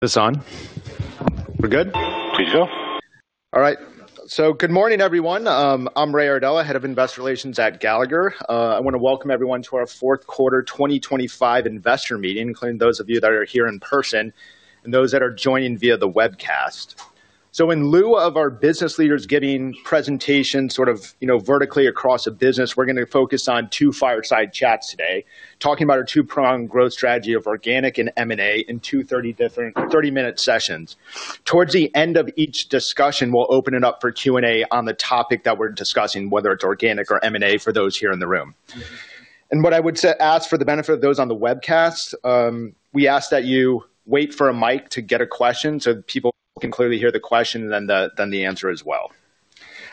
this on? We're good? We do. All right, so good morning, everyone. I'm Ray Iardella, head of investor relations at Gallagher. I want to welcome everyone to our fourth quarter 2025 investor meeting, including those of you that are here in person and those that are joining via the webcast, so in lieu of our business leaders giving presentations sort of vertically across a business, we're going to focus on two fireside chats today, talking about our two-pronged growth strategy of organic and M&A in two 30-minute sessions. Towards the end of each discussion, we'll open it up for Q&A on the topic that we're discussing, whether it's organic or M&A for those here in the room, and what I would ask for the benefit of those on the webcast, we ask that you wait for a mic to get a question so people can clearly hear the question and then the answer as well.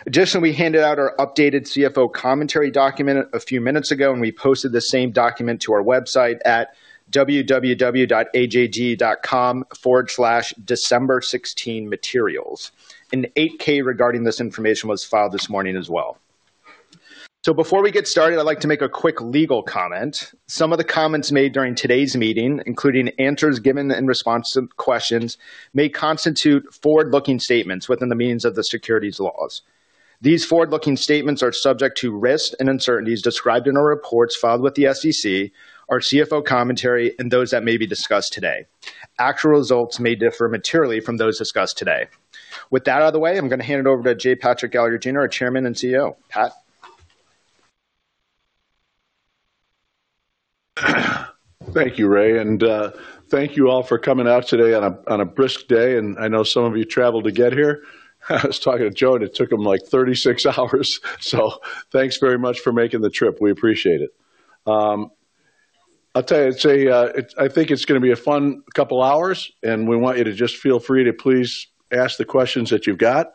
Additionally, we handed out our updated CFO commentary document a few minutes ago, and we posted the same document to our website at www.ajg.com/december16materials. An 8-K regarding this information was filed this morning as well. So before we get started, I'd like to make a quick legal comment. Some of the comments made during today's meeting, including answers given in response to questions, may constitute forward-looking statements within the meaning of the securities laws. These forward-looking statements are subject to risks and uncertainties described in our reports filed with the SEC, our CFO commentary, and those that may be discussed today. Actual results may differ materially from those discussed today. With that out of the way, I'm going to hand it over to J. Patrick Gallagher Jr., our Chairman and CEO. Pat. Thank you, Ray, and thank you all for coming out today on a brisk day. I know some of you traveled to get here. I was talking to Joe, and it took him like 36 hours. So thanks very much for making the trip. We appreciate it. I'll tell you, I think it's going to be a fun couple of hours, and we want you to just feel free to please ask the questions that you've got.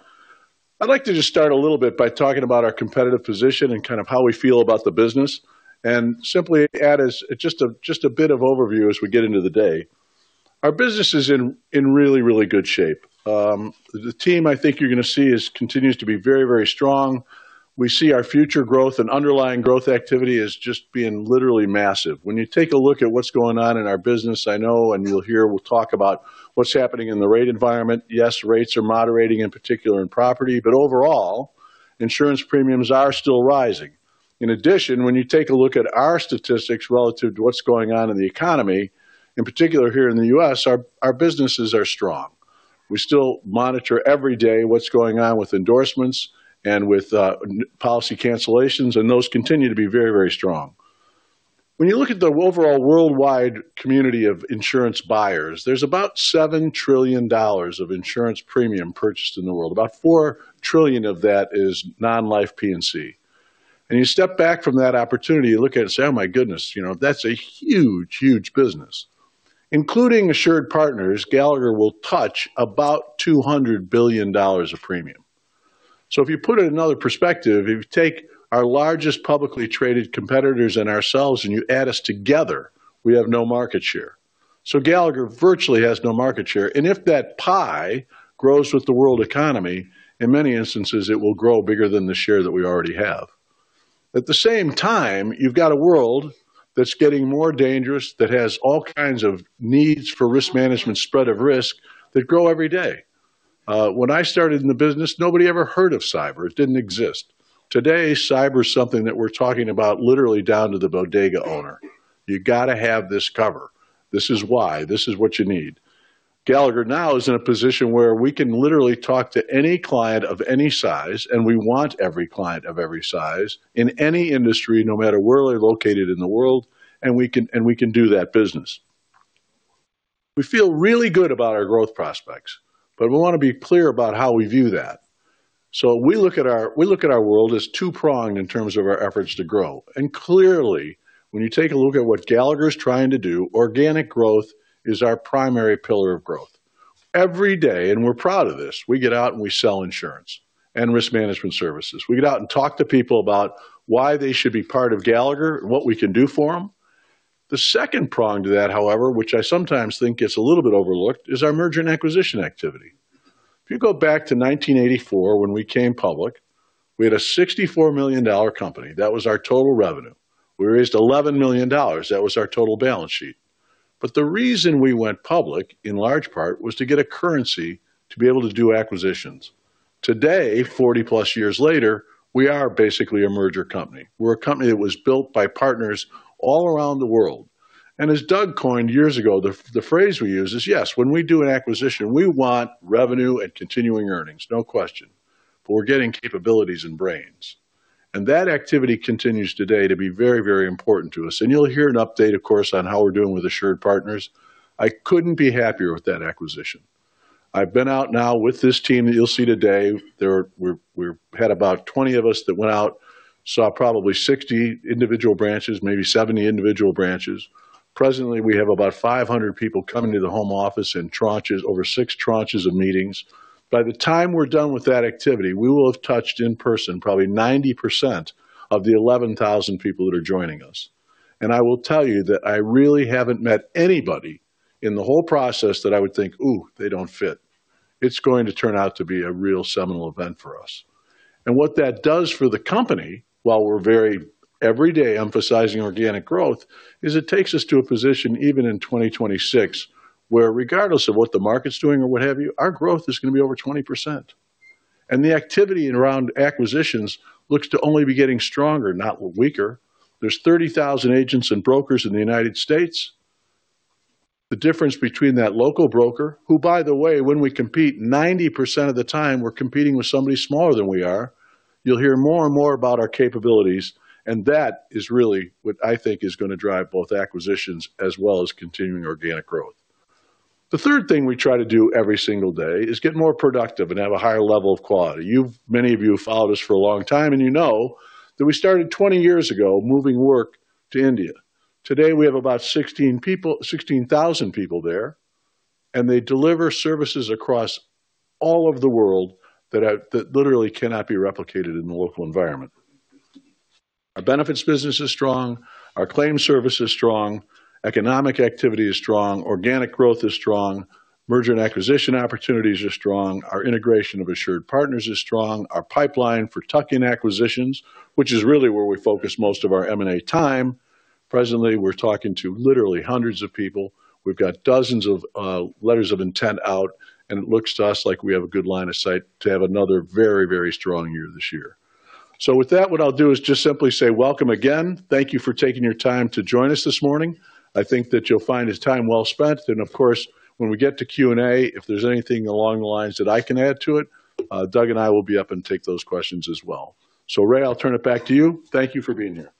I'd like to just start a little bit by talking about our competitive position and kind of how we feel about the business. Simply add just a bit of overview as we get into the day. Our business is in really, really good shape. The team, I think you're going to see, continues to be very, very strong. We see our future growth and underlying growth activity as just being literally massive. When you take a look at what's going on in our business, I know, and you'll hear we'll talk about what's happening in the rate environment. Yes, rates are moderating, in particular in property, but overall, insurance premiums are still rising. In addition, when you take a look at our statistics relative to what's going on in the economy, in particular here in the U.S., our businesses are strong. We still monitor every day what's going on with endorsements and with policy cancellations, and those continue to be very, very strong. When you look at the overall worldwide community of insurance buyers, there's about $7 trillion of insurance premium purchased in the world. About $4 trillion of that is non-life P&C. You step back from that opportunity, you look at it and say, "Oh, my goodness, that's a huge, huge business." Including AssuredPartners, Gallagher will touch about $200 billion of premium. So if you put it in another perspective, if you take our largest publicly traded competitors and ourselves and you add us together, we have no market share. So Gallagher virtually has no market share. If that pie grows with the world economy, in many instances, it will grow bigger than the share that we already have. At the same time, you've got a world that's getting more dangerous, that has all kinds of needs for risk management, spread of risk that grow every day. When I started in the business, nobody ever heard of cyber. It didn't exist. Today, cyber is something that we're talking about literally down to the bodega owner. You've got to have this cover. This is why. This is what you need. Gallagher now is in a position where we can literally talk to any client of any size, and we want every client of every size in any industry, no matter where they're located in the world, and we can do that business. We feel really good about our growth prospects, but we want to be clear about how we view that. So we look at our world as two-pronged in terms of our efforts to grow. And clearly, when you take a look at what Gallagher is trying to do, organic growth is our primary pillar of growth. Every day, and we're proud of this, we get out and we sell insurance and risk management services. We get out and talk to people about why they should be part of Gallagher and what we can do for them. The second prong to that, however, which I sometimes think gets a little bit overlooked, is our merger and acquisition activity. If you go back to 1984, when we came public, we had a $64 million company. That was our total revenue. We raised $11 million. That was our total balance sheet. But the reason we went public, in large part, was to get a currency to be able to do acquisitions. Today, 40-plus years later, we are basically a merger company. We're a company that was built by partners all around the world. As Doug coined years ago, the phrase we use is, "Yes, when we do an acquisition, we want revenue and continuing earnings, no question, but we're getting capabilities and brains." That activity continues today to be very, very important to us. You'll hear an update, of course, on how we're doing with AssuredPartners. I couldn't be happier with that acquisition. I've been out now with this team that you'll see today. We had about 20 of us that went out, saw probably 60 individual branches, maybe 70 individual branches. Presently, we have about 500 people coming to the home office in tranches, over six tranches of meetings. By the time we're done with that activity, we will have touched in person probably 90% of the 11,000 people that are joining us. And I will tell you that I really haven't met anybody in the whole process that I would think, "Ooh, they don't fit." It's going to turn out to be a real seminal event for us. And what that does for the company, while we're very every day emphasizing organic growth, is it takes us to a position even in 2026 where, regardless of what the market's doing or what have you, our growth is going to be over 20%. And the activity around acquisitions looks to only be getting stronger, not weaker. There's 30,000 agents and brokers in the United States. The difference between that local broker, who, by the way, when we compete 90% of the time, we're competing with somebody smaller than we are, you'll hear more and more about our capabilities. And that is really what I think is going to drive both acquisitions as well as continuing organic growth. The third thing we try to do every single day is get more productive and have a higher level of quality. Many of you have followed us for a long time, and you know that we started 20 years ago moving work to India. Today, we have about 16,000 people there, and they deliver services across all of the world that literally cannot be replicated in the local environment. Our benefits business is strong. Our claim service is strong. Economic activity is strong. Organic growth is strong. Merger and acquisition opportunities are strong. Our integration of AssuredPartners is strong. Our pipeline for tuck-in acquisitions, which is really where we focus most of our M&A time. Presently, we're talking to literally hundreds of people. We've got dozens of letters of intent out, and it looks to us like we have a good line of sight to have another very, very strong year this year. So with that, what I'll do is just simply say welcome again. Thank you for taking your time to join us this morning. I think that you'll find this time well spent. And of course, when we get to Q&A, if there's anything along the lines that I can add to it, Doug and I will be up and take those questions as well. So Ray, I'll turn it back to you. Thank you for being here.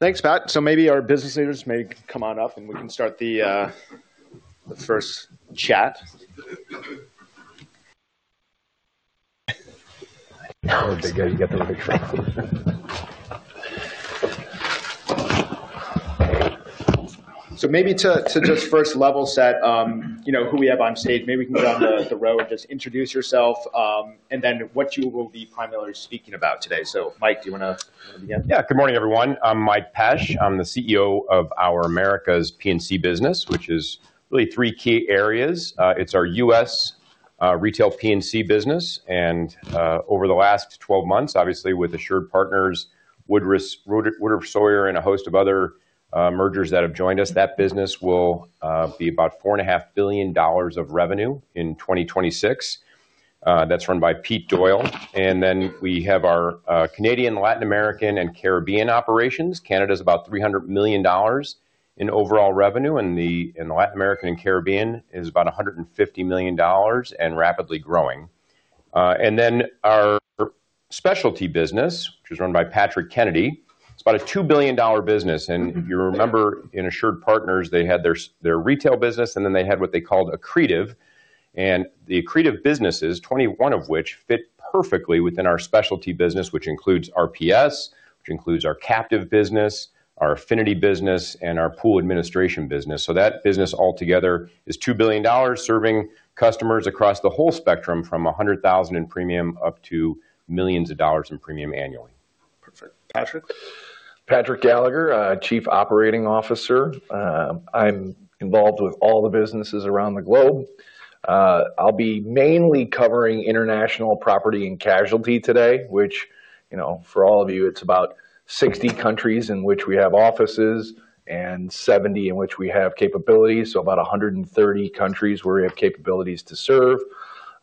Thanks, Pat. So maybe our business leaders may come on up, and we can start the first chat. So maybe to just first level set who we have on stage, maybe we can get on the row and just introduce yourself and then what you will be primarily speaking about today. So Mike, do you want to begin? Yeah. Good morning, everyone. I'm Mike Pesch. I'm the CEO of our Americas P&C business, which is really three key areas. It's our US retail P&C business. And over the last 12 months, obviously, with AssuredPartners, Woodruff Sawyer, and a host of other mergers that have joined us, that business will be about $4.5 billion of revenue in 2026. That's run by Pete Doyle. And then we have our Canadian, Latin American, and Caribbean operations. Canada is about $300 million in overall revenue, and the Latin American and Caribbean is about $150 million and rapidly growing. And then our specialty business, which is run by Patrick Kennedy, it's about a $2 billion business. And if you remember, in AssuredPartners, they had their retail business, and then they had what they called Accretive. The accretive businesses, 21 of which fit perfectly within our specialty business, which includes RPS, which includes our captive business, our affinity business, and our pool administration business. That business altogether is $2 billion serving customers across the whole spectrum from $100,000 in premium up to millions of dollars in premium annually. Perfect. Patrick? Patrick Gallagher, Chief Operating Officer. I'm involved with all the businesses around the globe. I'll be mainly covering international property and casualty today, which for all of you, it's about 60 countries in which we have offices and 70 in which we have capabilities, so about 130 countries where we have capabilities to serve.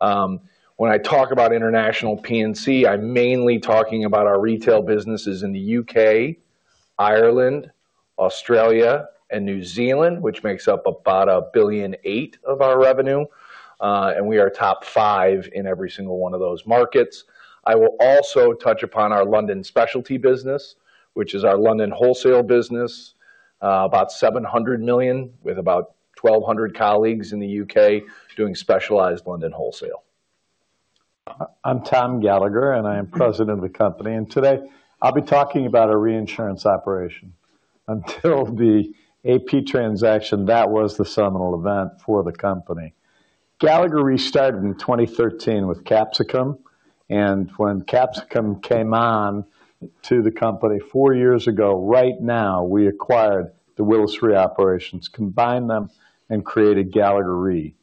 When I talk about international P&C, I'm mainly talking about our retail businesses in the U.K., Ireland, Australia, and New Zealand, which makes up about $1.8 billion of our revenue, and we are top five in every single one of those markets. I will also touch upon our London specialty business, which is our London wholesale business, about $700 million with about 1,200 colleagues in the U.K. doing specialized London wholesale. I'm Tom Gallagher, and I am president of the company. Today, I'll be talking about our reinsurance operation until the AP transaction. That was the seminal event for the company. Gallagher restarted in 2013 with Capsicum. And when Capsicum came on to the company four years ago, right now, we acquired the Willis Re operations, combined them, and created Gallagher Re.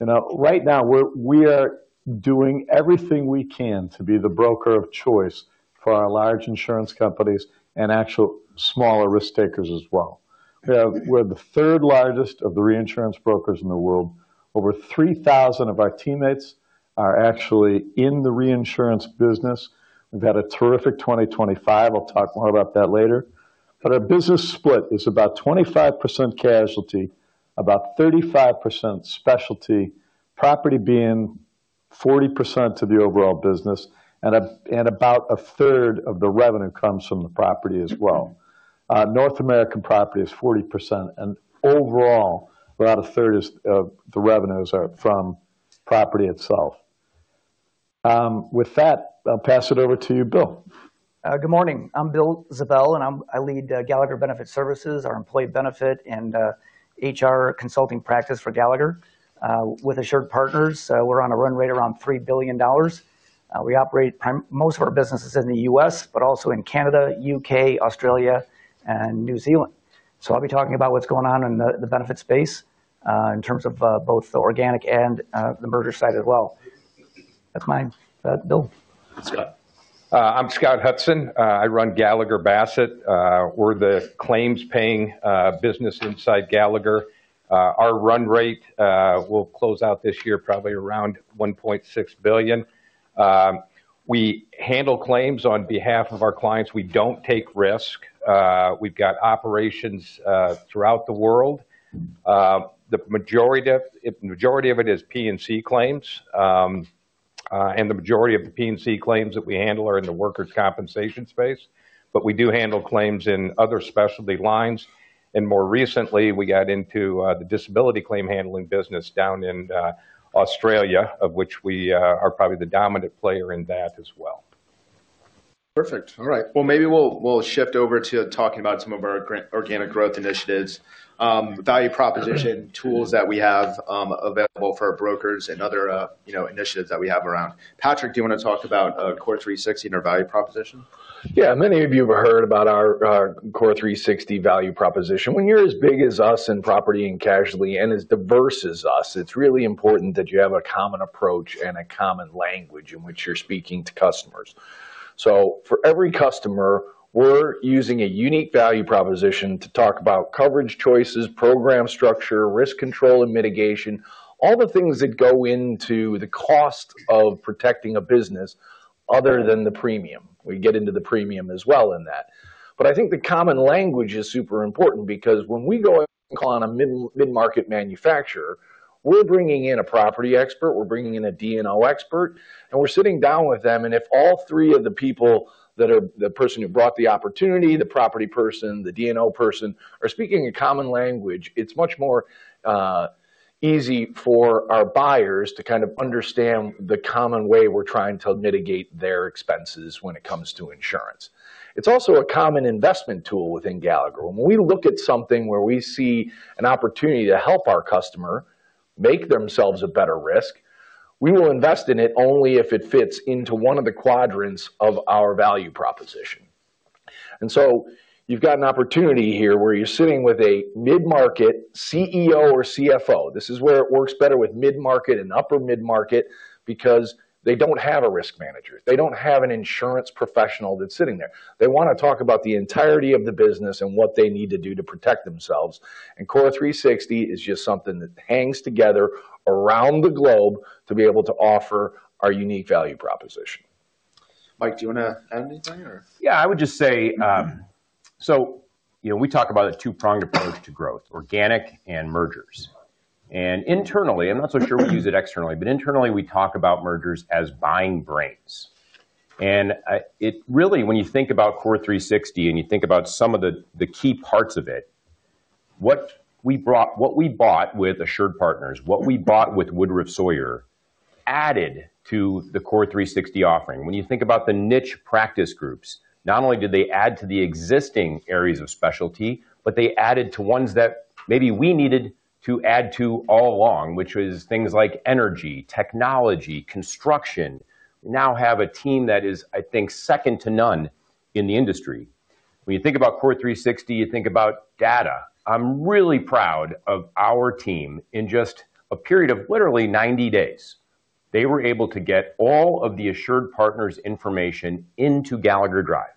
Right now, we are doing everything we can to be the broker of choice for our large insurance companies and actual smaller risk takers as well. We're the third largest of the reinsurance brokers in the world. Over 3,000 of our teammates are actually in the reinsurance business. We've had a terrific 2025. I'll talk more about that later. Our business split is about 25% casualty, about 35% specialty, property being 40% to the overall business, and about a third of the revenue comes from the property as well. North American property is 40%. Overall, about a third of the revenues are from property itself. With that, I'll pass it over to you, Bill. Good morning. I'm Bill Ziebell, and I lead Gallagher Benefit Services, our employee benefit and HR consulting practice for Gallagher. With AssuredPartners, we're on a run rate around $3 billion. We operate most of our businesses in the U.S., but also in Canada, U.K., Australia, and New Zealand. So I'll be talking about what's going on in the benefit space in terms of both the organic and the merger side as well. That's mine. Bill? I'm Scott Hudson. I run Gallagher Bassett. We're the claims paying business inside Gallagher. Our run rate will close out this year probably around $1.6 billion. We handle claims on behalf of our clients. We don't take risk. We've got operations throughout the world. The majority of it is P&C claims, and the majority of the P&C claims that we handle are in the workers' compensation space. But we do handle claims in other specialty lines, and more recently, we got into the disability claim handling business down in Australia, of which we are probably the dominant player in that as well. Perfect. All right. Maybe we'll shift over to talking about some of our organic growth initiatives, value proposition tools that we have available for our brokers, and other initiatives that we have around. Patrick, do you want to talk about CORE360 and our value proposition? Yeah. Many of you have heard about our CORE360 value proposition. When you're as big as us in property and casualty and as diverse as us, it's really important that you have a common approach and a common language in which you're speaking to customers. So for every customer, we're using a unique value proposition to talk about coverage choices, program structure, risk control, and mitigation, all the things that go into the cost of protecting a business other than the premium. We get into the premium as well in that. But I think the common language is super important because when we go in on a mid-market manufacturer, we're bringing in a property expert, we're bringing in a D&O expert, and we're sitting down with them. If all three of the people that are the person who brought the opportunity, the property person, the D&O person, are speaking a common language, it's much more easy for our buyers to kind of understand the common way we're trying to mitigate their expenses when it comes to insurance. It's also a common investment tool within Gallagher. When we look at something where we see an opportunity to help our customer make themselves a better risk, we will invest in it only if it fits into one of the quadrants of our value proposition. And so you've got an opportunity here where you're sitting with a mid-market CEO or CFO. This is where it works better with mid-market and upper mid-market because they don't have a risk manager. They don't have an insurance professional that's sitting there. They want to talk about the entirety of the business and what they need to do to protect themselves, and CORE360 is just something that hangs together around the globe to be able to offer our unique value proposition. Mike, do you want to add anything, or? Yeah. I would just say, so we talk about a two-pronged approach to growth, organic and mergers, and internally, I'm not so sure we use it externally, but internally, we talk about mergers as buying brains, and really, when you think about CORE360 and you think about some of the key parts of it, what we bought with AssuredPartners, what we bought with Woodruff Sawyer added to the COREre 360 offering. When you think about the niche practice groups, not only did they add to the existing areas of specialty, but they added to ones that maybe we needed to add to all along, which was things like energy, technology, construction. We now have a team that is, I think, second to none in the industry. When you think about CORE360, you think about data. I'm really proud of our team in just a period of literally 90 days. They were able to get all of the AssuredPartners information into Gallagher Drive.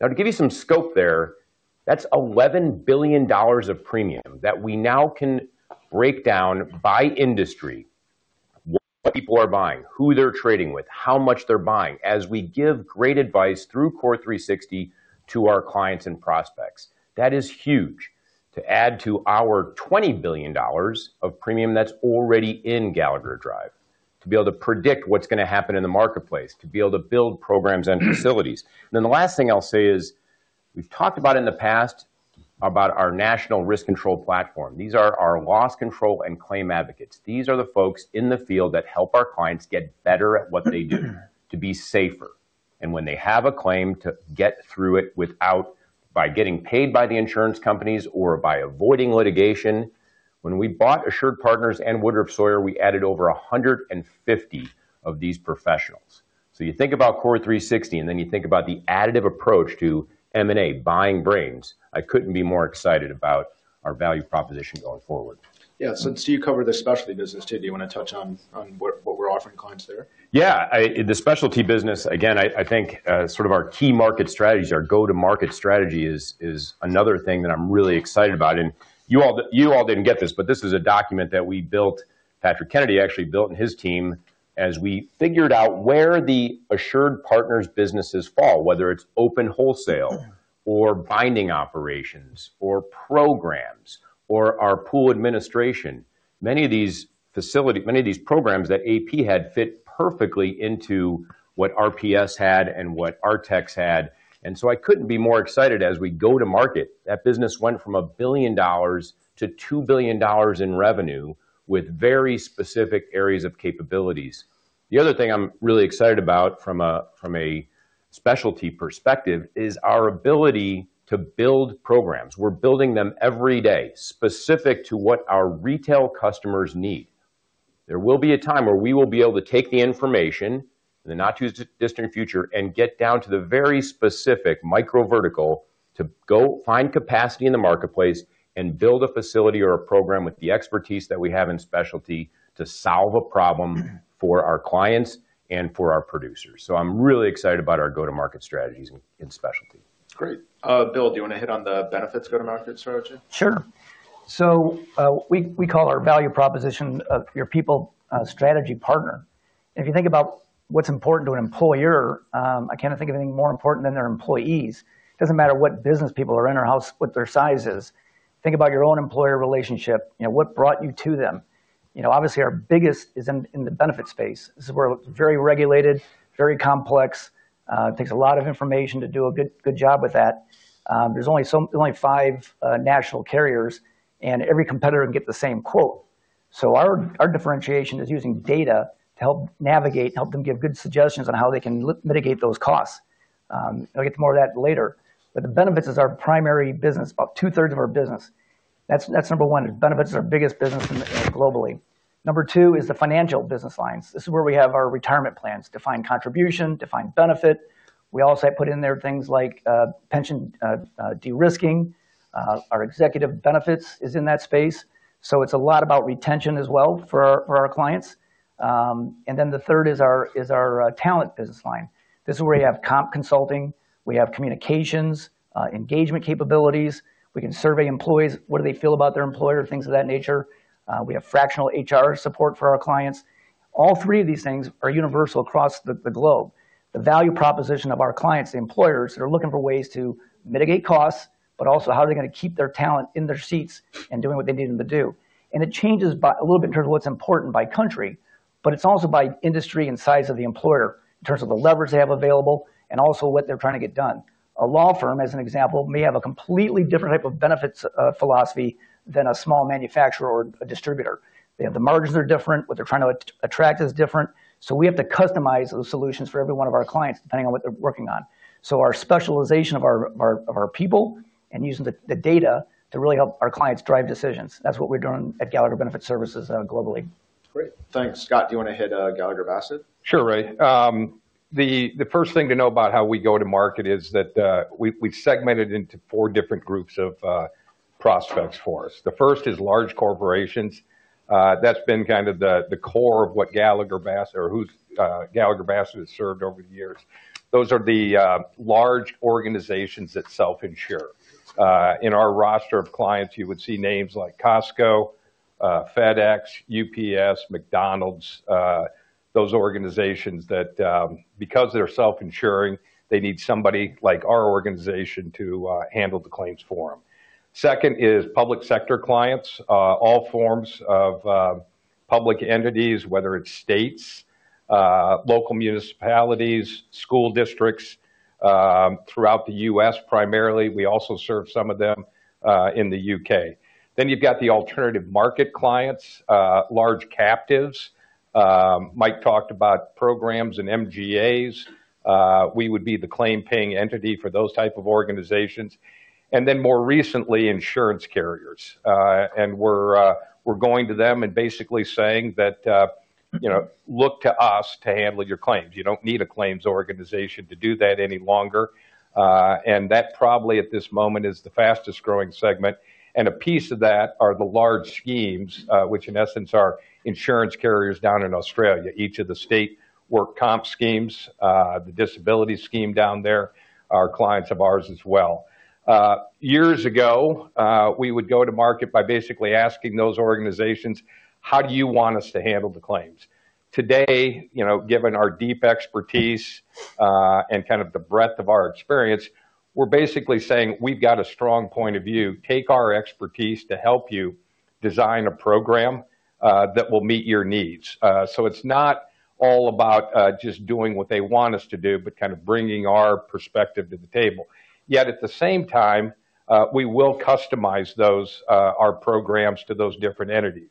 Now, to give you some scope there, that's $11 billion of premium that we now can break down by industry, what people are buying, who they're trading with, how much they're buying, as we give great advice through CORE360 to our clients and prospects. That is huge to add to our $20 billion of premium that's already in Gallagher Drive, to be able to predict what's going to happen in the marketplace, to be able to build programs and facilities, and then the last thing I'll say is we've talked about in the past about our national risk control platform. These are our loss control and claim advocates. These are the folks in the field that help our clients get better at what they do to be safer. And when they have a claim to get through it by getting paid by the insurance companies or by avoiding litigation, when we bought AssuredPartners and Woodruff Sawyer, we added over 150 of these professionals. So you think about CORE60, and then you think about the additive approach to M&A, buying brains. I couldn't be more excited about our value proposition going forward. Yeah. So you cover the specialty business, too. Do you want to touch on what we're offering clients there? Yeah. The specialty business, again, I think sort of our key market strategies, our go-to-market strategy is another thing that I'm really excited about. And you all didn't get this, but this is a document that we built, Patrick Kennedy actually built and his team as we figured out where the AssuredPartners businesses fall, whether it's open wholesale or binding operations or programs or our program administration. Many of these facilities, many of these programs that AP had fit perfectly into what RPS had and what Artex had. And so I couldn't be more excited as we go to market. That business went from $1 billion-$2 billion in revenue with very specific areas of capabilities. The other thing I'm really excited about from a specialty perspective is our ability to build programs. We're building them every day specific to what our retail customers need. There will be a time where we will be able to take the information in the not too distant future and get down to the very specific micro vertical to go find capacity in the marketplace and build a facility or a program with the expertise that we have in specialty to solve a problem for our clients and for our producers, so I'm really excited about our go-to-market strategies in specialty. Great. Bill, do you want to hit on the benefits go-to-market strategy? Sure, so we call our value proposition your people strategy partner. If you think about what's important to an employer, I can't think of anything more important than their employees. It doesn't matter what business people are in or what their size is. Think about your own employer relationship. What brought you to them? Obviously, our biggest is in the benefit space. This is where it's very regulated, very complex. It takes a lot of information to do a good job with that. There's only five national carriers, and every competitor can get the same quote. So our differentiation is using data to help navigate, help them give good suggestions on how they can mitigate those costs. I'll get to more of that later, but the benefits is our primary business, about two-thirds of our business. That's number one. Benefits is our biggest business globally. Number two is the financial business lines. This is where we have our retirement plans, defined contribution, defined benefit. We also put in there things like pension derisking. Our executive benefits is in that space, so it's a lot about retention as well for our clients, and then the third is our talent business line. This is where we have comp consulting. We have communications, engagement capabilities. We can survey employees, what do they feel about their employer, things of that nature. We have fractional HR support for our clients. All three of these things are universal across the globe. The value proposition of our clients, the employers that are looking for ways to mitigate costs, but also how are they going to keep their talent in their seats and doing what they need them to do. It changes a little bit in terms of what's important by country, but it's also by industry and size of the employer in terms of the leverage they have available and also what they're trying to get done. A law firm, as an example, may have a completely different type of benefits philosophy than a small manufacturer or a distributor. The margins are different. What they're trying to attract is different. So we have to customize those solutions for every one of our clients depending on what they're working on. So our specialization of our people and using the data to really help our clients drive decisions. That's what we're doing at Gallagher Benefit Services globally. Great. Thanks. Scott, do you want to hit Gallagher Bassett? Sure, Ray. The first thing to know about how we go to market is that we've segmented into four different groups of prospects for us. The first is large corporations. That's been kind of the core of what Gallagher Bassett or who's Gallagher Bassett has served over the years. Those are the large organizations that self-insure. In our roster of clients, you would see names like Costco, FedEx, UPS, McDonald's, those organizations that because they're self-insuring, they need somebody like our organization to handle the claims for them. Second is public sector clients, all forms of public entities, whether it's states, local municipalities, school districts throughout the U.S. primarily. We also serve some of them in the U.K. Then you've got the alternative market clients, large captives. Mike talked about programs and MGAs. We would be the claim paying entity for those type of organizations. And then, more recently, insurance carriers. And we're going to them and basically saying, look, to us to handle your claims. You don't need a claims organization to do that any longer. And that probably at this moment is the fastest growing segment. And a piece of that are the large schemes, which in essence are insurance carriers down in Australia, each of the state work comp schemes, the disability scheme down there. Our clients have ours as well. Years ago, we would go to market by basically asking those organizations, "How do you want us to handle the claims?" Today, given our deep expertise and kind of the breadth of our experience, we're basically saying, "We've got a strong point of view. Take our expertise to help you design a program that will meet your needs." So it's not all about just doing what they want us to do, but kind of bringing our perspective to the table. Yet at the same time, we will customize our programs to those different entities.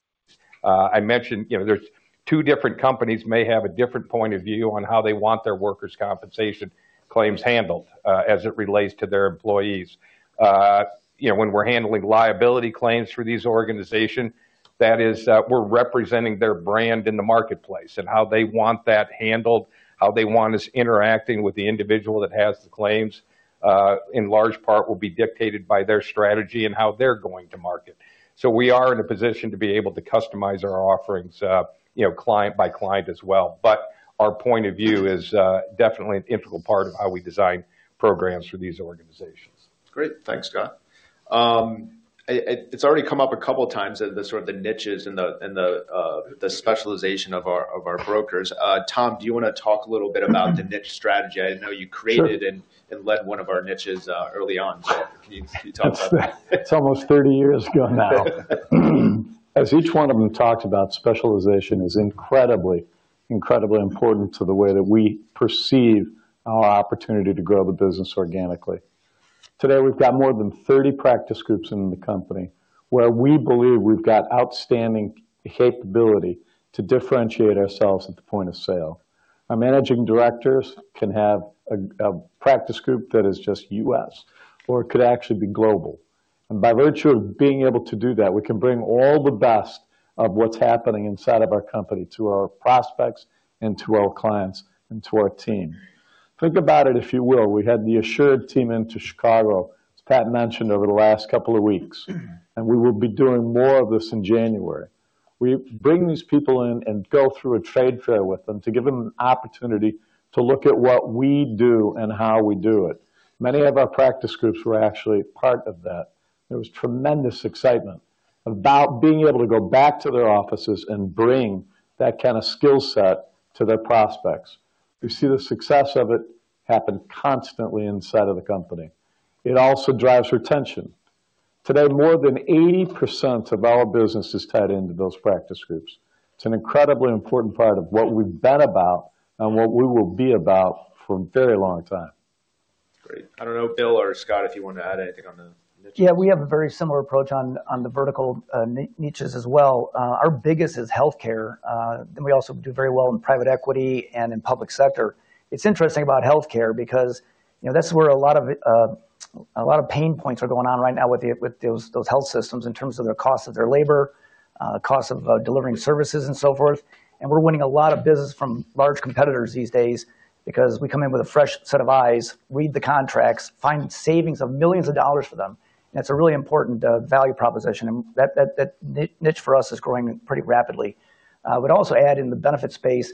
I mentioned there's two different companies may have a different point of view on how they want their workers' compensation claims handled as it relates to their employees. When we're handling liability claims for these organizations, that is we're representing their brand in the marketplace and how they want that handled, how they want us interacting with the individual that has the claims in large part will be dictated by their strategy and how they're going to market. So we are in a position to be able to customize our offerings client by client as well. Our point of view is definitely an integral part of how we design programs for these organizations. Great. Thanks, Scott. It's already come up a couple of times that sort of the niches and the specialization of our brokers. Tom, do you want to talk a little bit about the niche strategy? I know you created and led one of our niches early on. Can you talk about that? It's almost 30 years ago now. As each one of them talks about, specialization is incredibly, incredibly important to the way that we perceive our opportunity to grow the business organically. Today, we've got more than 30 practice groups in the company where we believe we've got outstanding capability to differentiate ourselves at the point of sale. Our managing directors can have a practice group that is just U.S. or it could actually be global. And by virtue of being able to do that, we can bring all the best of what's happening inside of our company to our prospects and to our clients and to our team. Think about it, if you will. We had the Assured team into Chicago. As Pat mentioned, over the last couple of weeks, and we will be doing more of this in January. We bring these people in and go through a trade fair with them to give them an opportunity to look at what we do and how we do it. Many of our practice groups were actually part of that. There was tremendous excitement about being able to go back to their offices and bring that kind of skill set to their prospects. You see the success of it happen constantly inside of the company. It also drives retention. Today, more than 80% of our business is tied into those practice groups. It's an incredibly important part of what we've been about and what we will be about for a very long time. Great. I don't know, Bill or Scott, if you want to add anything on the niche? Yeah, we have a very similar approach on the vertical niches as well. Our biggest is healthcare. We also do very well in private equity and in public sector. It's interesting about healthcare because that's where a lot of pain points are going on right now with those health systems in terms of their cost of their labor, cost of delivering services, and so forth. And we're winning a lot of business from large competitors these days because we come in with a fresh set of eyes, read the contracts, find savings of millions of dollars for them. And that's a really important value proposition. And that niche for us is growing pretty rapidly. I would also add in the benefit space,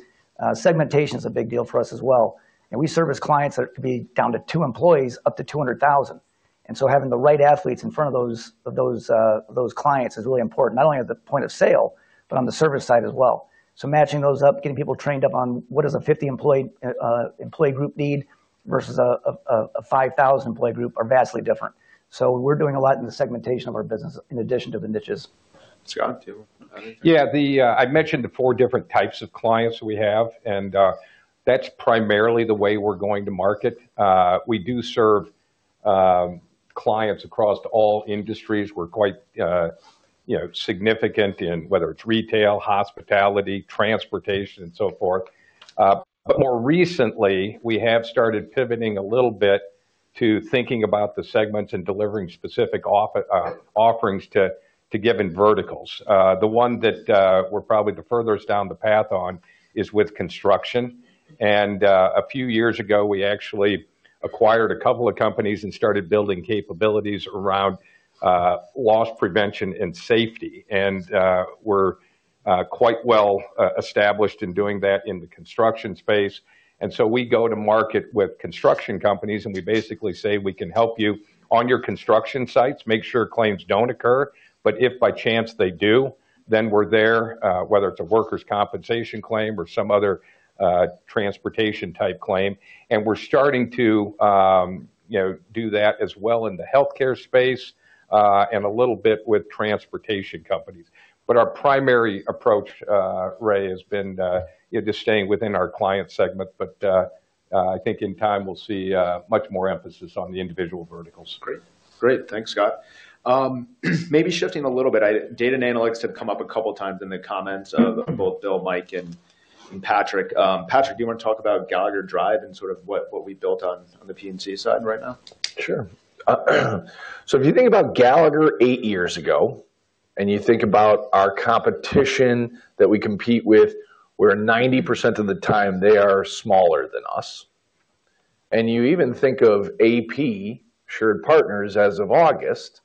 segmentation is a big deal for us as well. And we service clients that could be down to two employees, up to 200,000. And so having the right athletes in front of those clients is really important, not only at the point of sale, but on the service side as well. So matching those up, getting people trained up on what does a 50-employee group need versus a 5,000-employee group are vastly different. So we're doing a lot in the segmentation of our business in addition to the niches. Scott, do you want to add anything? Yeah. I mentioned the four different types of clients we have, and that's primarily the way we're going to market. We do serve clients across all industries. We're quite significant in whether it's retail, hospitality, transportation, and so forth. But more recently, we have started pivoting a little bit to thinking about the segments and delivering specific offerings to given verticals. The one that we're probably the furthest down the path on is with construction. And a few years ago, we actually acquired a couple of companies and started building capabilities around loss prevention and safety. And we're quite well established in doing that in the construction space. We go to market with construction companies, and we basically say, "We can help you on your construction sites, make sure claims don't occur." But if by chance they do, then we're there, whether it's a workers' compensation claim or some other transportation-type claim. We're starting to do that as well in the healthcare space and a little bit with transportation companies. Our primary approach, Ray, has been just staying within our client segment. I think in time, we'll see much more emphasis on the individual verticals. Great. Great. Thanks, Scott. Maybe shifting a little bit, data and analytics have come up a couple of times in the comments of both Bill, Mike, and Patrick. Patrick, do you want to talk about Gallagher Drive and sort of what we built on the P&C side right now? Sure. So if you think about Gallagher eight years ago and you think about our competition that we compete with, where 90% of the time they are smaller than us, and you even think of AP, AssuredPartners as of August,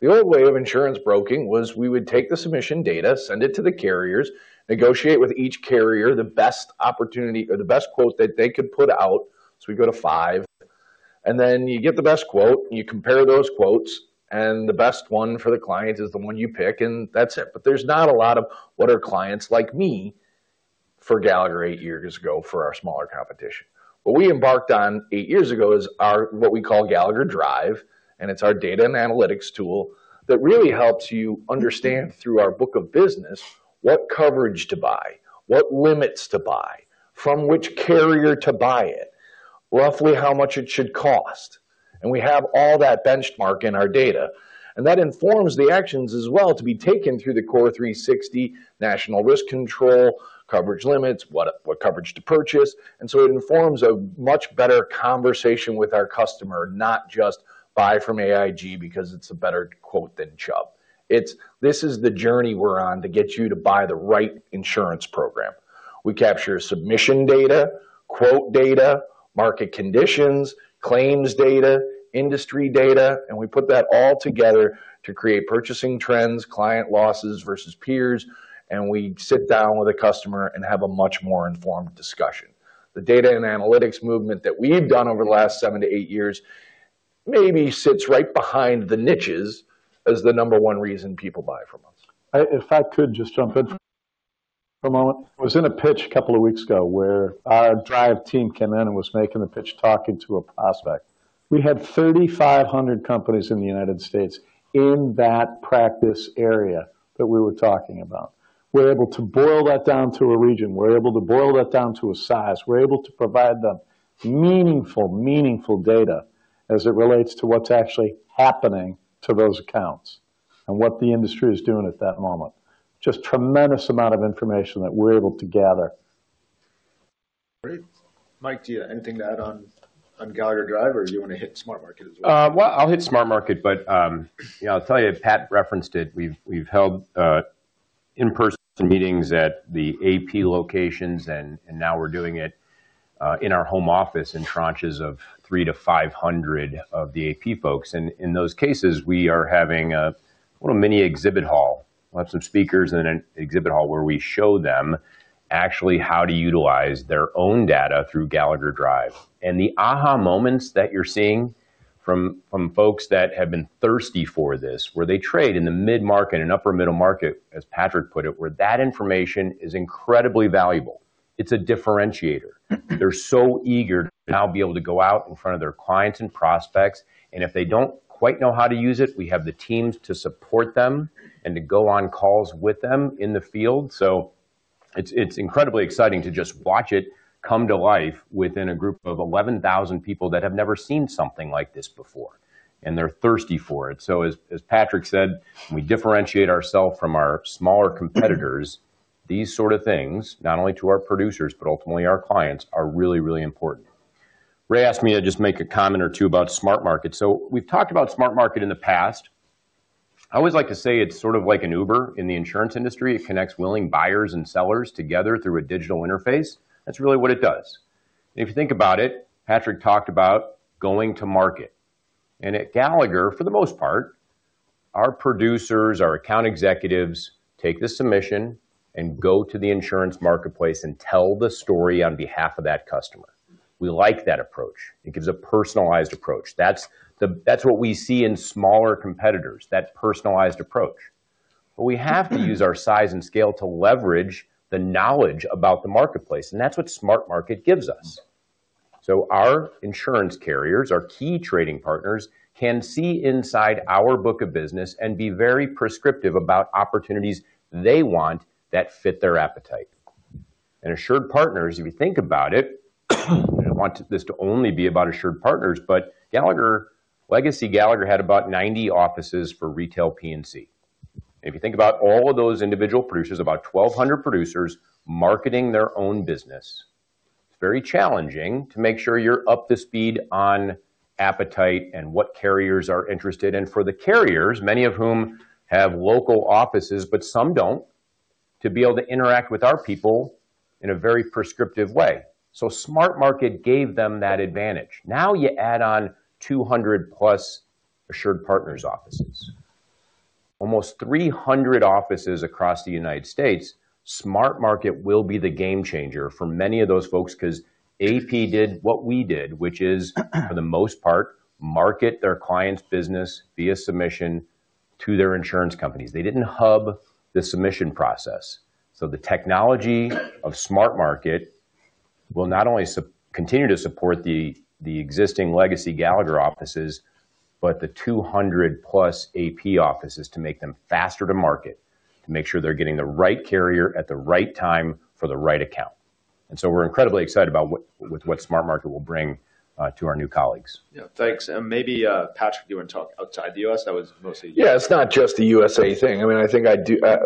the old way of insurance broking was we would take the submission data, send it to the carriers, negotiate with each carrier the best opportunity or the best quote that they could put out. So we go to five. And then you get the best quote, you compare those quotes, and the best one for the client is the one you pick, and that's it, but there's not a lot of, "What are clients like me?" for Gallagher eight years ago for our smaller competition. What we embarked on eight years ago is what we call Gallagher Drive. And it's our data and analytics tool that really helps you understand through our book of business what coverage to buy, what limits to buy, from which carrier to buy it, roughly how much it should cost. And we have all that benchmark in our data. And that informs the actions as well to be taken through the CORE360, national risk control, coverage limits, what coverage to purchase. And so it informs a much better conversation with our customer, not just buy from AIG because it's a better quote than Chubb. This is the journey we're on to get you to buy the right insurance program. We capture submission data, quote data, market conditions, claims data, industry data, and we put that all together to create purchasing trends, client losses versus peers, and we sit down with a customer and have a much more informed discussion. The data and analytics movement that we've done over the last seven to eight years maybe sits right behind the niches as the number one reason people buy from us. If I could just jump in for a moment. I was in a pitch a couple of weeks ago where our Drive team came in and was making the pitch talking to a prospect. We had 3,500 companies in the United States in that practice area that we were talking about. We're able to boil that down to a region. We're able to boil that down to a size. We're able to provide them meaningful, meaningful data as it relates to what's actually happening to those accounts and what the industry is doing at that moment. Just a tremendous amount of information that we're able to gather. Great. Mike, do you have anything to add on Gallagher Drive or do you want to hit SmartMarket as well? I'll hit SmartMarket, but I'll tell you, Pat referenced it. We've held in-person meetings at the AP locations, and now we're doing it in our home office in tranches of 3-500 of the AP folks. In those cases, we are having a little mini exhibit hall. We'll have some speakers in an exhibit hall where we show them actually how to utilize their own data through Gallagher Drive. The aha moments that you're seeing from folks that have been thirsty for this, where they trade in the mid-market and upper middle market, as Patrick put it, where that information is incredibly valuable. It's a differentiator. They're so eager to now be able to go out in front of their clients and prospects. If they don't quite know how to use it, we have the teams to support them and to go on calls with them in the field. It's incredibly exciting to just watch it come to life within a group of 11,000 people that have never seen something like this before. They're thirsty for it. As Patrick said, we differentiate ourselves from our smaller competitors. These sort of things, not only to our producers, but ultimately our clients, are really, really important. Ray asked me to just make a comment or two about SmartMarket. We've talked about SmartMarket in the past. I always like to say it's sort of like an Uber in the insurance industry. It connects willing buyers and sellers together through a digital interface. That's really what it does. If you think about it, Patrick talked about going to market. And at Gallagher, for the most part, our producers, our account executives take the submission and go to the insurance marketplace and tell the story on behalf of that customer. We like that approach. It gives a personalized approach. That's what we see in smaller competitors, that personalized approach. But we have to use our size and scale to leverage the knowledge about the marketplace. And that's what SmartMarket gives us. So our insurance carriers, our key trading partners, can see inside our book of business and be very prescriptive about opportunities they want that fit their appetite. And AssuredPartners, if you think about it, I don't want this to only be about AssuredPartners, but Gallagher, Legacy Gallagher had about 90 offices for retail P&C. And if you think about all of those individual producers, about 1,200 producers marketing their own business, it's very challenging to make sure you're up to speed on appetite and what carriers are interested in for the carriers, many of whom have local offices, but some don't, to be able to interact with our people in a very prescriptive way. So SmartMarket gave them that advantage. Now you add on 200-plus AssuredPartners offices, almost 300 offices across the United States. SmartMarket will be the game changer for many of those folks because AP did what we did, which is, for the most part, market their client's business via submission to their insurance companies. They didn't hub the submission process. So the technology of SmartMarket will not only continue to support the existing legacy Gallagher offices, but the 200-plus AP offices to make them faster to market, to make sure they're getting the right carrier at the right time for the right account. And so we're incredibly excited about what SmartMarket will bring to our new colleagues. Yeah. Thanks. And maybe Patrick, do you want to talk outside the U.S.? That was mostly. Yeah. It's not just the USA thing. I mean, I think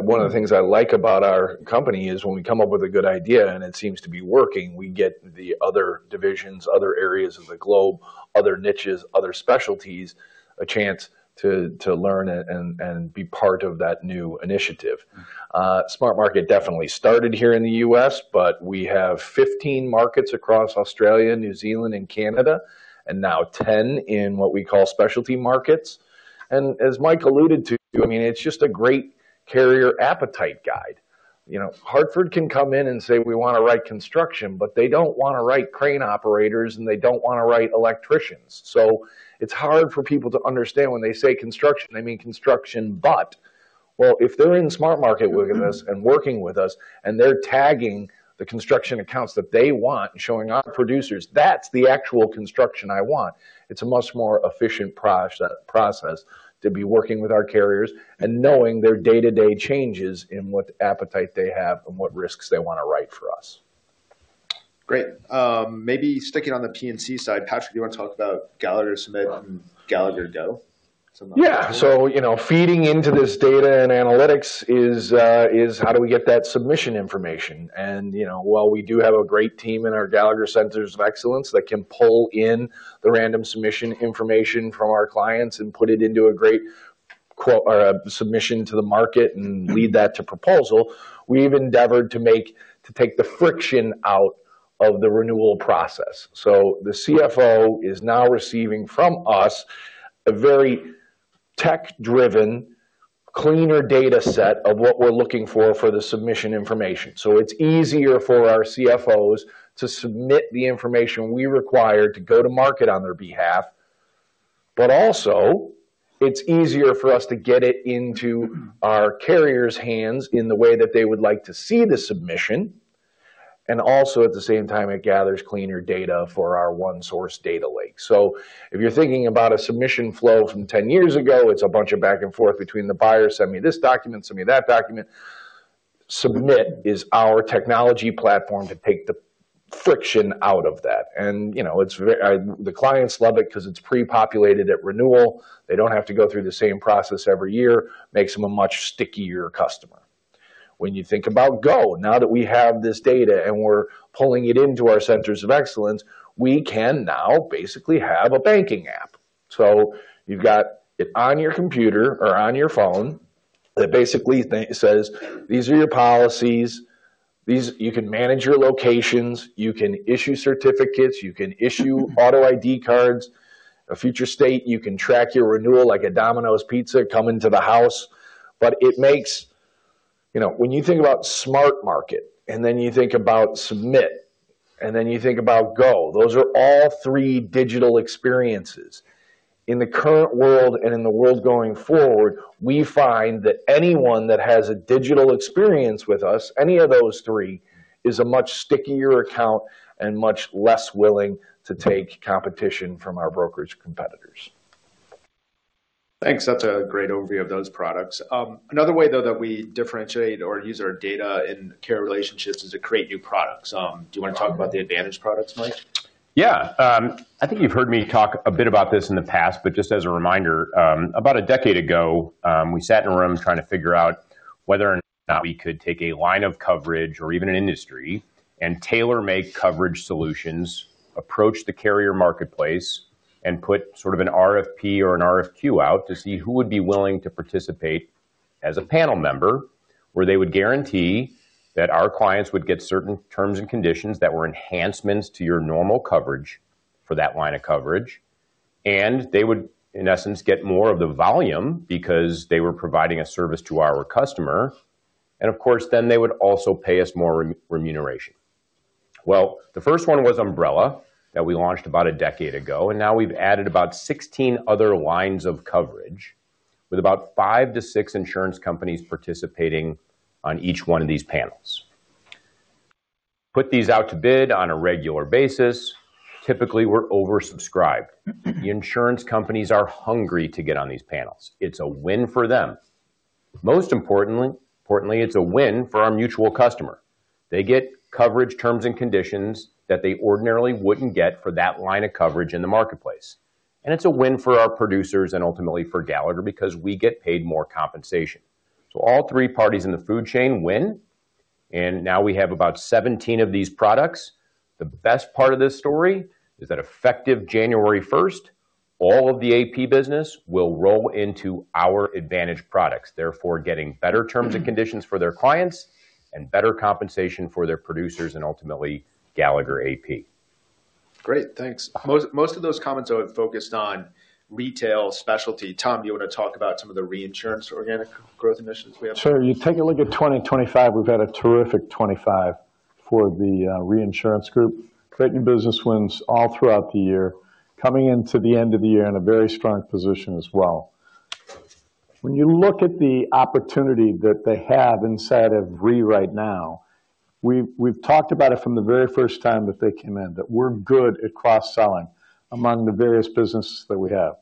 one of the things I like about our company is when we come up with a good idea and it seems to be working, we get the other divisions, other areas of the globe, other niches, other specialties a chance to learn and be part of that new initiative. SmartMarket definitely started here in the US, but we have 15 markets across Australia, New Zealand, and Canada, and now 10 in what we call specialty markets, and as Mike alluded to, I mean, it's just a great carrier appetite guide. Hartford can come in and say, "We want to write construction," but they don't want to write crane operators, and they don't want to write electricians. It's hard for people to understand when they say construction, they mean construction. Well, if they're in SmartMarket with us and working with us, and they're tagging the construction accounts that they want and showing our producers, "That's the actual construction I want," it's a much more efficient process to be working with our carriers and knowing their day-to-day changes in what appetite they have and what risks they want to write for us. Great. Maybe sticking on the P&C side, Patrick, do you want to talk about Gallagher Submit and Gallagher Go? Yeah. So feeding into this data and analytics is how do we get that submission information? And while we do have a great team in our Gallagher Centers of Excellence that can pull in the random submission information from our clients and put it into a great submission to the market and lead that to proposal, we've endeavored to take the friction out of the renewal process. So the CFO is now receiving from us a very tech-driven, cleaner data set of what we're looking for for the submission information. So it's easier for our CFOs to submit the information we require to go to market on their behalf. But also, it's easier for us to get it into our carrier's hands in the way that they would like to see the submission. And also, at the same time, it gathers cleaner data for our one-source data lake. So if you're thinking about a submission flow from 10 years ago, it's a bunch of back and forth between the buyer, "Send me this document, send me that document." Submit is our technology platform to take the friction out of that. And the clients love it because it's pre-populated at renewal. They don't have to go through the same process every year. It makes them a much stickier customer. When you think about Go, now that we have this data and we're pulling it into our Centers of Excellence, we can now basically have a banking app. So you've got it on your computer or on your phone that basically says, "These are your policies. You can manage your locations. You can issue certificates. You can issue auto ID cards, a future state. You can track your renewal like a Domino's pizza coming to the house." But when you think about SmartMarket, and then you think about Submit, and then you think about Go, those are all three digital experiences. In the current world and in the world going forward, we find that anyone that has a digital experience with us, any of those three, is a much stickier account and much less willing to take competition from our brokers and competitors. Thanks. That's a great overview of those products. Another way, though, that we differentiate or use our data in carrier relationships is to create new products. Do you want to talk about the Advantage products, Mike? Yeah. I think you've heard me talk a bit about this in the past, but just as a reminder, about a decade ago, we sat in a room trying to figure out whether or not we could take a line of coverage or even an industry and tailor-make coverage solutions, approach the carrier marketplace, and put sort of an RFP or an RFQ out to see who would be willing to participate as a panel member, where they would guarantee that our clients would get certain terms and conditions that were enhancements to your normal coverage for that line of coverage. And they would, in essence, get more of the volume because they were providing a service to our customer. And of course, then they would also pay us more remuneration. Well, the first one was umbrella that we launched about a decade ago. And now we've added about 16 other lines of coverage with about five to six insurance companies participating on each one of these panels. Put these out to bid on a regular basis, typically we're oversubscribed. The insurance companies are hungry to get on these panels. It's a win for them. Most importantly, it's a win for our mutual customer. They get coverage terms and conditions that they ordinarily wouldn't get for that line of coverage in the marketplace. And it's a win for our producers and ultimately for Gallagher because we get paid more compensation. So all three parties in the food chain win. And now we have about 17 of these products. The best part of this story is that effective January 1st, all of the AP business will roll into our Advantage products, therefore getting better terms and conditions for their clients and better compensation for their producers and ultimately Gallagher AP. Great. Thanks. Most of those comments are focused on retail specialty. Tom, do you want to talk about some of the reinsurance organic growth initiatives we have? Sure. You take a look at 2025. We've had a terrific '25 for the reinsurance group. Creating business wins all throughout the year, coming into the end of the year in a very strong position as well. When you look at the opportunity that they have inside of Re right now, we've talked about it from the very first time that they came in, that we're good at cross-selling among the various businesses that we have.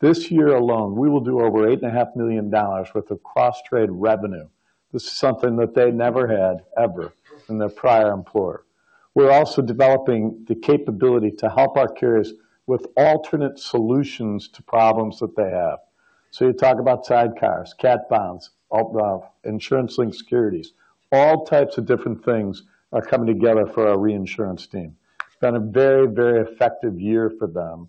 This year alone, we will do over $8.5 million worth of cross-sell revenue. This is something that they never had ever in their prior employer. We're also developing the capability to help our carriers with alternate solutions to problems that they have. So you talk about sidecars, cat bonds, insurance-linked securities, all types of different things are coming together for our reinsurance team. It's been a very, very effective year for them.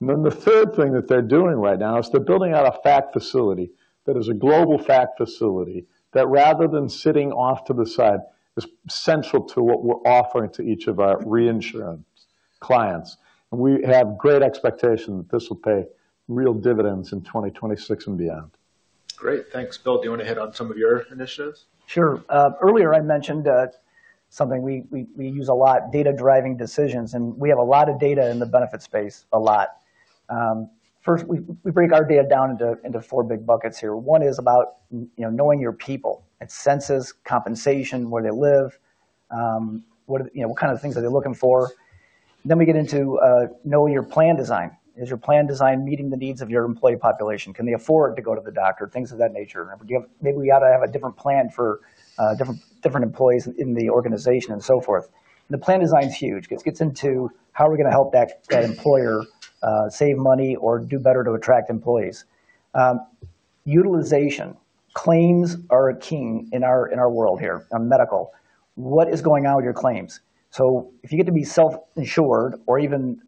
And then the third thing that they're doing right now is they're building out a fac facility that is a global fac facility that, rather than sitting off to the side, is central to what we're offering to each of our reinsurance clients. And we have great expectations that this will pay real dividends in 2026 and beyond. Great. Thanks. Bill, do you want to hit on some of your initiatives? Sure. Earlier, I mentioned something we use a lot, data-driven decisions. And we have a lot of data in the benefit space, a lot. First, we break our data down into four big buckets here. One is about knowing your people. It's census, compensation, where they live, what kind of things are they looking for. Then we get into knowing your plan design. Is your plan design meeting the needs of your employee population? Can they afford to go to the doctor, things of that nature? Maybe we ought to have a different plan for different employees in the organization and so forth. And the plan design's huge. It gets into how are we going to help that employer save money or do better to attract employees. Utilization. Claims are a king in our world here, in medical. What is going on with your claims? So if you get to be self-insured or even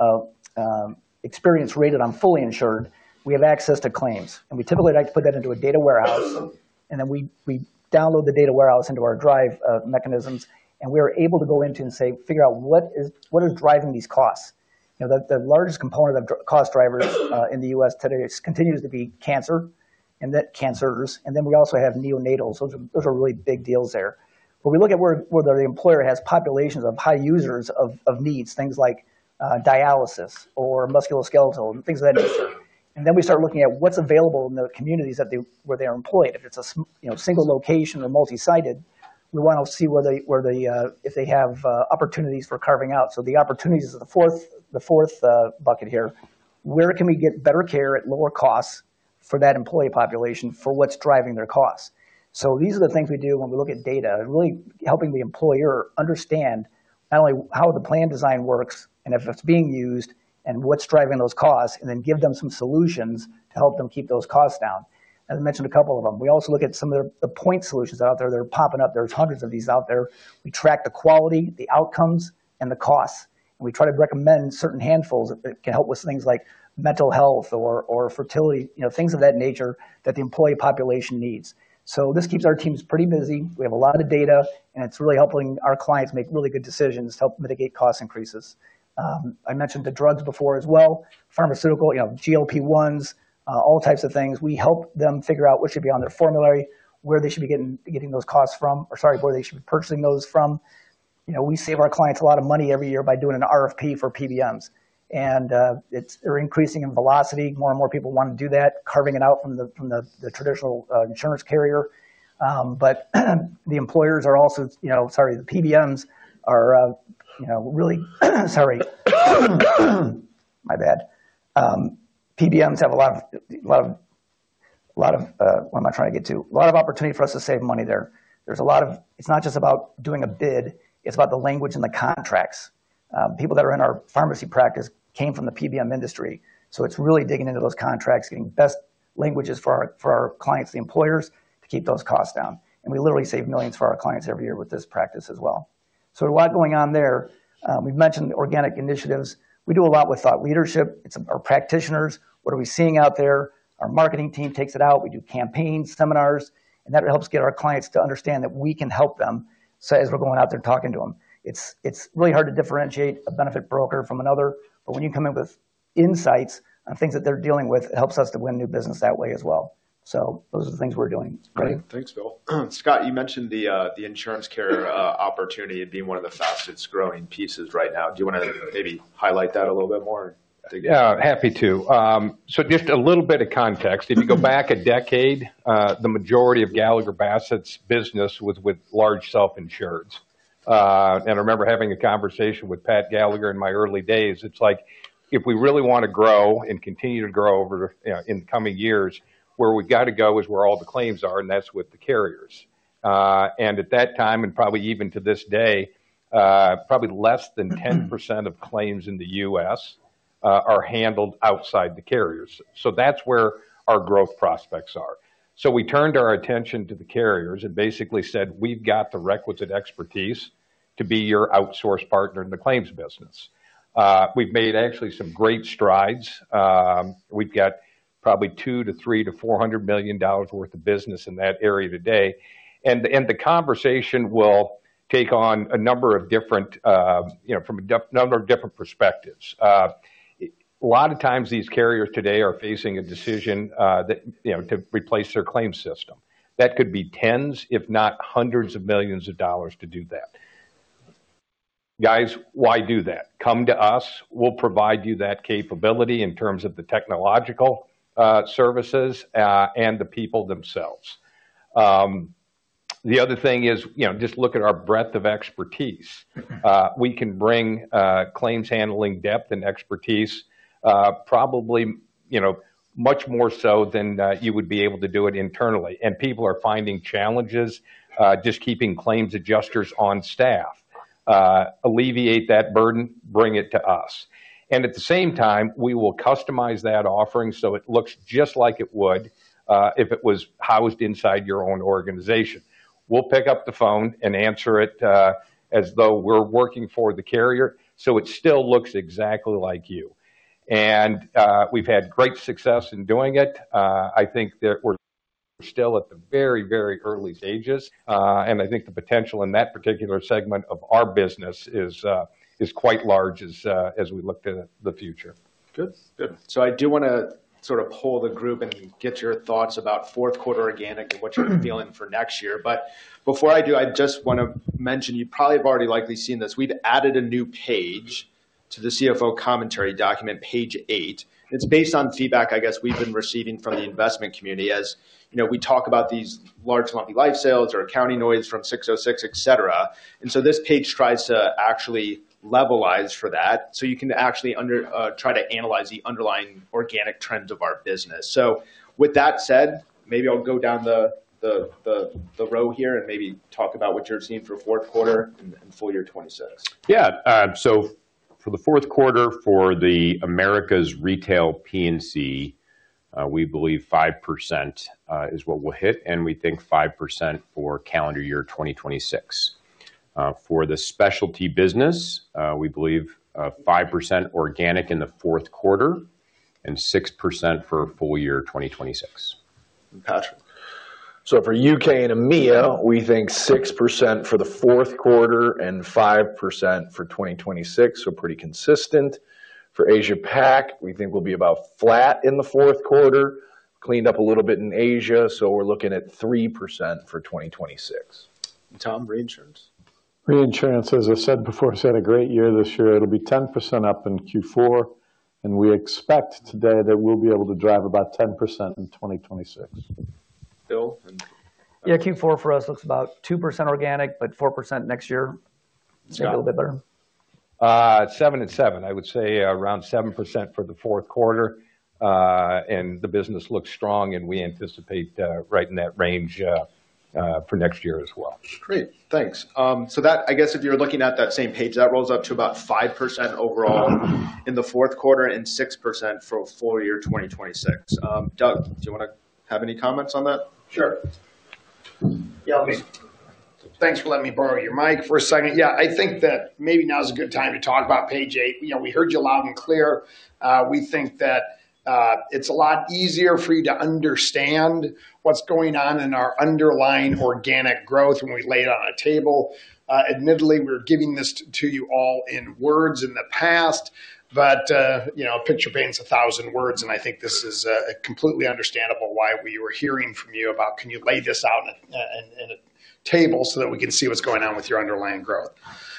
experience rated on fully insured, we have access to claims. And we typically like to put that into a data warehouse. And then we download the data warehouse into our Drive mechanisms. And we are able to go into and say, "Figure out what is driving these costs." The largest component of cost drivers in the U.S. today continues to be cancer. And then cancers. And then we also have neonatals. Those are really big deals there. But we look at where the employer has populations of high users of needs, things like dialysis or musculoskeletal, things of that nature. And then we start looking at what's available in the communities where they're employed. If it's a single location or multi-sited, we want to see if they have opportunities for carving out. So the opportunities is the fourth bucket here. Where can we get better care at lower costs for that employee population for what's driving their costs? So these are the things we do when we look at data, really helping the employer understand not only how the plan design works and if it's being used and what's driving those costs, and then give them some solutions to help them keep those costs down. As I mentioned, a couple of them. We also look at some of the point solutions out there. They're popping up. There's hundreds of these out there. We track the quality, the outcomes, and the costs. And we try to recommend certain handfuls that can help with things like mental health or fertility, things of that nature that the employee population needs. So this keeps our teams pretty busy. We have a lot of data, and it's really helping our clients make really good decisions to help mitigate cost increases. I mentioned the drugs before as well. Pharmaceutical, GLP-1s, all types of things. We help them figure out what should be on their formulary, where they should be getting those costs from, or sorry, where they should be purchasing those from. We save our clients a lot of money every year by doing an RFP for PBMs. And they're increasing in velocity. More and more people want to do that, carving it out from the traditional insurance carrier. But the employers are also, sorry, the PBMs are really, sorry. My bad. PBMs have a lot of, what am I trying to get to? A lot of opportunity for us to save money there. There's a lot of, it's not just about doing a bid. It's about the language and the contracts. People that are in our pharmacy practice came from the PBM industry. So it's really digging into those contracts, getting best languages for our clients, the employers, to keep those costs down. And we literally save millions for our clients every year with this practice as well. So a lot going on there. We've mentioned organic initiatives. We do a lot with thought leadership. It's our practitioners. What are we seeing out there? Our marketing team takes it out. We do campaigns, seminars. And that helps get our clients to understand that we can help them as we're going out there talking to them. It's really hard to differentiate a benefit broker from another. But when you come in with insights on things that they're dealing with, it helps us to win new business that way as well. So those are the things we're doing. Great. Thanks, Bill. Scott, you mentioned the insurance carrier opportunity being one of the fastest growing pieces right now. Do you want to maybe highlight that a little bit more? Yeah, happy to. So just a little bit of context. If you go back a decade, the majority of Gallagher Bassett's business was with large self-insureds. And I remember having a conversation with Pat Gallagher in my early days. It's like, if we really want to grow and continue to grow over in the coming years, where we've got to go is where all the claims are, and that's with the carriers. And at that time, and probably even to this day, probably less than 10% of claims in the US are handled outside the carriers. So that's where our growth prospects are. So we turned our attention to the carriers and basically said, "We've got the requisite expertise to be your outsourced partner in the claims business." We've made actually some great strides. We've got probably $200 to $300 to $400 million worth of business in that area today. The conversation will take on a number of different perspectives. A lot of times, these carriers today are facing a decision to replace their claims system. That could be tens, if not hundreds, of millions of dollars to do that. Guys, why do that? Come to us. We'll provide you that capability in terms of the technological services and the people themselves. The other thing is, just look at our breadth of expertise. We can bring claims handling depth and expertise probably much more so than you would be able to do it internally. And people are finding challenges just keeping claims adjusters on staff. Alleviate that burden, bring it to us. And at the same time, we will customize that offering so it looks just like it would if it was housed inside your own organization. We'll pick up the phone and answer it as though we're working for the carrier so it still looks exactly like you. And we've had great success in doing it. I think that we're still at the very, very early stages. And I think the potential in that particular segment of our business is quite large as we look to the future. Good. Good. So I do want to sort of poll the group and get your thoughts about fourth quarter organic and what you're feeling for next year. But before I do, I just want to mention you probably have already likely seen this. We've added a new page to the CFO commentary document, page eight. It's based on feedback, I guess, we've been receiving from the investment community as we talk about these large lumpy life sales or accounting noise from 606, etc. And so this page tries to actually levelize for that so you can actually try to analyze the underlying organic trends of our business. So with that said, maybe I'll go down the row here and maybe talk about what you're seeing for fourth quarter and full year 2026. Yeah. So for the fourth quarter for the Americas retail P&C, we believe 5% is what we'll hit. And we think 5% for calendar year 2026. For the specialty business, we believe 5% organic in the fourth quarter and 6% for full year 2026. Gotcha. So for UK and EMEA, we think 6% for the fourth quarter and 5% for 2026, so pretty consistent. For Asia-Pac, we think we'll be about flat in the fourth quarter, cleaned up a little bit in Asia. So we're looking at 3% for 2026. Tom, reinsurance? Reinsurance, as I said before, has had a great year this year. It'll be 10% up in Q4, and we expect today that we'll be able to drive about 10% in 2026. Bill? Yeah, Q4 for us looks about 2% organic, but 4% next year. It's going to be a little bit better. 7% and 7%. I would say around 7% for the fourth quarter, and the business looks strong, and we anticipate right in that range for next year as well. Great. Thanks. So that, I guess, if you're looking at that same page, that rolls up to about 5% overall in the fourth quarter and 6% for full year 2026. Doug, do you want to have any comments on that? Sure. Yeah. Thanks for letting me borrow your mic for a second. Yeah, I think that maybe now is a good time to talk about page eight. We heard you loud and clear. We think that it's a lot easier for you to understand what's going on in our underlying organic growth when we lay it on a table. Admittedly, we were giving this to you all in words in the past, but a picture paints a thousand words. And I think this is completely understandable why we were hearing from you about, "Can you lay this out on a table so that we can see what's going on with your underlying growth?"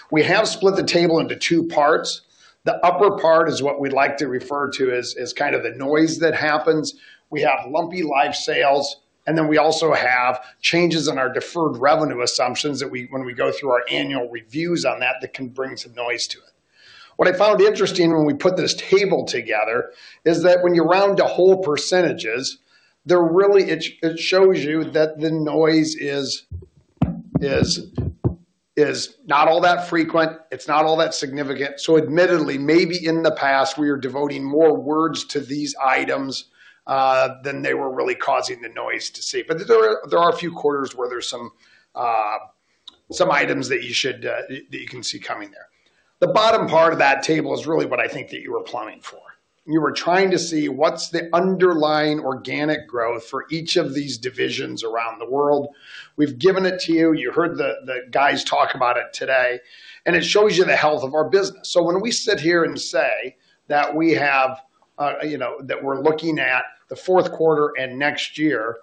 We have split the table into two parts. The upper part is what we'd like to refer to as kind of the noise that happens. We have lumpy life sales. And then we also have changes in our deferred revenue assumptions that when we go through our annual reviews on that, that can bring some noise to it. What I found interesting when we put this table together is that when you round to whole percentages, it shows you that the noise is not all that frequent. It's not all that significant. So admittedly, maybe in the past, we were devoting more words to these items than they were really causing the noise to see. But there are a few quarters where there's some items that you can see coming there. The bottom part of that table is really what I think that you were plumbing for. You were trying to see what's the underlying organic growth for each of these divisions around the world. We've given it to you. You heard the guys talk about it today. It shows you the health of our business. When we sit here and say that we have that we're looking at the fourth quarter and next year,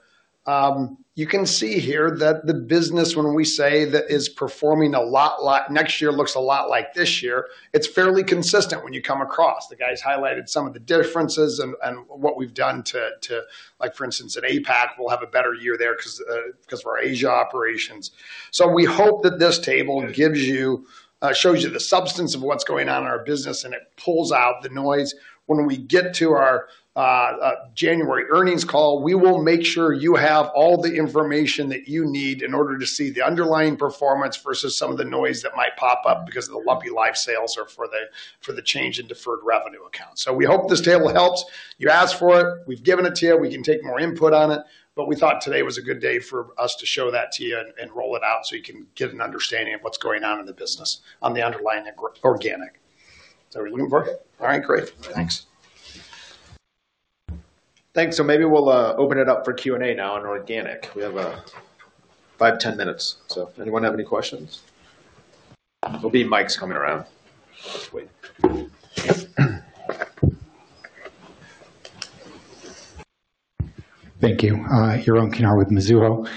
you can see here that the business, when we say that, is performing a lot. Next year looks a lot like this year. It's fairly consistent when you come across. The guys highlighted some of the differences and what we've done to, for instance, at APAC. We'll have a better year there because of our Asia operations. We hope that this table shows you the substance of what's going on in our business, and it pulls out the noise. When we get to our January earnings call, we will make sure you have all the information that you need in order to see the underlying performance versus some of the noise that might pop up because of the lumpy life sales or for the change in deferred revenue accounts. So we hope this table helps. You asked for it. We've given it to you. We can take more input on it. But we thought today was a good day for us to show that to you and roll it out so you can get an understanding of what's going on in the business on the underlying organic. Is that what you're looking for? All right. Great. Thanks. Thanks. So maybe we'll open it up for Q&A now on organic. We have five, 10 minutes. So anyone have any questions? There'll be mics coming around. Wait. Thank you. Yaron Kinar with Mizuho.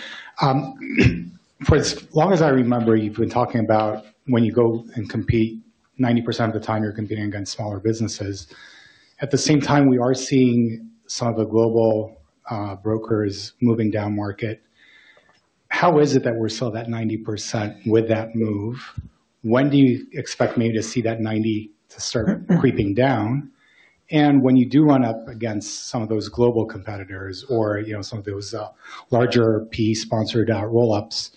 For as long as I remember, you've been talking about when you go and compete, 90% of the time you're competing against smaller businesses. At the same time, we are seeing some of the global brokers moving down market. How is it that we're still at that 90% with that move? When do you expect maybe to see that 90 to start creeping down? And when you do run up against some of those global competitors or some of those larger PE sponsored roll-ups,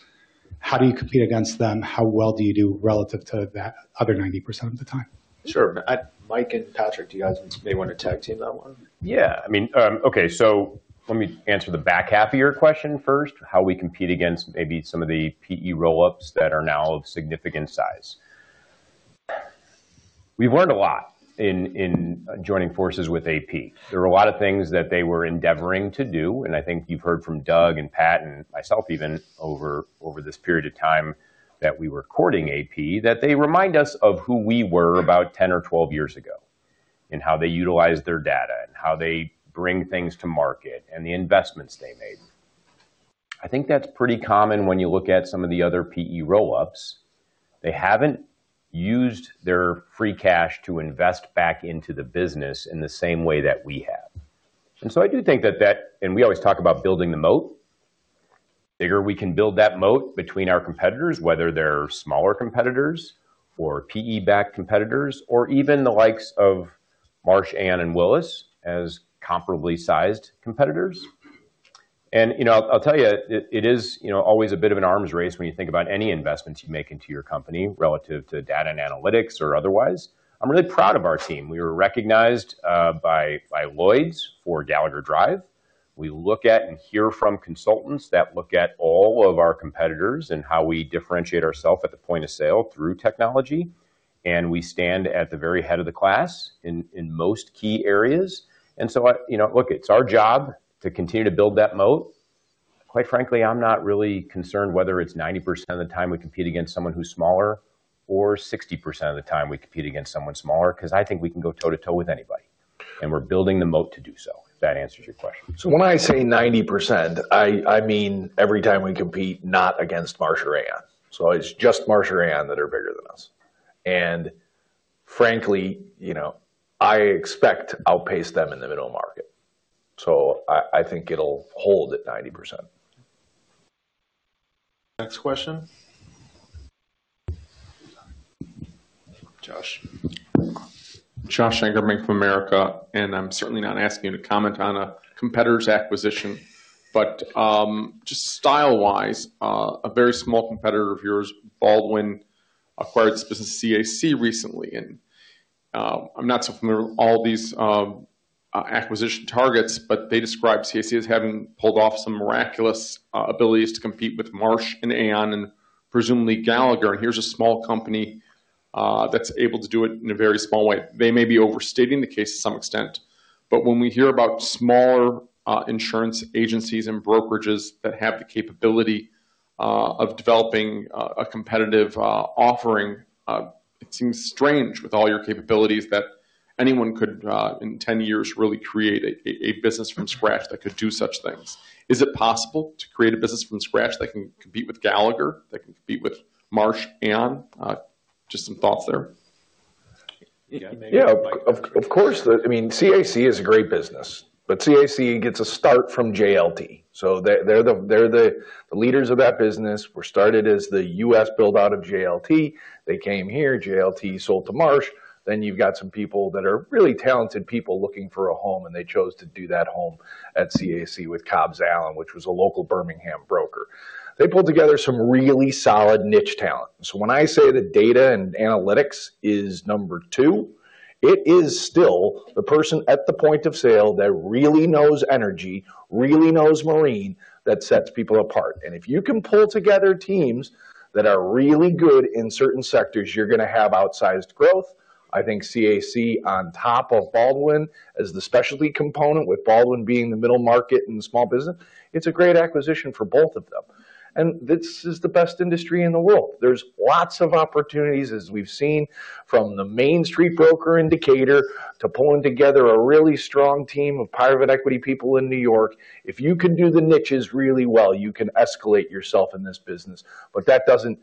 how do you compete against them? How well do you do relative to that other 90% of the time? Sure. Mike and Patrick, do you guys want to tag team that one? Yeah. I mean, okay. So let me answer the back half of your question first. How we compete against maybe some of the PE roll-ups that are now of significant size. We've learned a lot in joining forces with AP. There are a lot of things that they were endeavoring to do. And I think you've heard from Doug and Pat and myself even over this period of time that we were courting AP that they remind us of who we were about 10 or 12 years ago and how they utilize their data and how they bring things to market and the investments they made. I think that's pretty common when you look at some of the other PE roll-ups. They haven't used their free cash to invest back into the business in the same way that we have. And so I do think that, and we always talk about building the moat. The bigger we can build that moat between our competitors, whether they're smaller competitors or PE-backed competitors or even the likes of Marsh, Aon, and Willis as comparably sized competitors. And I'll tell you, it is always a bit of an arms race when you think about any investments you make into your company relative to data and analytics or otherwise. I'm really proud of our team. We were recognized by Lloyd's for Gallagher Drive. We look at and hear from consultants that look at all of our competitors and how we differentiate ourselves at the point of sale through technology. And we stand at the very head of the class in most key areas. And so look, it's our job to continue to build that moat. Quite frankly, I'm not really concerned whether it's 90% of the time we compete against someone who's smaller or 60% of the time we compete against someone smaller because I think we can go toe to toe with anybody. And we're building the moat to do so. If that answers your question. When I say 90%, I mean every time we compete not against Marsh or Aon. So it's just Marsh or Aon that are bigger than us. And frankly, I expect to outpace them in the middle market. So I think it'll hold at 90%. Next question. Josh. Josh Shanker from Bank of America. And I'm certainly not asking you to comment on a competitor's acquisition. But just style-wise, a very small competitor of yours, Baldwin, acquired this business, CAC, recently. And I'm not so familiar with all these acquisition targets, but they describe CAC as having pulled off some miraculous abilities to compete with Marsh and Aon and presumably Gallagher. And here's a small company that's able to do it in a very small way. They may be overstating the case to some extent. But when we hear about smaller insurance agencies and brokerages that have the capability of developing a competitive offering, it seems strange with all your capabilities that anyone could, in 10 years, really create a business from scratch that could do such things. Is it possible to create a business from scratch that can compete with Gallagher, that can compete with Marsh, Aon? Just some thoughts there. Yeah. Of course. I mean, CAC is a great business. But CAC gets a start from JLT. So they're the leaders of that business. It was started as the U.S. build-out of JLT. They came here. JLT sold to Marsh. Then you've got some people that are really talented people looking for a home. And they chose to make that home at CAC with Cobbs Allen, which was a local Birmingham broker. They pulled together some really solid niche talent. So when I say that data and analytics is number two, it is still the person at the point of sale that really knows energy, really knows marine that sets people apart. And if you can pull together teams that are really good in certain sectors, you're going to have outsized growth. I think CAC, on top of Baldwin as the specialty component, with Baldwin being the middle market and the small business, it's a great acquisition for both of them. And this is the best industry in the world. There's lots of opportunities, as we've seen, from the Main Street Broker indicator to pulling together a really strong team of private equity people in New York. If you can do the niches really well, you can escalate yourself in this business. But that doesn't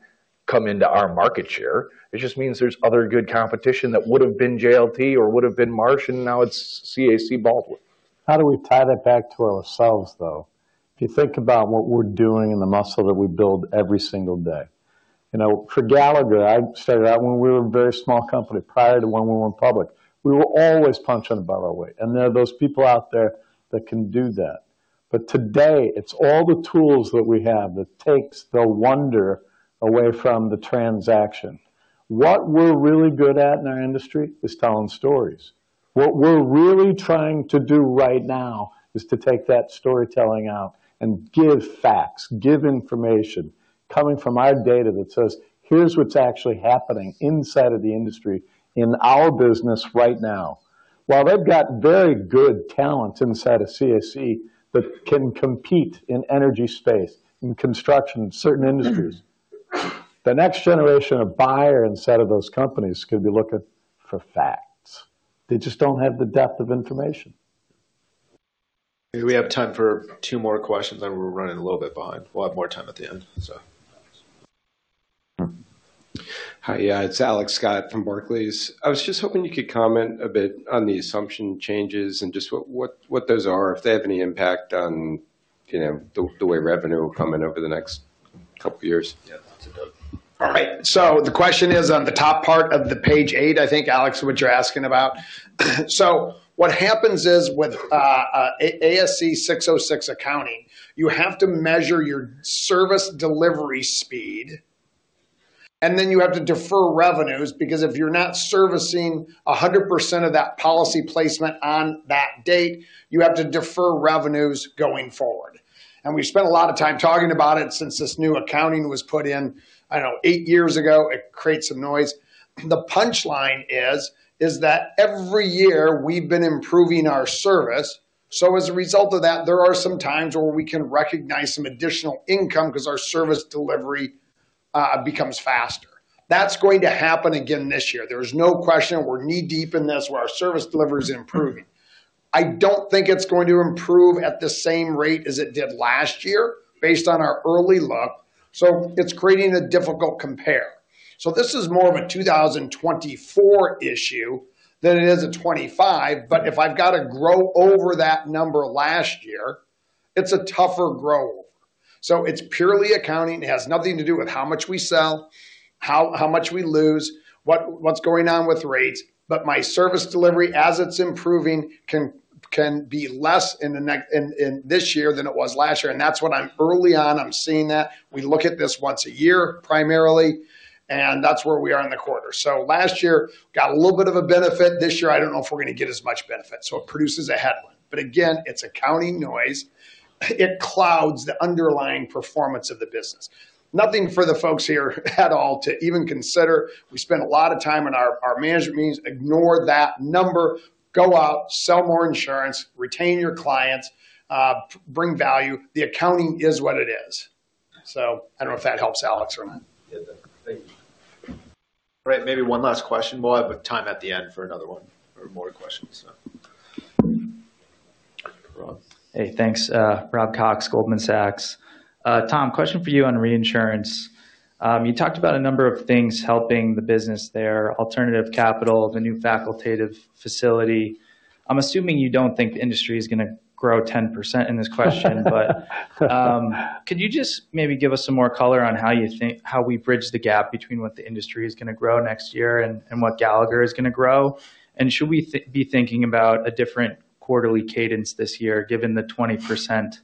come into our market share. It just means there's other good competition that would have been JLT or would have been Marsh. And now it's CAC Baldwin. How do we tie that back to ourselves, though? If you think about what we're doing and the muscle that we build every single day, for Gallagher I started out when we were a very small company prior to when we went public. We were always punching it by the way, and there are those people out there that can do that, but today it's all the tools that we have that takes the wonder away from the transaction. What we're really good at in our industry is telling stories. What we're really trying to do right now is to take that storytelling out and give facts, give information coming from our data that says, "Here's what's actually happening inside of the industry in our business right now." While they've got very good talents inside of CAC that can compete in energy space, in construction, certain industries, the next generation of buyer inside of those companies is going to be looking for facts. They just don't have the depth of information. We have time for two more questions. I know we're running a little bit behind. We'll have more time at the end, so. Hi. Yeah, it's Alex Scott from Barclays. I was just hoping you could comment a bit on the assumption changes and just what those are, if they have any impact on the way revenue will come in over the next couple of years. Yeah. That's it, Doug. All right. So the question is on the top part of the page eight, I think, Alex, what you're asking about. So what happens is with ASC 606 accounting, you have to measure your service delivery speed. And then you have to defer revenues because if you're not servicing 100% of that policy placement on that date, you have to defer revenues going forward. And we've spent a lot of time talking about it since this new accounting was put in, I don't know, eight years ago. It creates some noise. The punchline is that every year we've been improving our service. So as a result of that, there are some times where we can recognize some additional income because our service delivery becomes faster. That's going to happen again this year. There is no question we're knee-deep in this where our service delivery is improving. I don't think it's going to improve at the same rate as it did last year based on our early look. It's creating a difficult compare. This is more of a 2024 issue than it is a 2025. If I've got to grow over that number last year, it's a tougher grow over. It's purely accounting. It has nothing to do with how much we sell, how much we lose, what's going on with rates. Our service delivery, as it's improving, can be less in this year than it was last year. That's what I'm early on. I'm seeing that. We look at this once a year primarily. That's where we are in the quarter. Last year, we got a little bit of a benefit. This year, I don't know if we're going to get as much benefit. It produces a headline. But again, it's accounting noise. It clouds the underlying performance of the business. Nothing for the folks here at all to even consider. We spend a lot of time in our management meetings. Ignore that number. Go out, sell more insurance, retain your clients, bring value. The accounting is what it is. So I don't know if that helps, Alex, or not. Yeah. Thank you. All right. Maybe one last question. We'll have time at the end for another one or more questions. Hey. Thanks. Rob Cox, Goldman Sachs. Tom, question for you on reinsurance. You talked about a number of things helping the business there, alternative capital, the new facultative facility. I'm assuming you don't think the industry is going to grow 10% in this quarter. But could you just maybe give us some more color on how we bridge the gap between what the industry is going to grow next year and what Gallagher is going to grow? And should we be thinking about a different quarterly cadence this year given the 20%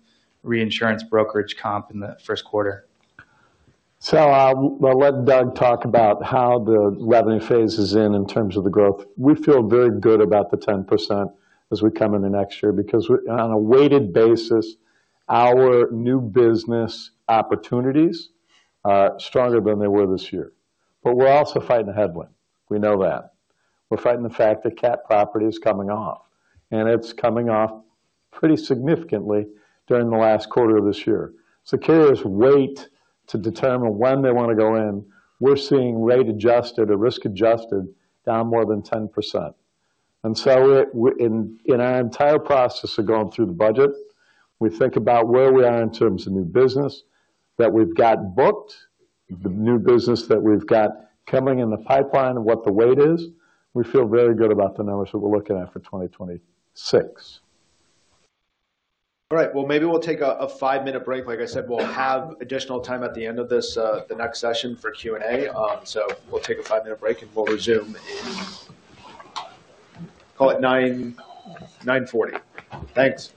reinsurance brokerage comp in the first quarter? So I'll let Doug talk about how the revenue pace is in terms of the growth. We feel very good about the 10% as we come into next year because on a weighted basis, our new business opportunities are stronger than they were this year. But we're also fighting a headwind. We know that. We're fighting the fact that cat property is coming off. And it's coming off pretty significantly during the last quarter of this year. Clients rate to determine when they want to go in; we're seeing rate adjusted or risk adjusted down more than 10%. And so in our entire process of going through the budget, we think about where we are in terms of new business that we've got booked, the new business that we've got coming in the pipeline and what the weight is. We feel very good about the numbers that we're looking at for 2026. All right. Well, maybe we'll take a five-minute break. Like I said, we'll have additional time at the end of this next session for Q&A. So we'll take a five-minute break and we'll resume at 9:40 A.M. Thanks.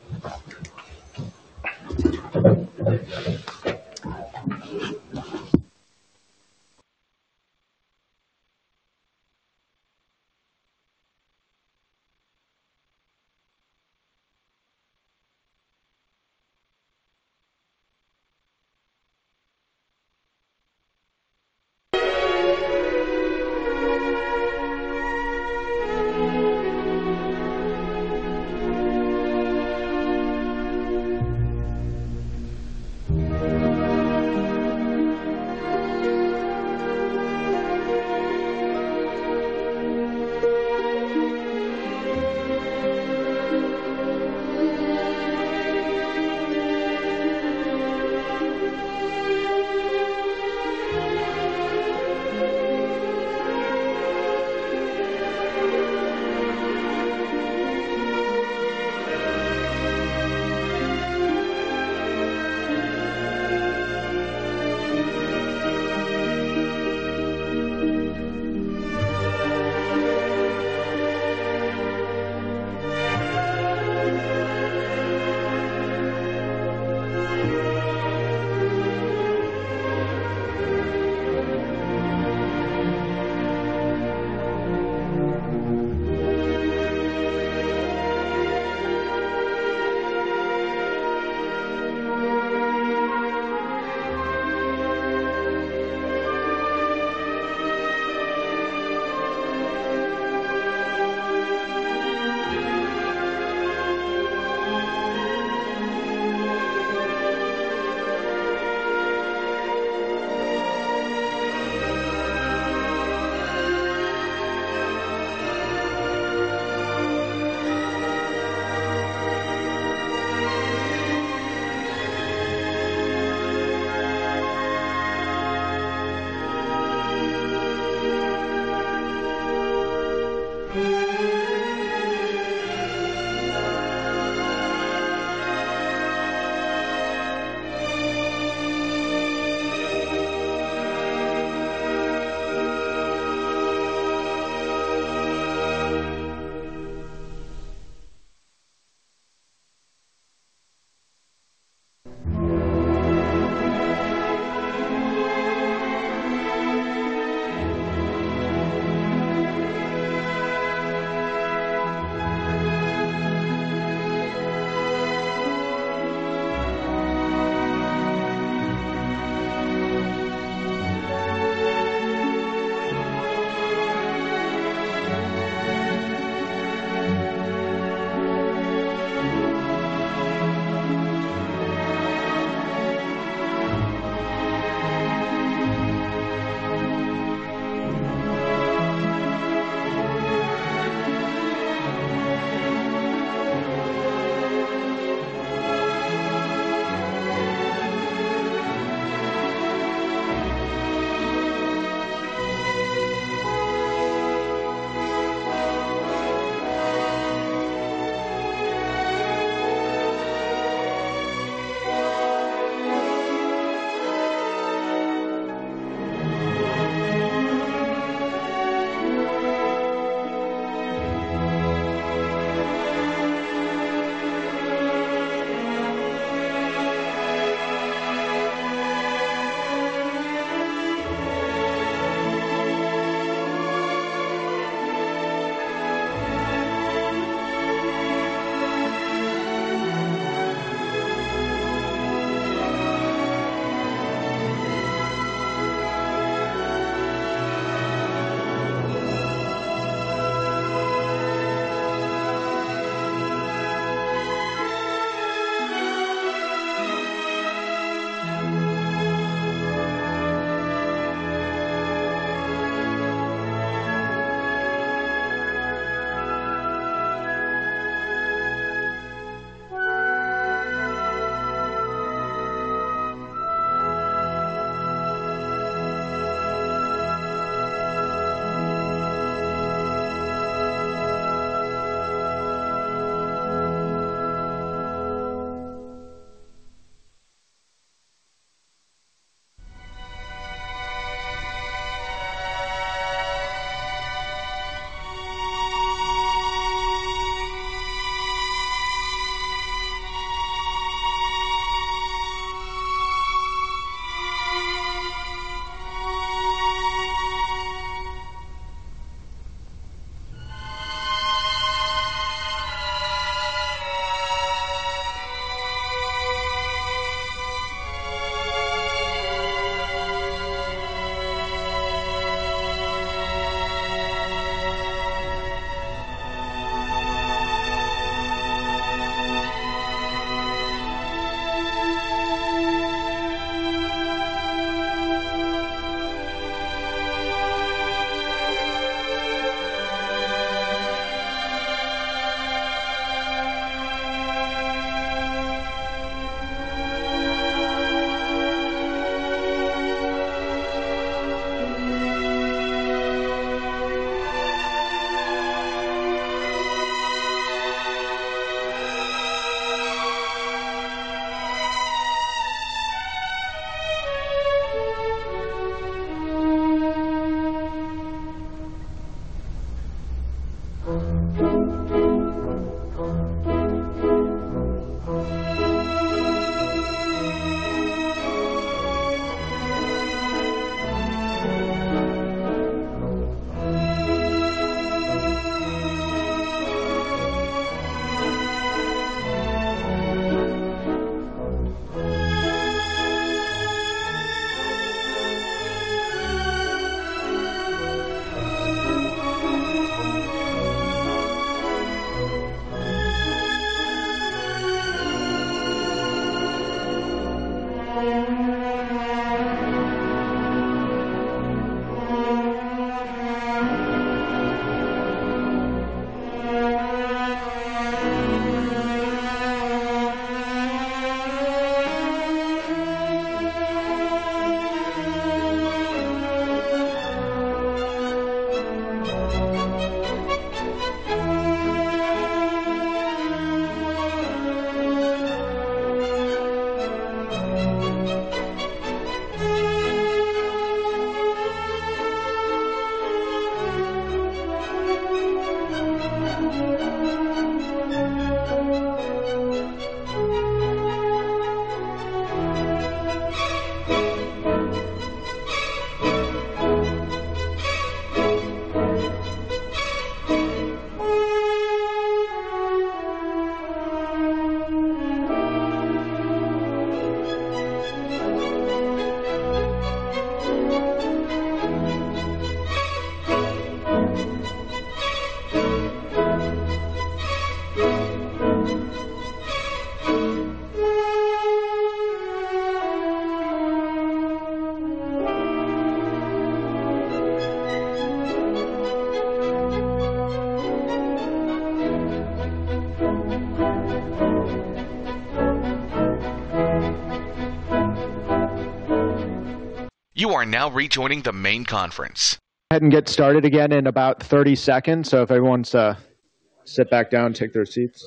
You are now rejoining the main conference. Go ahead and get started again in about 30 seconds. So if everyone's sat back down, take their seats.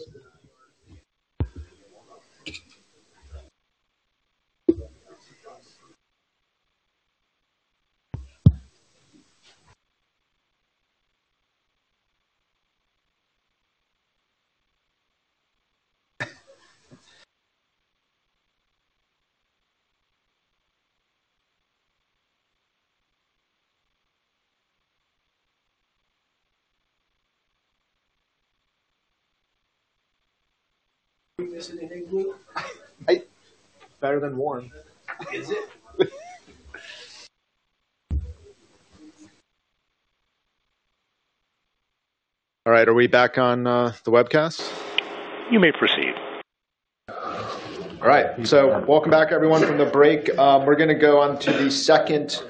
Better than warm. All right. Are we back on the webcast? You may proceed. All right. So welcome back, everyone, from the break. We're going to go on to the second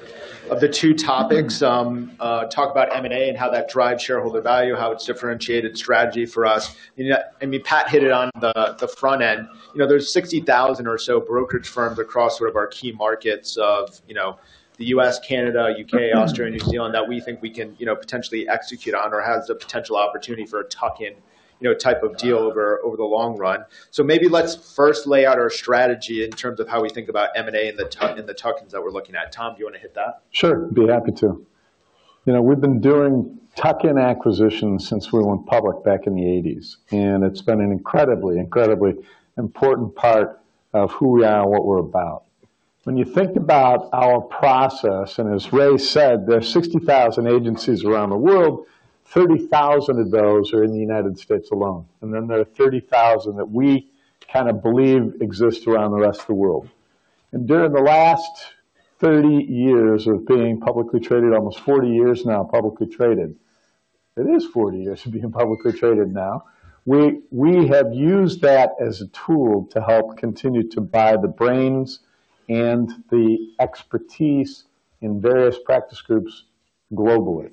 of the two topics, talk about M&A and how that drives shareholder value, how it's differentiated strategy for us. I mean, Pat hit it on the front end. There's 60,000 or so brokerage firms across sort of our key markets of the U.S., Canada, U.K., Australia, and New Zealand that we think we can potentially execute on or have the potential opportunity for a tuck-in type of deal over the long run. So maybe let's first lay out our strategy in terms of how we think about M&A and the tuck-ins that we're looking at. Tom, do you want to hit that? Sure. Be happy to. We've been doing tuck-in acquisitions since we went public back in the '80s. And it's been an incredibly, incredibly important part of who we are and what we're about. When you think about our process, and as Ray said, there are 60,000 agencies around the world, 30,000 of those are in the United States alone. And then there are 30,000 that we kind of believe exist around the rest of the world. And during the last 30 years of being publicly traded, almost 40 years now publicly traded, it is 40 years of being publicly traded now, we have used that as a tool to help continue to buy the brains and the expertise in various practice groups globally.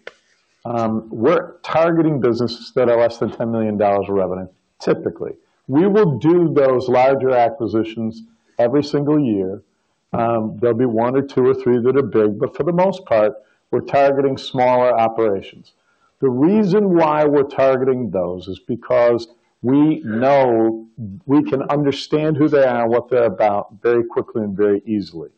We're targeting businesses that are less than $10 million in revenue, typically. We will do those larger acquisitions every single year. There'll be one or two or three that are big. But for the most part, we're targeting smaller operations. The reason why we're targeting those is because we know we can understand who they are and what they're about very quickly and very easily.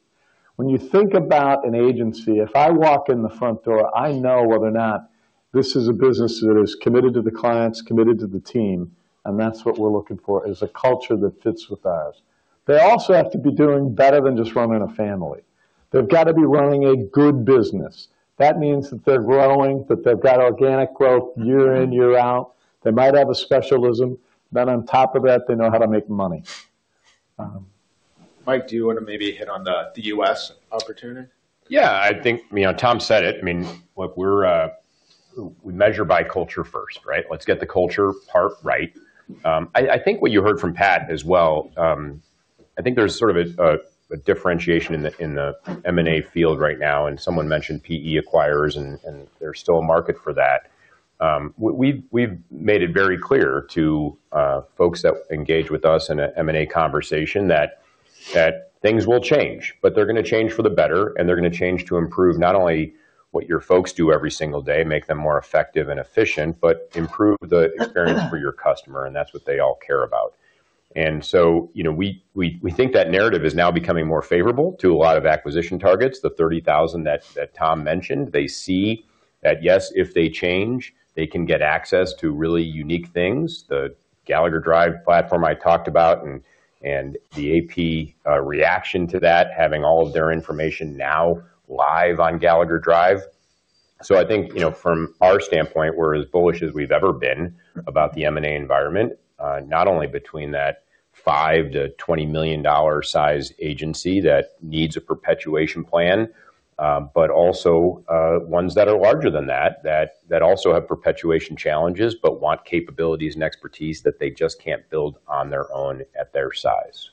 When you think about an agency, if I walk in the front door, I know whether or not this is a business that is committed to the clients, committed to the team, and that's what we're looking for is a culture that fits with ours. They also have to be doing better than just running a family. They've got to be running a good business. That means that they're growing, that they've got organic growth year in, year out. They might have a specialism. Then on top of that, they know how to make money. Mike, do you want to maybe hit on the U.S. opportunity? Yeah. I think Tom said it. I mean, we measure by culture first, right? Let's get the culture part right. I think what you heard from Pat as well, I think there's sort of a differentiation in the M&A field right now. And someone mentioned PE acquirers, and there's still a market for that. We've made it very clear to folks that engage with us in an M&A conversation that things will change. But they're going to change for the better, and they're going to change to improve not only what your folks do every single day, make them more effective and efficient, but improve the experience for your customer. And that's what they all care about. And so we think that narrative is now becoming more favorable to a lot of acquisition targets, the 30,000 that Tom mentioned. They see that, yes, if they change, they can get access to really unique things, the Gallagher Drive platform I talked about, and the AP reaction to that, having all of their information now live on Gallagher Drive. So I think from our standpoint, we're as bullish as we've ever been about the M&A environment, not only between that $5 million-$20 million size agency that needs a perpetuation plan, but also ones that are larger than that, that also have perpetuation challenges, but want capabilities and expertise that they just can't build on their own at their size.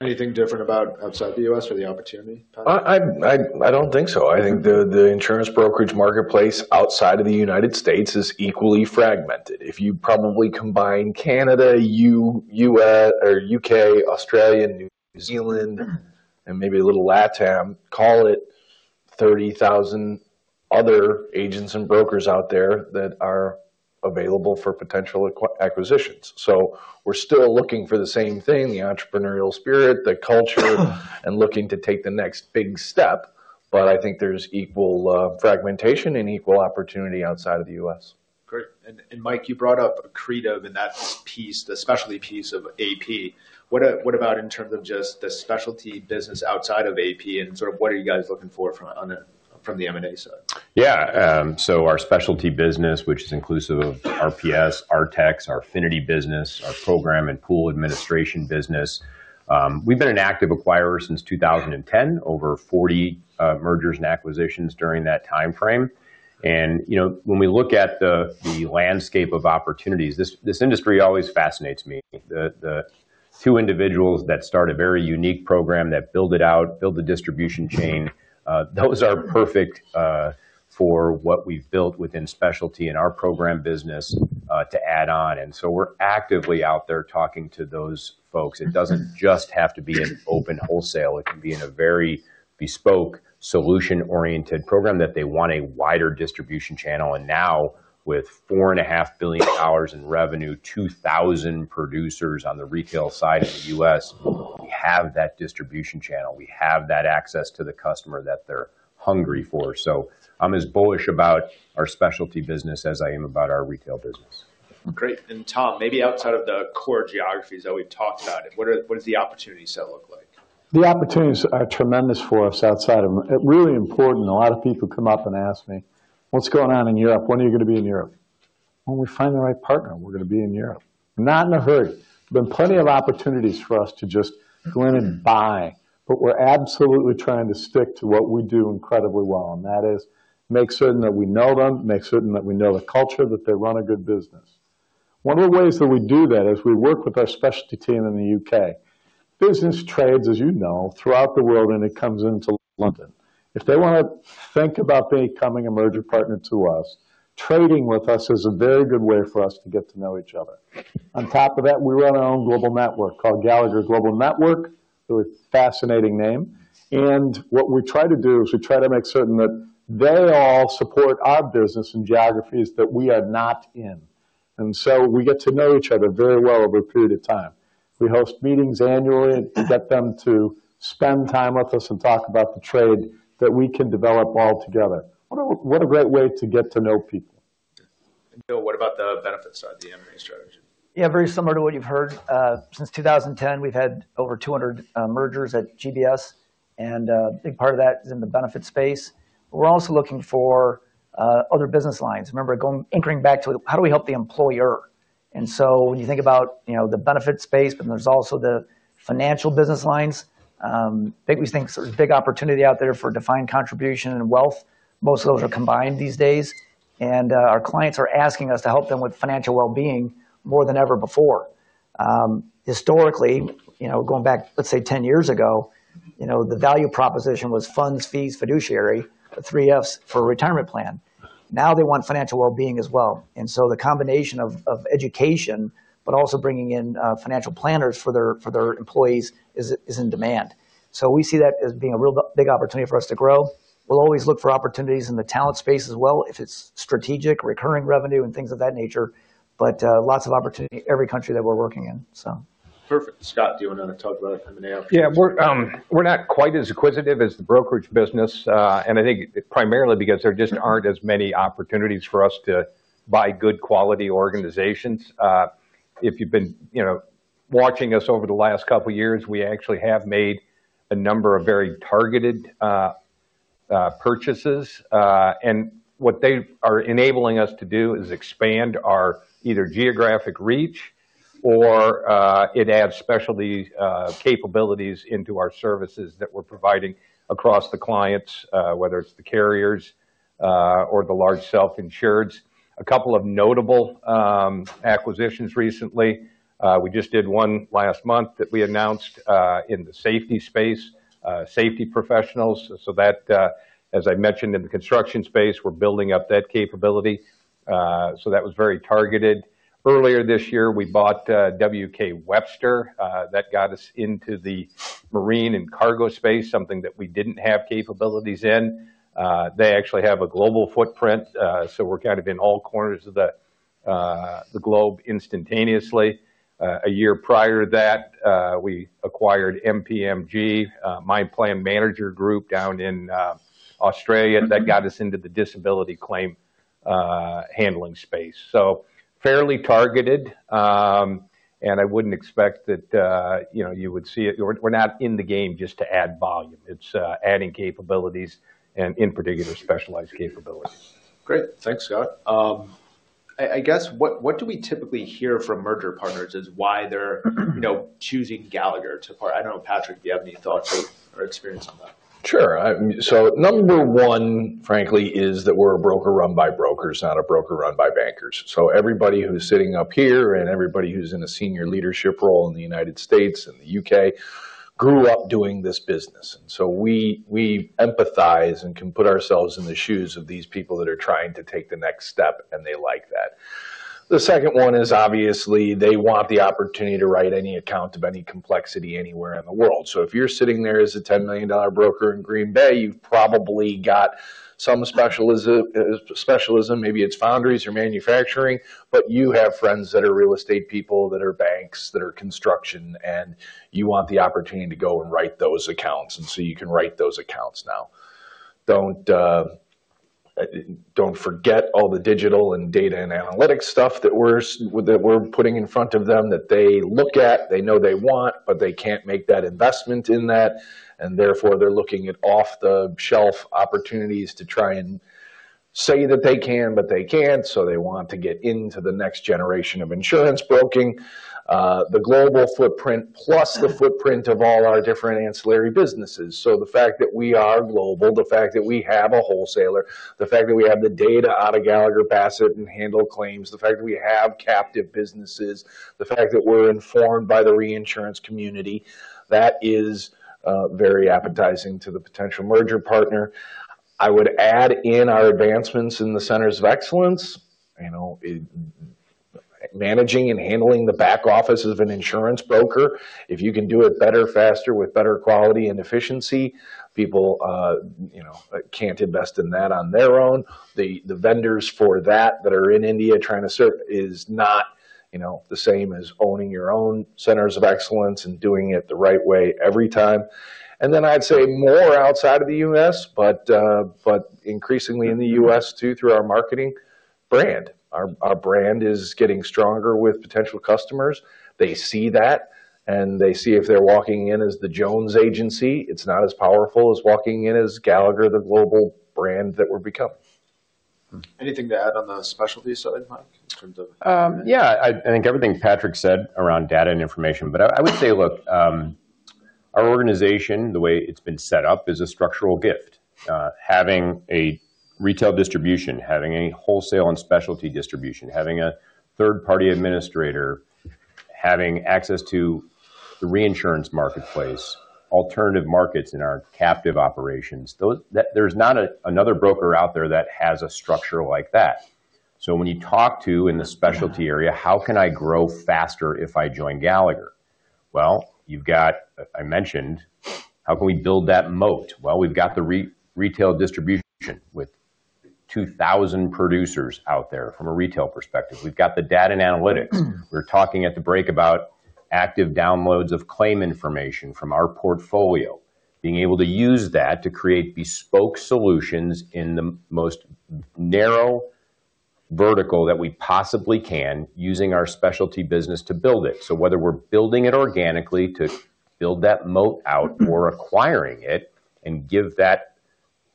Anything different about outside the U.S. or the opportunity, Pat? I don't think so. I think the insurance brokerage marketplace outside of the United States is equally fragmented. If you probably combine Canada, UK, Australia, New Zealand, and maybe a little LATAM, call it 30,000 other agents and brokers out there that are available for potential acquisitions. So we're still looking for the same thing, the entrepreneurial spirit, the culture, and looking to take the next big step. But I think there's equal fragmentation and equal opportunity outside of the U.S. Great. And Mike, you brought up Accretive in that specialty piece of AP. What about in terms of just the specialty business outside of AP? And sort of what are you guys looking for from the M&A side? Yeah. So our specialty business, which is inclusive of our P&C, our E&S, our affinity business, our program and pool administration business, we've been an active acquirer since 2010, over 40 mergers and acquisitions during that time frame. And when we look at the landscape of opportunities, this industry always fascinates me. The two individuals that start a very unique program that build it out, build the distribution chain, those are perfect for what we've built within specialty in our program business to add on. And so we're actively out there talking to those folks. It doesn't just have to be an open wholesale. It can be in a very bespoke, solution-oriented program that they want a wider distribution channel. And now with $4.5 billion in revenue, 2,000 producers on the retail side in the U.S., we have that distribution channel. We have that access to the customer that they're hungry for, so I'm as bullish about our specialty business as I am about our retail business. Great. And Tom, maybe outside of the core geographies that we've talked about, what does the opportunity set look like? The opportunities are tremendous for us outside of them. Really important. A lot of people come up and ask me, "What's going on in Europe? When are you going to be in Europe?" When we find the right partner, we're going to be in Europe. Not in a hurry. There have been plenty of opportunities for us to just go in and buy. But we're absolutely trying to stick to what we do incredibly well. And that is make certain that we know them, make certain that we know the culture, that they run a good business. One of the ways that we do that is we work with our specialty team in the U.K. Business trades, as you know, throughout the world, and it comes into London. If they want to think about becoming a merger partner to us, trading with us is a very good way for us to get to know each other. On top of that, we run our own global network called Gallagher Global Network, a fascinating name, and what we try to do is we try to make certain that they all support our business in geographies that we are not in, and so we get to know each other very well over a period of time. We host meetings annually and get them to spend time with us and talk about the trade that we can develop all together. What a great way to get to know people! Bill, what about the benefits of the M&A strategy? Yeah, very similar to what you've heard. Since 2010, we've had over 200 mergers at GBS. And a big part of that is in the benefit space. We're also looking for other business lines. Remember, anchoring back to how do we help the employer? And so when you think about the benefit space, but there's also the financial business lines. I think we think there's a big opportunity out there for defined contribution and wealth. Most of those are combined these days. And our clients are asking us to help them with financial well-being more than ever before. Historically, going back, let's say, 10 years ago, the value proposition was funds, fees, fiduciary, the three F's for a retirement plan. Now they want financial well-being as well. And so the combination of education, but also bringing in financial planners for their employees is in demand. So we see that as being a real big opportunity for us to grow. We'll always look for opportunities in the talent space as well, if it's strategic, recurring revenue, and things of that nature. But lots of opportunity in every country that we're working in, so. Perfect. Scott, do you want to talk about M&A opportunities? Yeah. We're not quite as inquisitive as the brokerage business, and I think primarily because there just aren't as many opportunities for us to buy good quality organizations. If you've been watching us over the last couple of years, we actually have made a number of very targeted purchases, and what they are enabling us to do is expand our either geographic reach or it adds specialty capabilities into our services that we're providing across the clients, whether it's the carriers or the large self-insureds. A couple of notable acquisitions recently. We just did one last month that we announced in the safety space, safety professionals. So that, as I mentioned, in the construction space, we're building up that capability. So that was very targeted. Earlier this year, we bought WK Webster. That got us into the marine and cargo space, something that we didn't have capabilities in. They actually have a global footprint, so we're kind of in all corners of the globe instantaneously. A year prior to that, we acquired MPMG, My Plan Manager Group, down in Australia. That got us into the disability claim handling space, so fairly targeted, and I wouldn't expect that you would see it. We're not in the game just to add volume. It's adding capabilities and in particular specialized capabilities. Great. Thanks, Scott. I guess what do we typically hear from merger partners is why they're choosing Gallagher to partner? I don't know, Patrick, do you have any thoughts or experience on that? Sure. So number one, frankly, is that we're a broker run by brokers, not a broker run by bankers. So everybody who's sitting up here and everybody who's in a senior leadership role in the United States and the UK grew up doing this business. And so we empathize and can put ourselves in the shoes of these people that are trying to take the next step, and they like that. The second one is obviously they want the opportunity to write any account of any complexity anywhere in the world. So if you're sitting there as a $10 million broker in Green Bay, you've probably got some specialism. Maybe it's foundries or manufacturing. But you have friends that are real estate people, that are banks, that are construction. And you want the opportunity to go and write those accounts. And so you can write those accounts now. Don't forget all the digital and data and analytics stuff that we're putting in front of them that they look at, they know they want, but they can't make that investment in that. And therefore, they're looking at off-the-shelf opportunities to try and say that they can, but they can't. So they want to get into the next generation of insurance broking, the global footprint, plus the footprint of all our different ancillary businesses. So the fact that we are global, the fact that we have a wholesaler, the fact that we have the data out of Gallagher Bassett and handle claims, the fact that we have captive businesses, the fact that we're informed by the reinsurance community, that is very appetizing to the potential merger partner. I would add in our advancements in the centers of excellence, managing and handling the back office of an insurance broker. If you can do it better, faster, with better quality and efficiency, people can't invest in that on their own. The vendors for that that are in India trying to serve is not the same as owning your own centers of excellence and doing it the right way every time, and then I'd say more outside of the U.S., but increasingly in the U.S. too through our marketing brand. Our brand is getting stronger with potential customers. They see that, and they see if they're walking in as the Jones agency, it's not as powerful as walking in as Gallagher, the global brand that we're becoming. Anything to add on the specialty side, Mike, in terms of? Yeah. I think everything Patrick said around data and information. But I would say, look, our organization, the way it's been set up, is a structural gift. Having a retail distribution, having a wholesale and specialty distribution, having a third-party administrator, having access to the reinsurance marketplace, alternative markets in our captive operations, there's not another broker out there that has a structure like that. So when you talk to in the specialty area, how can I grow faster if I join Gallagher? Well, you've got, I mentioned, how can we build that moat? Well, we've got the retail distribution with 2,000 producers out there from a retail perspective. We've got the data and analytics. We're talking at the break about active downloads of claim information from our portfolio, being able to use that to create bespoke solutions in the most narrow vertical that we possibly can using our specialty business to build it, so whether we're building it organically to build that moat out or acquiring it and give that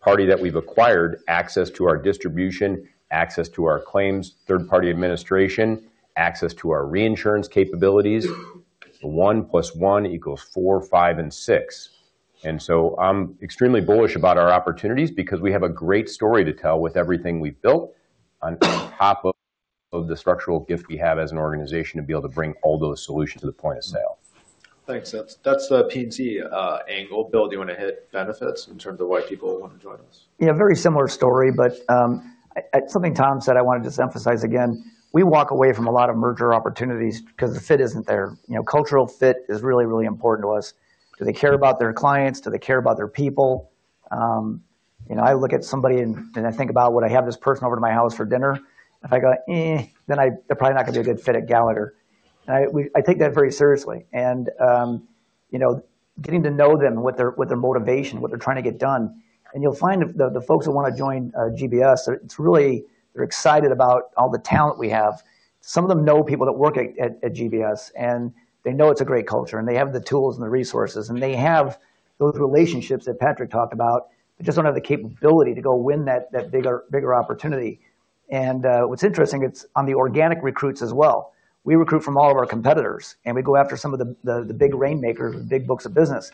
party that we've acquired access to our distribution, access to our claims, third-party administration, access to our reinsurance capabilities, one plus one equals four, five, and six, and so I'm extremely bullish about our opportunities because we have a great story to tell with everything we've built on top of the structural gift we have as an organization to be able to bring all those solutions to the point of sale. Thanks. That's the P&C angle. Bill, do you want to hit benefits in terms of why people want to join us? Yeah, very similar story. But something Tom said, I wanted to just emphasize again, we walk away from a lot of merger opportunities because the fit isn't there. Cultural fit is really, really important to us. Do they care about their clients? Do they care about their people? I look at somebody and I think about, "Would I have this person over to my house for dinner?" If I go, then they're probably not going to be a good fit at Gallagher. I take that very seriously. And getting to know them, what their motivation, what they're trying to get done. And you'll find the folks who want to join GBS, they're excited about all the talent we have. Some of them know people that work at GBS. And they know it's a great culture. And they have the tools and the resources. They have those relationships that Patrick talked about. They just don't have the capability to go win that bigger opportunity. What's interesting, it's on the organic recruits as well. We recruit from all of our competitors. We go after some of the big rainmakers, the big books of business.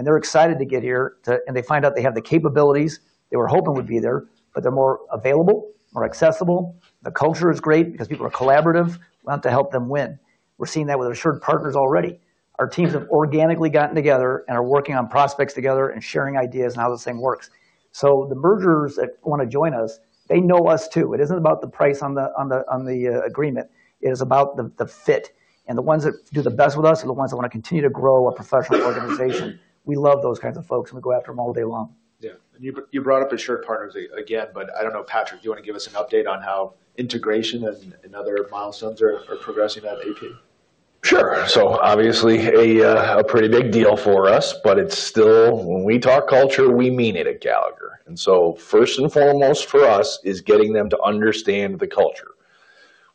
They're excited to get here. They find out they have the capabilities they were hoping would be there, but they're more available, more accessible. The culture is great because people are collaborative. We want to help them win. We're seeing that with our AssuredPartners already. Our teams have organically gotten together and are working on prospects together and sharing ideas and how this thing works. The managers that want to join us, they know us too. It isn't about the price on the agreement. It is about the fit. The ones that do the best with us are the ones that want to continue to grow a professional organization. We love those kinds of folks. We go after them all day long. Yeah. And you brought up AssuredPartners again. But I don't know, Patrick, do you want to give us an update on how integration and other milestones are progressing at AP? Sure. So obviously, a pretty big deal for us. But it's still, when we talk culture, we mean it at Gallagher. And so first and foremost for us is getting them to understand the culture.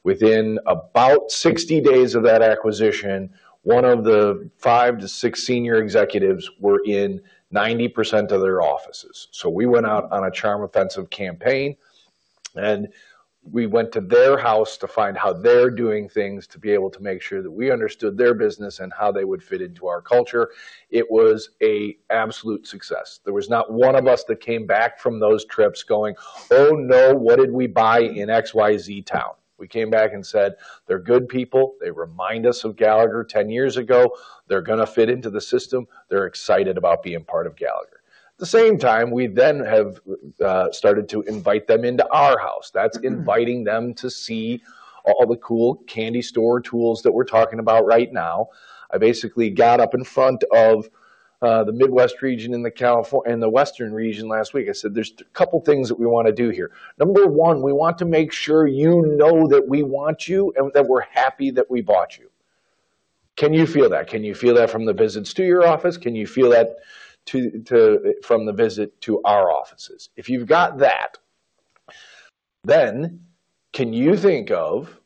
Within about 60 days of that acquisition, one of the five to six senior executives were in 90% of their offices. So we went out on a charm offensive campaign. And we went to their house to find how they're doing things to be able to make sure that we understood their business and how they would fit into our culture. It was an absolute success. There was not one of us that came back from those trips going, "Oh, no, what did we buy in XYZ town?" We came back and said, "They're good people. They remind us of Gallagher 10 years ago. They're going to fit into the system. They're excited about being part of Gallagher. At the same time, we then have started to invite them into our house. That's inviting them to see all the cool candy store tools that we're talking about right now. I basically got up in front of the Midwest region in the Western region last week. I said, "There's a couple of things that we want to do here. Number one, we want to make sure you know that we want you and that we're happy that we bought you. Can you feel that? Can you feel that from the visits to your office? Can you feel that from the visit to our offices? If you've got that, then can you think of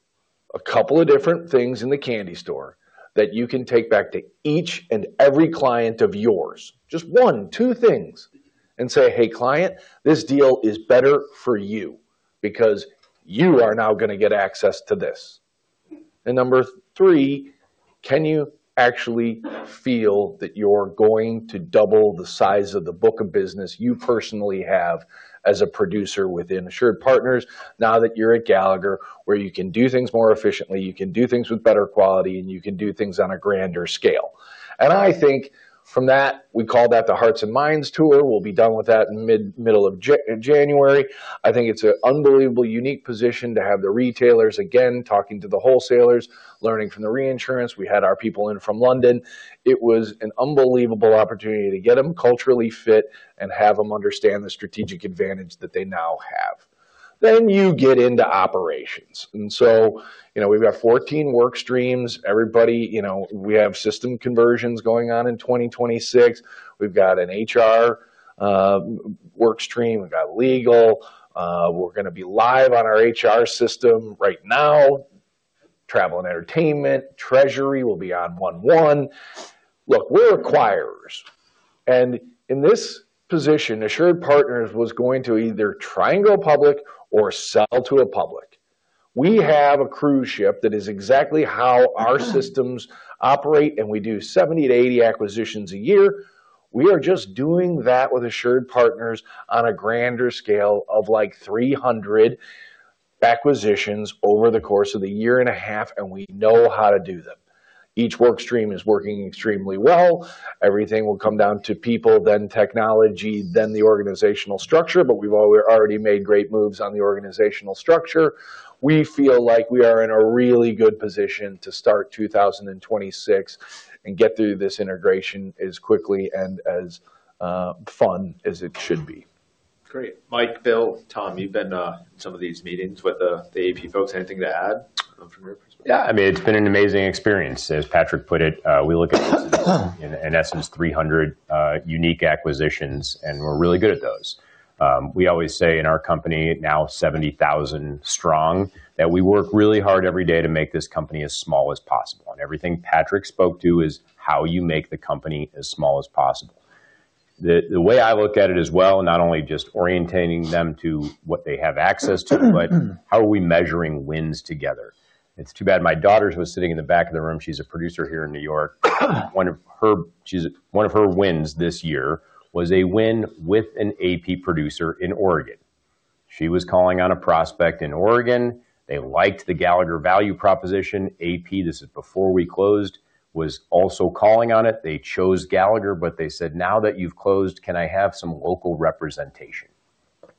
a couple of different things in the candy store that you can take back to each and every client of yours? Just one, two things. And say, "Hey, client, this deal is better for you because you are now going to get access to this." And number three, can you actually feel that you're going to double the size of the book of business you personally have as a producer within AssuredPartners now that you're at Gallagher, where you can do things more efficiently, you can do things with better quality, and you can do things on a grander scale? And I think from that, we call that the hearts and minds tour. We'll be done with that in the middle of January. I think it's an unbelievably unique position to have the retailers again talking to the wholesalers, learning from the reinsurance. We had our people in from London. It was an unbelievable opportunity to get them culturally fit and have them understand the strategic advantage that they now have. You get into operations. And so we've got 14 work streams. Everybody, we have system conversions going on in 2026. We've got an HR work stream. We've got legal. We're going to be live on our HR system right now. Travel and entertainment, treasury will be on 1/1. Look, we're acquirers. And in this position, AssuredPartners was going to either go public or sell to a public. We have a cruise ship that is exactly how our systems operate. And we do 70-80 acquisitions a year. We are just doing that with AssuredPartners on a grander scale of like 300 acquisitions over the course of the year and a half. And we know how to do them. Each work stream is working extremely well. Everything will come down to people, then technology, then the organizational structure. We've already made great moves on the organizational structure. We feel like we are in a really good position to start 2026 and get through this integration as quickly and as fun as it should be. Great. Mike, Bill, Tom, you've been in some of these meetings with the AP folks. Anything to add from your perspective? Yeah. I mean, it's been an amazing experience. As Patrick put it, we look at, in essence, 300 unique acquisitions. And we're really good at those. We always say in our company now, 70,000 strong, that we work really hard every day to make this company as small as possible. And everything Patrick spoke to is how you make the company as small as possible. The way I look at it as well, not only just orienting them to what they have access to, but how are we measuring wins together? It's too bad. My daughter, who was sitting in the back of the room, she's a producer here in New York. One of her wins this year was a win with an AP producer in Oregon. She was calling on a prospect in Oregon. They liked the Gallagher value proposition. AP, this is before we closed, was also calling on it. They chose Gallagher. But they said, "Now that you've closed, can I have some local representation,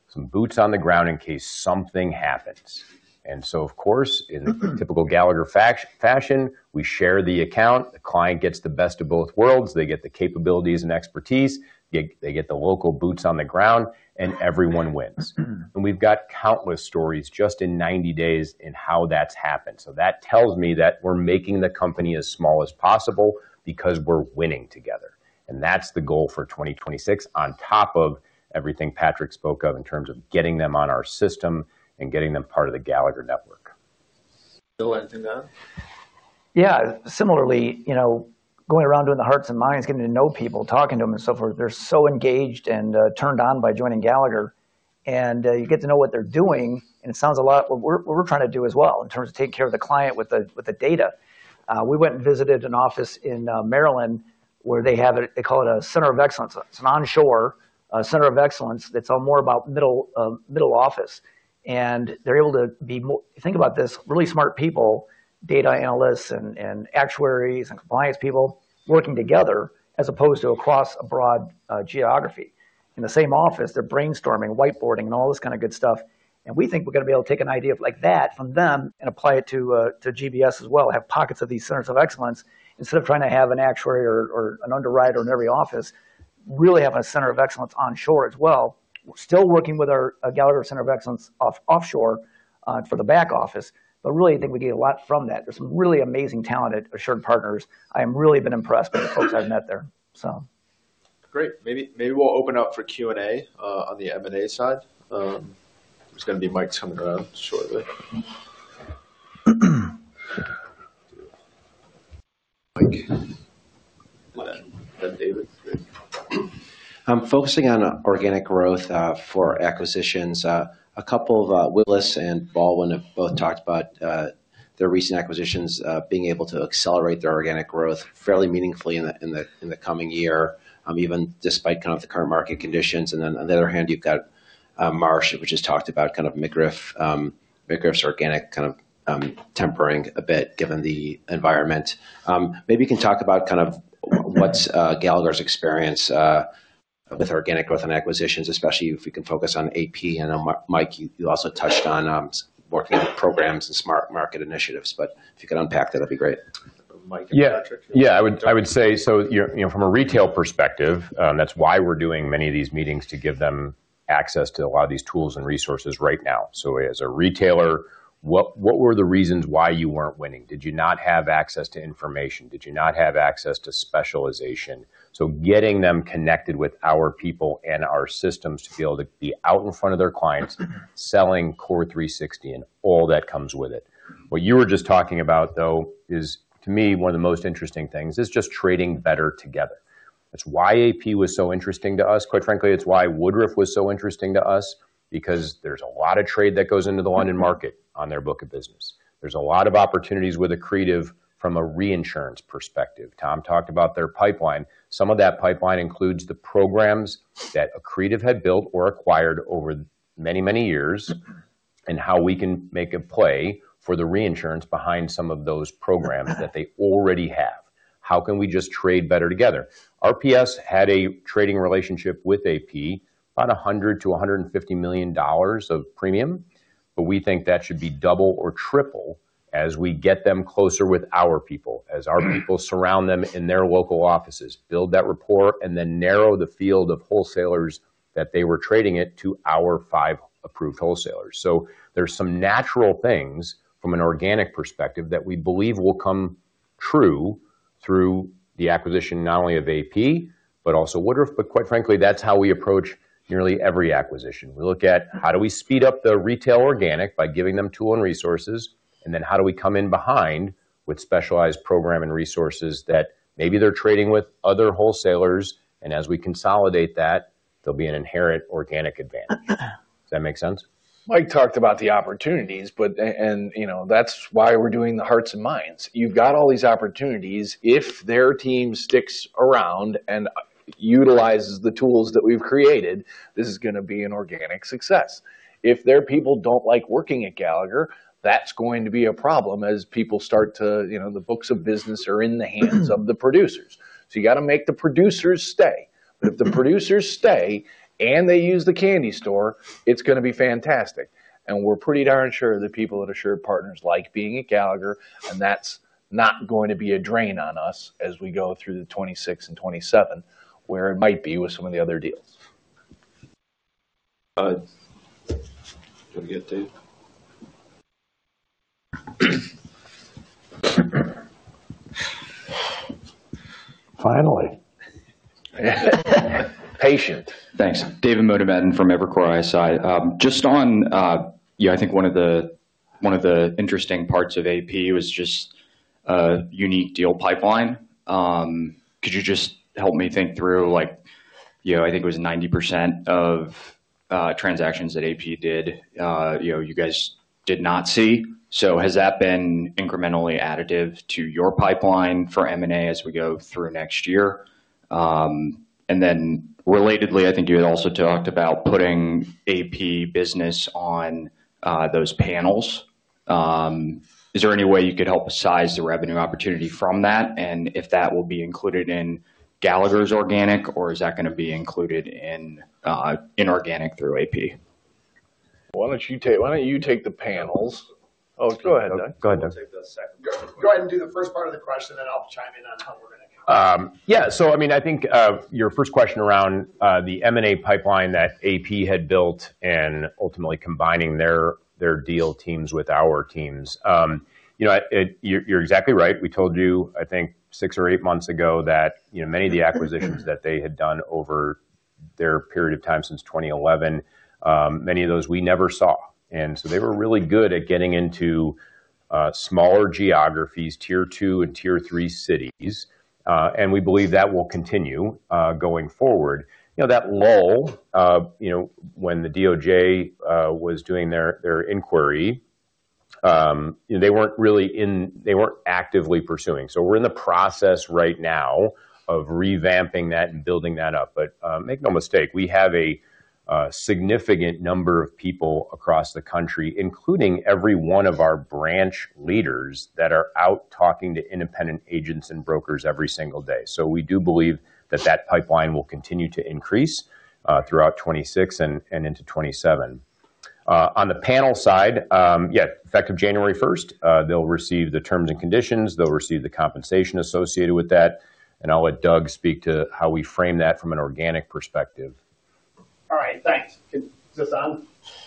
some boots on the ground in case something happens?" And so, of course, in typical Gallagher fashion, we share the account. The client gets the best of both worlds. They get the capabilities and expertise. They get the local boots on the ground. And everyone wins. And we've got countless stories just in 90 days in how that's happened. So that tells me that we're making the company as small as possible because we're winning together. And that's the goal for 2026 on top of everything Patrick spoke of in terms of getting them on our system and getting them part of the Gallagher network. Bill, anything to add? Yeah. Similarly, going around doing the hearts and minds, getting to know people, talking to them, and so forth, they're so engaged and turned on by joining Gallagher. And you get to know what they're doing. And it sounds a lot like what we're trying to do as well in terms of taking care of the client with the data. We went and visited an office in Maryland where they have it. They call it a Center of excellence. It's an onshore Center of excellence that's all more about middle office. And they're able to be, think about this, really smart people, data analysts and actuaries and compliance people working together as opposed to across a broad geography. In the same office, they're brainstorming, whiteboarding, and all this kind of good stuff. We think we're going to be able to take an idea like that from them and apply it to GBS as well, have pockets of these centers of excellence. Instead of trying to have an actuary or an underwriter in every office, really having a Center of excellence onshore as well. We're still working with our Gallagher Center of Excellence offshore for the back office. But really, I think we get a lot from that. There's some really amazing talent at AssuredPartners. I have really been impressed by the folks I've met there, so. Great. Maybe we'll open up for Q&A on the M&A side. There's going to be mics coming around shortly. Mike. David. I'm focusing on organic growth for acquisitions. A couple of Willis and Aon, one or both talked about their recent acquisitions being able to accelerate their organic growth fairly meaningfully in the coming year, even despite kind of the current market conditions, and then on the other hand, you've got Marsh, which has talked about kind of McGriff's organic kind of tempering a bit given the environment. Maybe you can talk about kind of what's Gallagher's experience with organic growth and acquisitions, especially if we can focus on AP, and Mike, you also touched on working with programs and SmartMarket initiatives, but if you could unpack that, that'd be great. Mike and Patrick. Yeah. I would say, so from a retail perspective, that's why we're doing many of these meetings to give them access to a lot of these tools and resources right now. So as a retailer, what were the reasons why you weren't winning? Did you not have access to information? Did you not have access to specialization? So getting them connected with our people and our systems to be able to be out in front of their clients, selling CORE360 and all that comes with it. What you were just talking about, though, is, to me, one of the most interesting things is just trading better together. It's why AP was so interesting to us. Quite frankly, it's why Woodruff was so interesting to us because there's a lot of trade that goes into the London market on their book of business. There's a lot of opportunities with Accretive from a reinsurance perspective. Tom talked about their pipeline. Some of that pipeline includes the programs that Accretive had built or acquired over many, many years and how we can make a play for the reinsurance behind some of those programs that they already have. How can we just trade better together? RPS had a trading relationship with AP, about $100-$150 million of premium. But we think that should be double or triple as we get them closer with our people, as our people surround them in their local offices, build that rapport, and then narrow the field of wholesalers that they were trading it to our five approved wholesalers. So there's some natural things from an organic perspective that we believe will come true through the acquisition not only of AP, but also Woodruff. But quite frankly, that's how we approach nearly every acquisition. We look at how do we speed up the retail organic by giving them tools and resources. And then how do we come in behind with specialized programs and resources that maybe they're trading with other wholesalers. And as we consolidate that, there'll be an inherent organic advantage. Does that make sense? Mike talked about the opportunities, and that's why we're doing the hearts and minds. You've got all these opportunities. If their team sticks around and utilizes the tools that we've created, this is going to be an organic success. If their people don't like working at Gallagher, that's going to be a problem as people start to, the books of business are in the hands of the producers, so you got to make the producers stay, but if the producers stay and they use the candy store, it's going to be fantastic, and we're pretty darn sure the people at AssuredPartners like being at Gallagher, and that's not going to be a drain on us as we go through the 2026 and 2027, where it might be with some of the other deals. Can we get Dave? Finally. Patient. Thanks. David Motemaden from Evercore ISI. Just on, I think one of the interesting parts of AP was just a unique deal pipeline. Could you just help me think through, I think it was 90% of transactions that AP did, you guys did not see. So has that been incrementally additive to your pipeline for M&A as we go through next year? And then relatedly, I think you had also talked about putting AP business on those panels. Is there any way you could help size the revenue opportunity from that? And if that will be included in Gallagher's organic, or is that going to be included in inorganic through AP? Why don't you take the panels? Oh, go ahead, Doug. Go ahead, Doug. Go ahead and do the first part of the question. Then I'll chime in on how we're going to. Yeah, so I mean, I think your first question around the M&A pipeline that AP had built and ultimately combining their deal teams with our teams, you're exactly right. We told you, I think, six or eight months ago that many of the acquisitions that they had done over their period of time since 2011, many of those we never saw, and so they were really good at getting into smaller geographies, tier two and tier three cities, and we believe that will continue going forward. That lull, when the DOJ was doing their inquiry, they weren't actively pursuing, so we're in the process right now of revamping that and building that up, but make no mistake, we have a significant number of people across the country, including every one of our branch leaders that are out talking to independent agents and brokers every single day. We do believe that that pipeline will continue to increase throughout 2026 and into 2027. On the panel side, yeah, effective January 1st, they'll receive the terms and conditions. They'll receive the compensation associated with that. And I'll let Doug speak to how we frame that from an organic perspective. All right. Thanks.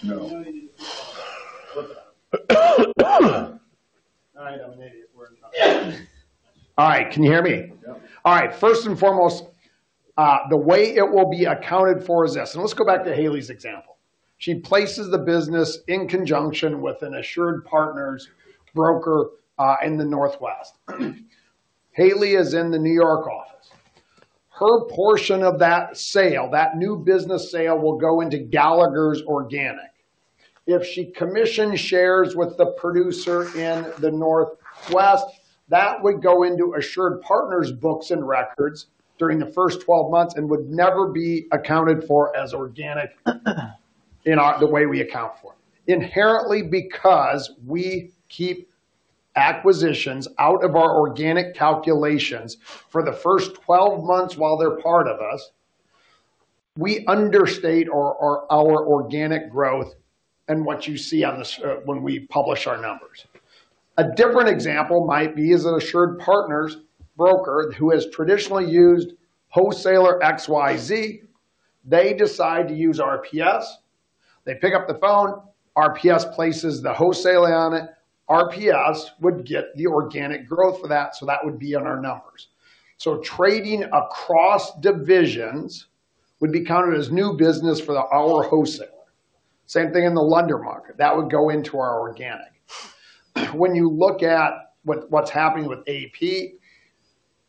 No. All right. Can you hear me? All right. First and foremost, the way it will be accounted for is this. And let's go back to Haley's example. She places the business in conjunction with an AssuredPartners' broker in the Northwest. Haley is in the New York office. Her portion of that sale, that new business sale, will go into Gallagher's organic. If she commissioned shares with the producer in the Northwest, that would go into AssuredPartners' books and records during the first 12 months and would never be accounted for as organic in the way we account for. Inherently, because we keep acquisitions out of our organic calculations for the first 12 months while they're part of us, we understate our organic growth and what you see when we publish our numbers. A different example might be as an AssuredPartners' broker who has traditionally used wholesaler XYZ. They decide to use RPS. They pick up the phone. RPS places the wholesale on it. RPS would get the organic growth for that. So that would be in our numbers. So trading across divisions would be counted as new business for our wholesaler. Same thing in the London market. That would go into our organic. When you look at what's happening with AP,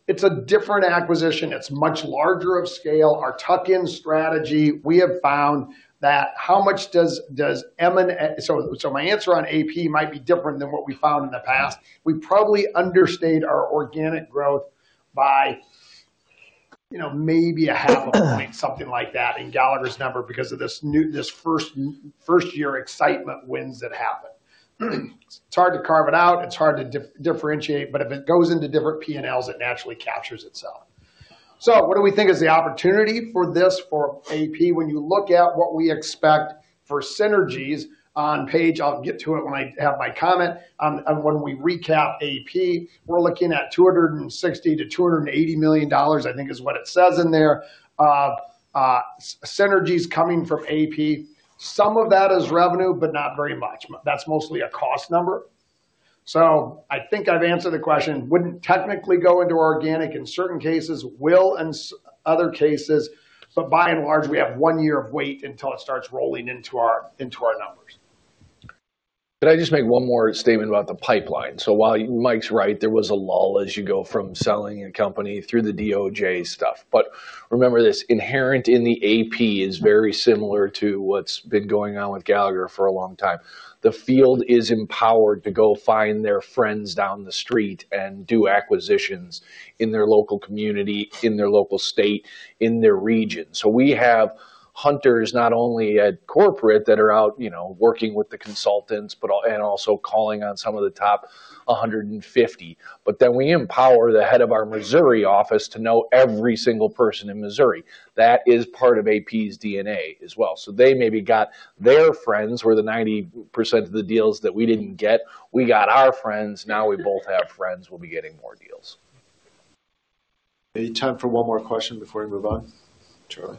it's a different acquisition. It's much larger of scale. Our tuck-in strategy, we have found that how much does so my answer on AP might be different than what we found in the past. We probably understate our organic growth by maybe a half a point, something like that, in Gallagher's number because of this first-year excitement wins that happen. It's hard to carve it out. It's hard to differentiate. But if it goes into different P&Ls, it naturally captures itself. So what do we think is the opportunity for this for AP when you look at what we expect for synergies on page? I'll get to it when I have my comment. When we recap AP, we're looking at $260-$280 million, I think, is what it says in there. Synergies coming from AP, some of that is revenue, but not very much. That's mostly a cost number. So I think I've answered the question. Wouldn't technically go into organic in certain cases, will in other cases. But by and large, we have one year of wait until it starts rolling into our numbers. Could I just make one more statement about the pipeline? So while Mike's right, there was a lull as you go from selling a company through the DOJ stuff. But remember this, inherent in the AP is very similar to what's been going on with Gallagher for a long time. The field is empowered to go find their friends down the street and do acquisitions in their local community, in their local state, in their region. So we have hunters not only at corporate that are out working with the consultants and also calling on some of the top 150. But then we empower the head of our Missouri office to know every single person in Missouri. That is part of AP's DNA as well. So they maybe got their friends where the 90% of the deals that we didn't get, we got our friends. Now we both have friends. We'll be getting more deals. Any time for one more question before we move on? Charlie?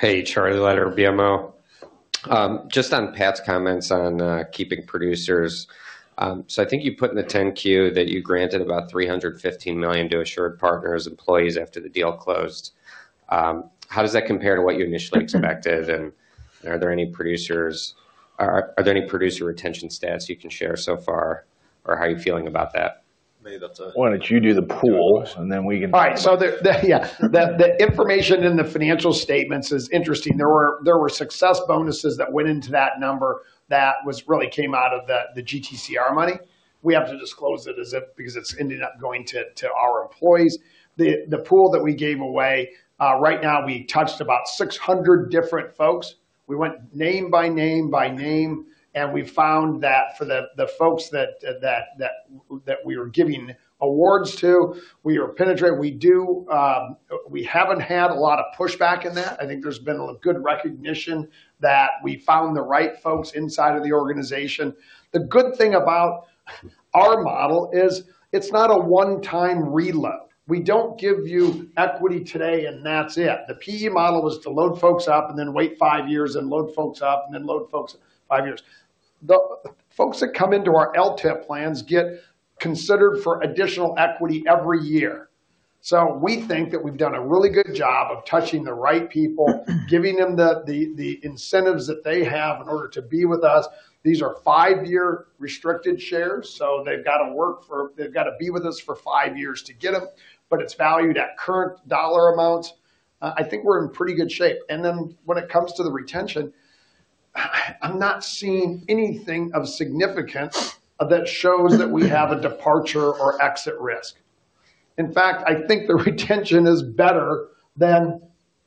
Hey, Charlie at BMO. Just on Pat's comments on keeping producers. So I think you put in the 10-Q that you granted about $315 million to AssuredPartners employees after the deal closed. How does that compare to what you initially expected? And are there any producer retention stats you can share so far? Or how are you feeling about that? Maybe that's a... Why don't you do the pool and then we can... All right. So yeah, the information in the financial statements is interesting. There were success bonuses that went into that number that really came out of the GTCR money. We have to disclose it because it's ended up going to our employees. The pool that we gave away, right now, we touched about 600 different folks. We went name by name by name, and we found that for the folks that we were giving awards to, we were penetrating. We haven't had a lot of pushback in that. I think there's been a good recognition that we found the right folks inside of the organization. The good thing about our model is it's not a one-time reload. We don't give you equity today and that's it. The PE model was to load folks up and then wait five years and load folks up and then load folks five years. The folks that come into our LTEP plans get considered for additional equity every year. So we think that we've done a really good job of touching the right people, giving them the incentives that they have in order to be with us. These are five-year restricted shares. So they've got to be with us for five years to get them. But it's valued at current dollar amounts. I think we're in pretty good shape. And then when it comes to the retention, I'm not seeing anything of significance that shows that we have a departure or exit risk. In fact, I think the retention is better than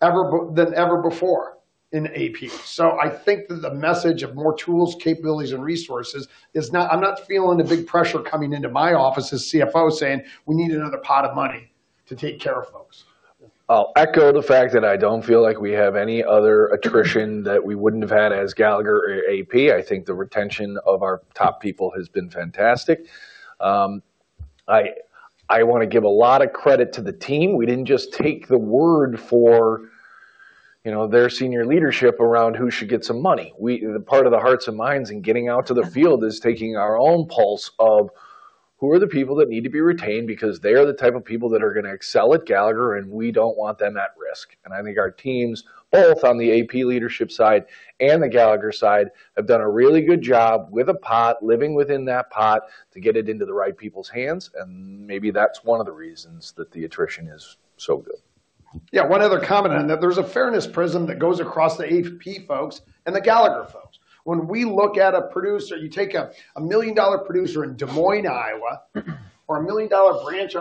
ever before in AP. I think that the message of more tools, capabilities, and resources is. I'm not feeling the big pressure coming into my office as CFO saying, "We need another pot of money to take care of folks. I'll echo the fact that I don't feel like we have any other attrition that we wouldn't have had as Gallagher or AP. I think the retention of our top people has been fantastic. I want to give a lot of credit to the team. We didn't just take the word for their senior leadership around who should get some money. Part of the hearts and minds in getting out to the field is taking our own pulse of who are the people that need to be retained because they are the type of people that are going to excel at Gallagher, and we don't want them at risk. And I think our teams, both on the AP leadership side and the Gallagher side, have done a really good job with a pot, living within that pot to get it into the right people's hands. Maybe that's one of the reasons that the attrition is so good. Yeah. One other comment on that. There's a fairness prism that goes across the AP folks and the Gallagher folks. When we look at a producer, you take a million-dollar producer in Des Moines, Iowa, or a million-dollar branch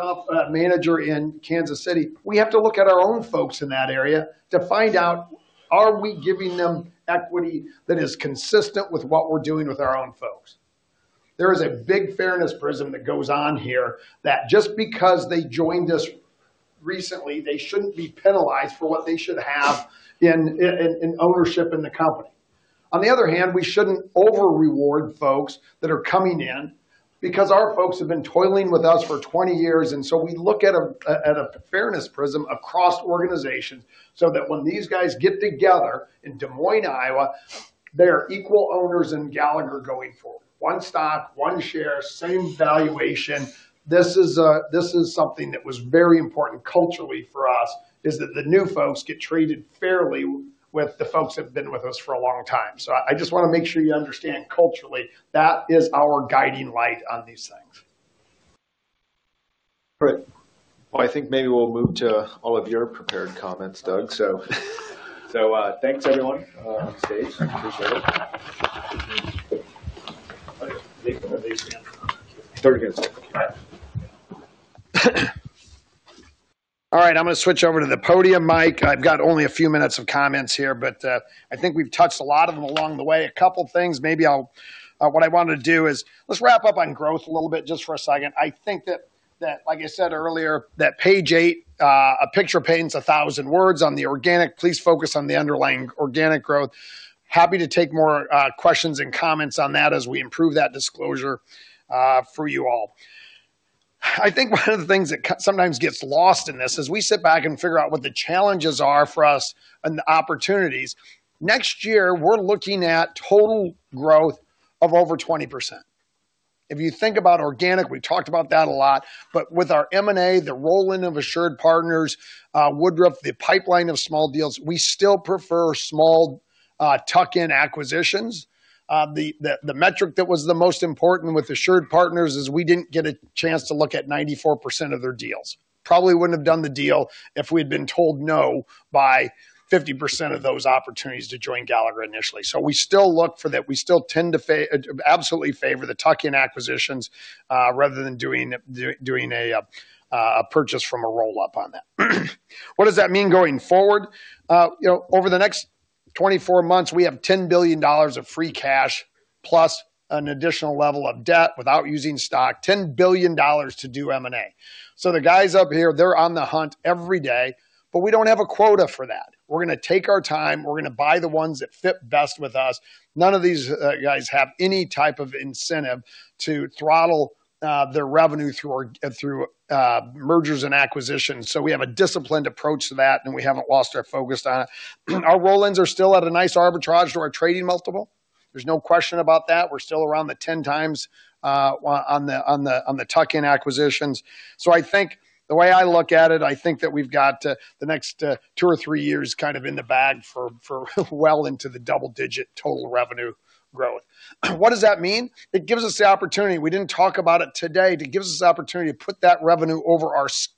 manager in Kansas City, we have to look at our own folks in that area to find out, are we giving them equity that is consistent with what we're doing with our own folks? There is a big fairness prism that goes on here that just because they joined us recently, they shouldn't be penalized for what they should have in ownership in the company. On the other hand, we shouldn't over-reward folks that are coming in because our folks have been toiling with us for 20 years. And so we look at a fairness prism across organizations so that when these guys get together in Des Moines, Iowa, they are equal owners in Gallagher going forward. One stock, one share, same valuation. This is something that was very important culturally for us, is that the new folks get treated fairly with the folks that have been with us for a long time. So I just want to make sure you understand culturally. That is our guiding light on these things. Great. Well, I think maybe we'll move to all of your prepared comments, Doug. So thanks, everyone, on stage. Appreciate it. 30 minutes left. All right. I'm going to switch over to the podium, Mike. I've got only a few minutes of comments here. But I think we've touched a lot of them along the way. A couple of things. Maybe what I wanted to do is let's wrap up on growth a little bit just for a second. I think that, like I said earlier, that page eight, a picture paints a thousand words on the organic. Please focus on the underlying organic growth. Happy to take more questions and comments on that as we improve that disclosure for you all. I think one of the things that sometimes gets lost in this is we sit back and figure out what the challenges are for us and the opportunities. Next year, we're looking at total growth of over 20%. If you think about organic, we talked about that a lot. But with our M&A, the role in AssuredPartners, Woodruff Sawyer, the pipeline of small deals, we still prefer small tuck-in acquisitions. The metric that was the most important with AssuredPartners is we didn't get a chance to look at 94% of their deals. Probably wouldn't have done the deal if we had been told no by 50% of those opportunities to join Gallagher initially. We still look for that. We still tend to absolutely favor the tuck-in acquisitions rather than doing a purchase from a roll-up on that. What does that mean going forward? Over the next 24 months, we have $10 billion of free cash plus an additional level of debt without using stock, $10 billion to do M&A. The guys up here, they're on the hunt every day. We don't have a quota for that. We're going to take our time. We're going to buy the ones that fit best with us. None of these guys have any type of incentive to throttle their revenue through mergers and acquisitions. So we have a disciplined approach to that. And we haven't lost our focus on it. Our roll-ins are still at a nice arbitrage to our trading multiple. There's no question about that. We're still around the 10 times on the tuck-in acquisitions. So I think the way I look at it, I think that we've got the next two or three years kind of in the bag for well into the double-digit total revenue growth. What does that mean? It gives us the opportunity. We didn't talk about it today. It gives us the opportunity to put that revenue over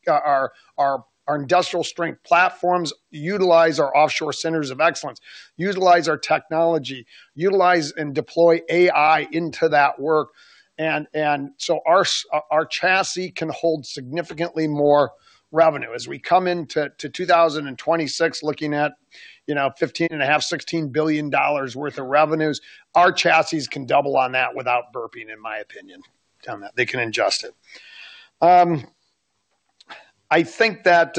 our industrial strength platforms, utilize our offshore centers of excellence, utilize our technology, utilize and deploy AI into that work. And so our chassis can hold significantly more revenue. As we come into 2026, looking at $15.5-$16 billion worth of revenues, our chassis can double on that without burping, in my opinion. They can ingest it. I think that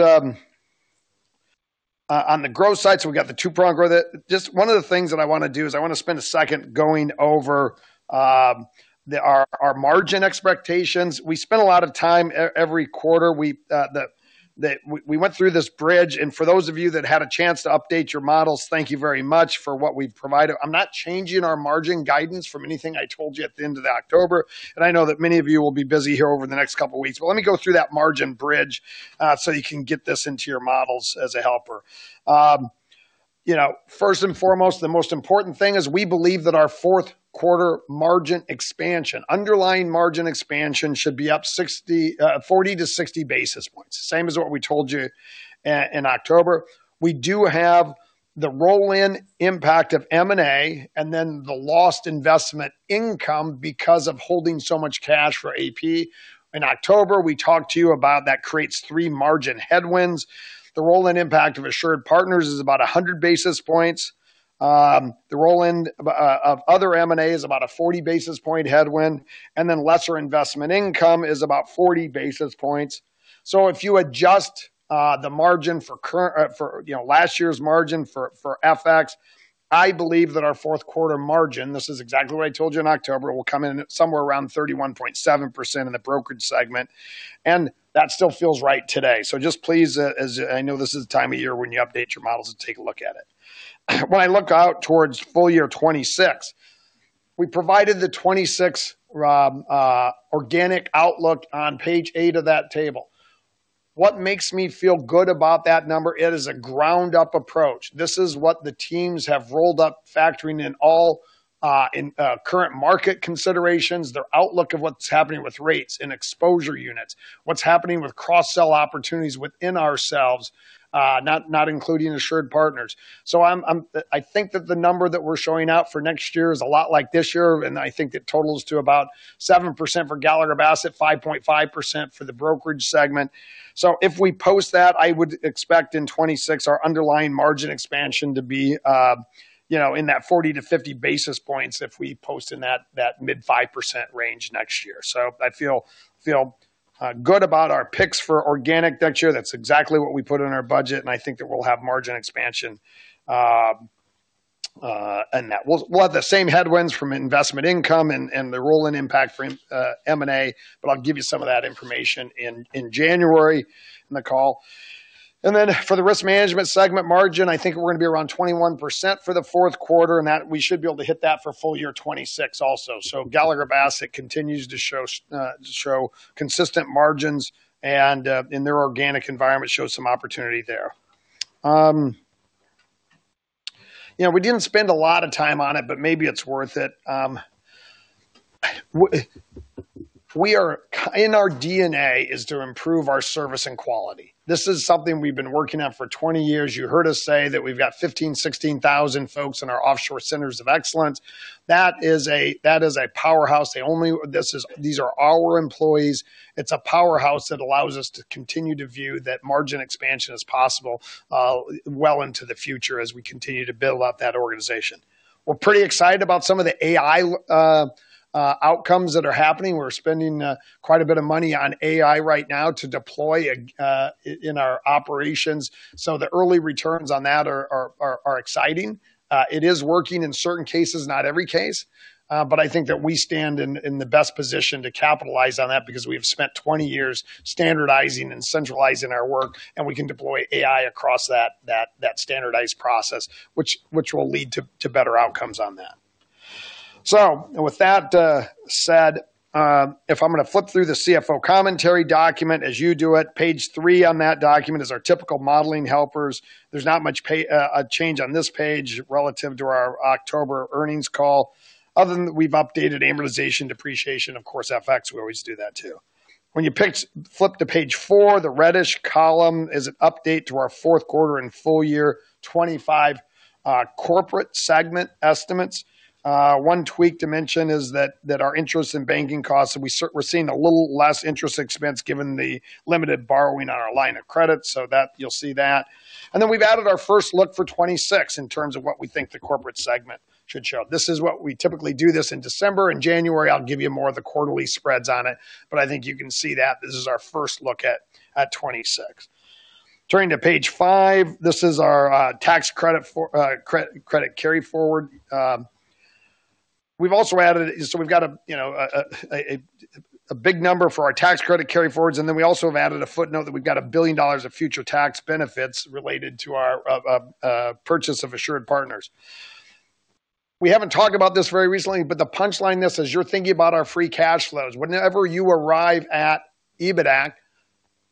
on the growth side, so we've got the two-prong growth. Just one of the things that I want to do is I want to spend a second going over our margin expectations. We spend a lot of time every quarter. We went through this bridge. And for those of you that had a chance to update your models, thank you very much for what we provided. I'm not changing our margin guidance from anything I told you at the end of October. And I know that many of you will be busy here over the next couple of weeks. But let me go through that margin bridge so you can get this into your models as a helper. First and foremost, the most important thing is we believe that our fourth-quarter margin expansion, underlying margin expansion should be up 40-60 basis points, same as what we told you in October. We do have the roll-in impact of M&A and then the lost investment income because of holding so much cash for AP in October. We talked to you about that. That creates three margin headwinds. The roll-in impact of AssuredPartners is about 100 basis points. The roll-in of other M&A is about a 40-basis-point headwind. And then lesser investment income is about 40 basis points. So if you adjust the margin for last year's margin for FX, I believe that our fourth quarter margin, this is exactly what I told you in October, will come in somewhere around 31.7% in the brokerage segment. And that still feels right today. So just please, as I know this is the time of year when you update your models and take a look at it. When I look out towards full year 2026, we provided the 2026 organic outlook on page eight of that table. What makes me feel good about that number? It is a ground-up approach. This is what the teams have rolled up, factoring in all current market considerations, their outlook of what's happening with rates and exposure units, what's happening with cross-sell opportunities within ourselves, not including AssuredPartners. So I think that the number that we're showing out for next year is a lot like this year. And I think it totals to about 7% for Gallagher Bassett, 5.5% for the brokerage segment. So if we post that, I would expect in 2026 our underlying margin expansion to be in that 40 to 50 basis points if we post in that mid-5% range next year. So I feel good about our picks for organic next year. That's exactly what we put in our budget. And I think that we'll have margin expansion in that. We'll have the same headwinds from investment income and the roll-in impact for M&A. But I'll give you some of that information in January in the call. And then for the risk management segment margin, I think we're going to be around 21% for the fourth quarter. We should be able to hit that for full year 2026 also. So Gallagher Bassett continues to show consistent margins. And in their organic environment, show some opportunity there. We didn't spend a lot of time on it, but maybe it's worth it. In our DNA is to improve our service and quality. This is something we've been working on for 20 years. You heard us say that we've got 15,000, 16,000 folks in our offshore centers of excellence. That is a powerhouse. These are our employees. It's a powerhouse that allows us to continue to view that margin expansion is possible well into the future as we continue to build up that organization. We're pretty excited about some of the AI outcomes that are happening. We're spending quite a bit of money on AI right now to deploy in our operations. So the early returns on that are exciting. It is working in certain cases, not every case. But I think that we stand in the best position to capitalize on that because we have spent 20 years standardizing and centralizing our work. And we can deploy AI across that standardized process, which will lead to better outcomes on that. So with that said, if I'm going to flip through the CFO commentary document as you do it, page three on that document is our typical modeling helpers. There's not much change on this page relative to our October earnings call, other than we've updated amortization, depreciation, of course, FX. We always do that too. When you flip to page four, the reddish column is an update to our fourth quarter and full year 2025 corporate segment estimates. One tweak to mention is that our interest and banking costs, we're seeing a little less interest expense given the limited borrowing on our line of credit, so you'll see that and then we've added our first look for 2026 in terms of what we think the corporate segment should show. This is what we typically do this in December. In January, I'll give you more of the quarterly spreads on it, but I think you can see that this is our first look at 2026. Turning to page five, this is our tax credit carry forward. We've also added, so we've got a big number for our tax credit carry forwards, and then we also have added a footnote that we've got $1 billion of future tax benefits related to our purchase of AssuredPartners. We haven't talked about this very recently, but the punchline of this is you're thinking about our free cash flows. Whenever you arrive at EBITDA,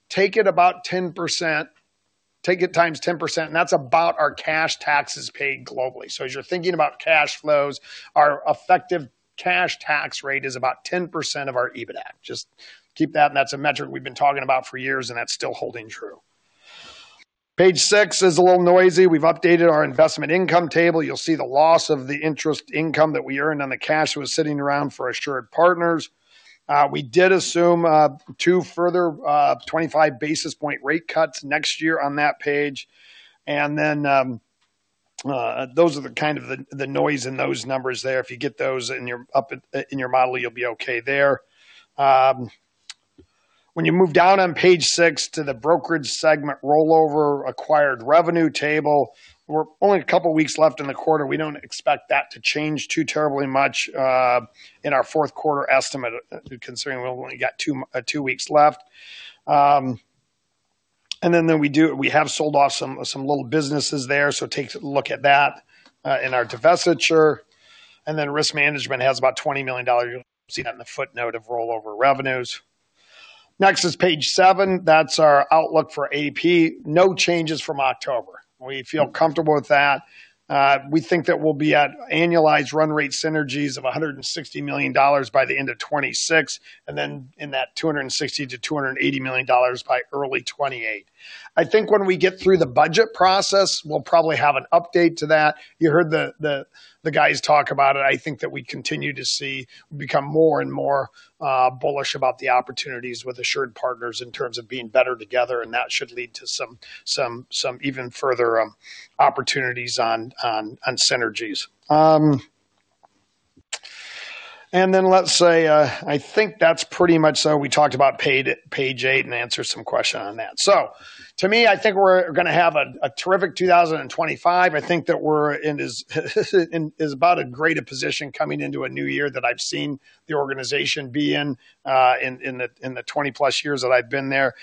take it about 10%, take it times 10%. And that's about our cash taxes paid globally. So as you're thinking about cash flows, our effective cash tax rate is about 10% of our EBITDA. Just keep that. And that's a metric we've been talking about for years. And that's still holding true. Page six is a little noisy. We've updated our investment income table. You'll see the loss of the interest income that we earned on the cash that was sitting around for AssuredPartners. We did assume two further 25 basis points rate cuts next year on that page. And then those are the kind of the noise in those numbers there. If you get those in your model, you'll be okay there. When you move down on page six to the brokerage segment rollover acquired revenue table, we're only a couple of weeks left in the quarter. We don't expect that to change too terribly much in our fourth quarter estimate, considering we only got two weeks left. We have sold off some little businesses there. Take a look at that in our divestiture. Risk management has about $20 million. You'll see that in the footnote of rollover revenues. Next is page seven. That's our outlook for AP. No changes from October. We feel comfortable with that. We think that we'll be at annualized run rate synergies of $160 million by the end of 2026. We have that $260-$280 million by early 2028. I think when we get through the budget process, we'll probably have an update to that. You heard the guys talk about it. I think that we continue to see become more and more bullish about the opportunities with AssuredPartners in terms of being better together. And that should lead to some even further opportunities on synergies. And then let's say, I think that's pretty much what we talked about page eight and answered some questions on that. So to me, I think we're going to have a terrific 2025. I think that we're in about a greater position coming into a new year that I've seen the organization be in in the 20-plus years that I've been there.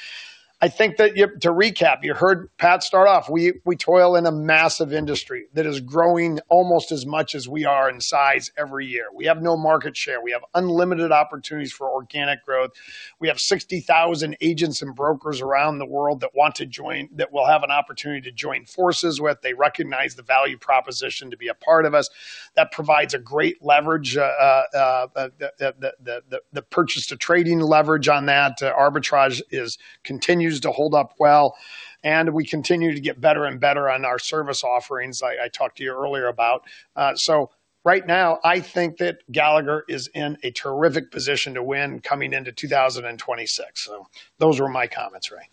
I think that to recap, you heard Pat start off. We toil in a massive industry that is growing almost as much as we are in size every year. We have no market share. We have unlimited opportunities for organic growth. We have 60,000 agents and brokers around the world that want to join, that will have an opportunity to join forces with. They recognize the value proposition to be a part of us. That provides a great leverage, the purchase to trading leverage on that. Arbitrage continues to hold up well. And we continue to get better and better on our service offerings, I talked to you earlier about. So right now, I think that Gallagher is in a terrific position to win coming into 2026. So those were my comments, Ray.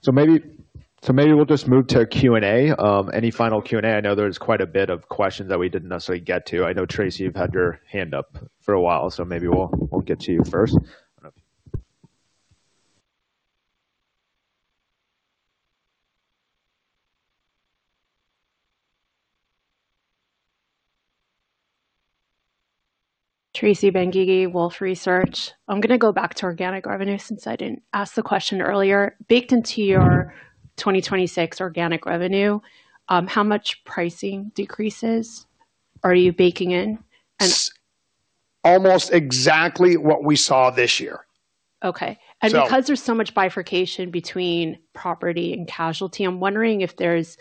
So maybe we'll just move to Q&A. Any final Q&A? I know there's quite a bit of questions that we didn't necessarily get to. I know, Tracy, you've had your hand up for a while. So maybe we'll get to you first. Tracy Benguigui, Wolfe Research. I'm going to go back to organic revenue since I didn't ask the question earlier. Baked into your 2026 organic revenue, how much pricing decreases? Are you baking in? Almost exactly what we saw this year. Okay. And because there's so much bifurcation between property and casualty, I'm wondering if there's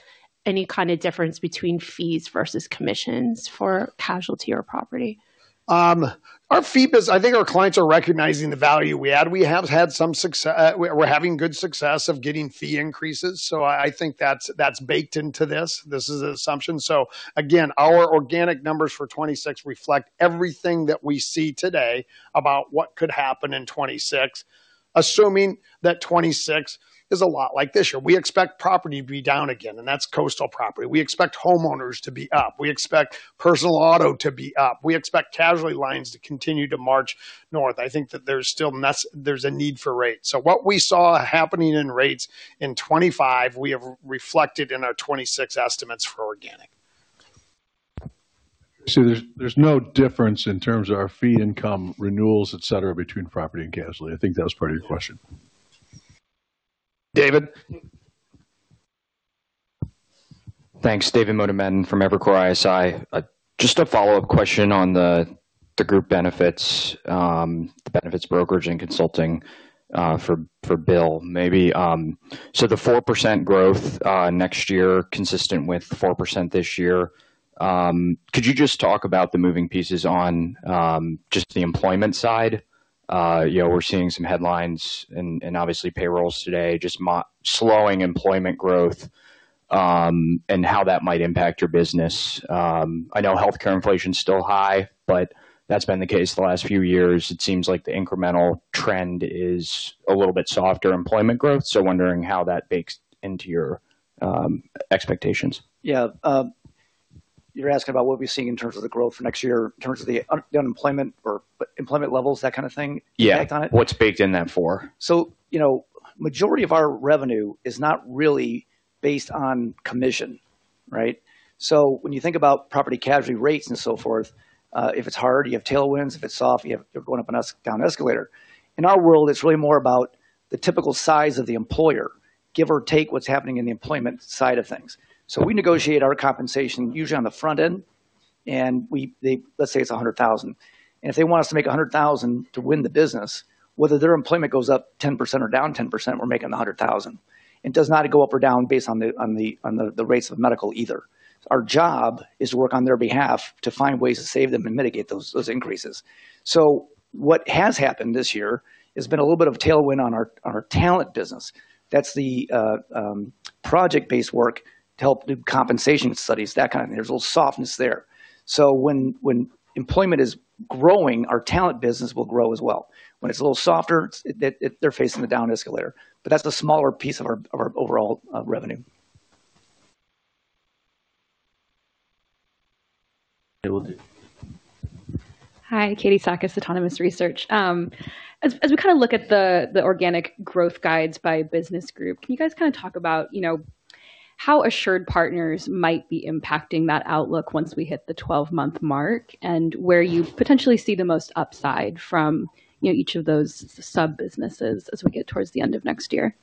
any kind of difference between fees versus commissions for casualty or property. I think our clients are recognizing the value we add. We have had some success. We're having good success of getting fee increases. So I think that's baked into this. This is an assumption. So again, our organic numbers for 2026 reflect everything that we see today about what could happen in 2026, assuming that 2026 is a lot like this year. We expect property to be down again. And that's coastal property. We expect homeowners to be up. We expect personal auto to be up. We expect casualty lines to continue to march north. I think that there's still a need for rates. So what we saw happening in rates in 2025, we have reflected in our 2026 estimates for organic. So there's no difference in terms of our fee income, renewals, etc., between property and casualty. I think that was part of your question, David. Thanks. David Motemaden from Evercore ISI. Just a follow-up question on the group benefits, the benefits brokerage and consulting for Bill. So the 4% growth next year consistent with 4% this year. Could you just talk about the moving pieces on just the employment side? We're seeing some headlines and obviously payrolls today, just slowing employment growth and how that might impact your business. I know healthcare inflation is still high, but that's been the case the last few years. It seems like the incremental trend is a little bit softer employment growth. So wondering how that bakes into your expectations? Yeah. You're asking about what we're seeing in terms of the growth for next year in terms of the unemployment or employment levels, that kind of thing, impact on it? Yeah. What's b aked in that for? So majority of our revenue is not really based on commission, right? So when you think about property casualty rates and so forth, if it's hard, you have tailwinds. If it's soft, you're going up and down the escalator. In our world, it's really more about the typical size of the employer, give or take what's happening in the employment side of things. So we negotiate our compensation usually on the front end. And let's say it's 100,000. And if they want us to make $100,000 to win the business, whether their employment goes up 10% or down 10%, we're making $100,000. It does not go up or down based on the rates of medical either. Our job is to work on their behalf to find ways to save them and mitigate those increases. So what has happened this year has been a little bit of tailwind on our talent business. That's the project-based work to help do compensation studies, that kind of thing. There's a little softness there. So when employment is growing, our talent business will grow as well. When it's a little softer, they're facing the down escalator. But that's the smaller piece of our overall revenue. Hi, Katie Sakys, Autonomous Research. As we kind of look at the organic growth guides by business group, can you guys kind of talk about how AssuredPartners might be impacting that outlook once we hit the 12-month mark and where you potentially see the most upside from each of those sub-businesses as we get towards the end of next year?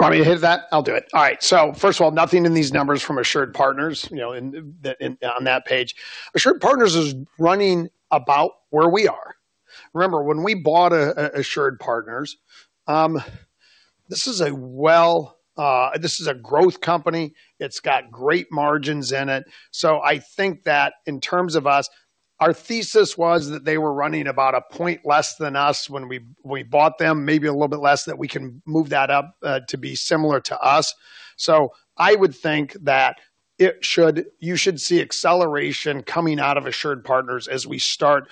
I mean, hit that, I'll do it. All right. So first of all, nothing in these numbers from AssuredPartners on that page. AssuredPartners is running about where we are. Remember, when we bought AssuredPartners, this is a growth company. It's got great margins in it. So I think that in terms of us, our thesis was that they were running about a point less than us when we bought them, maybe a little bit less, that we can move that up to be similar to us. So I would think that you should see acceleration coming out of AssuredPartners as we start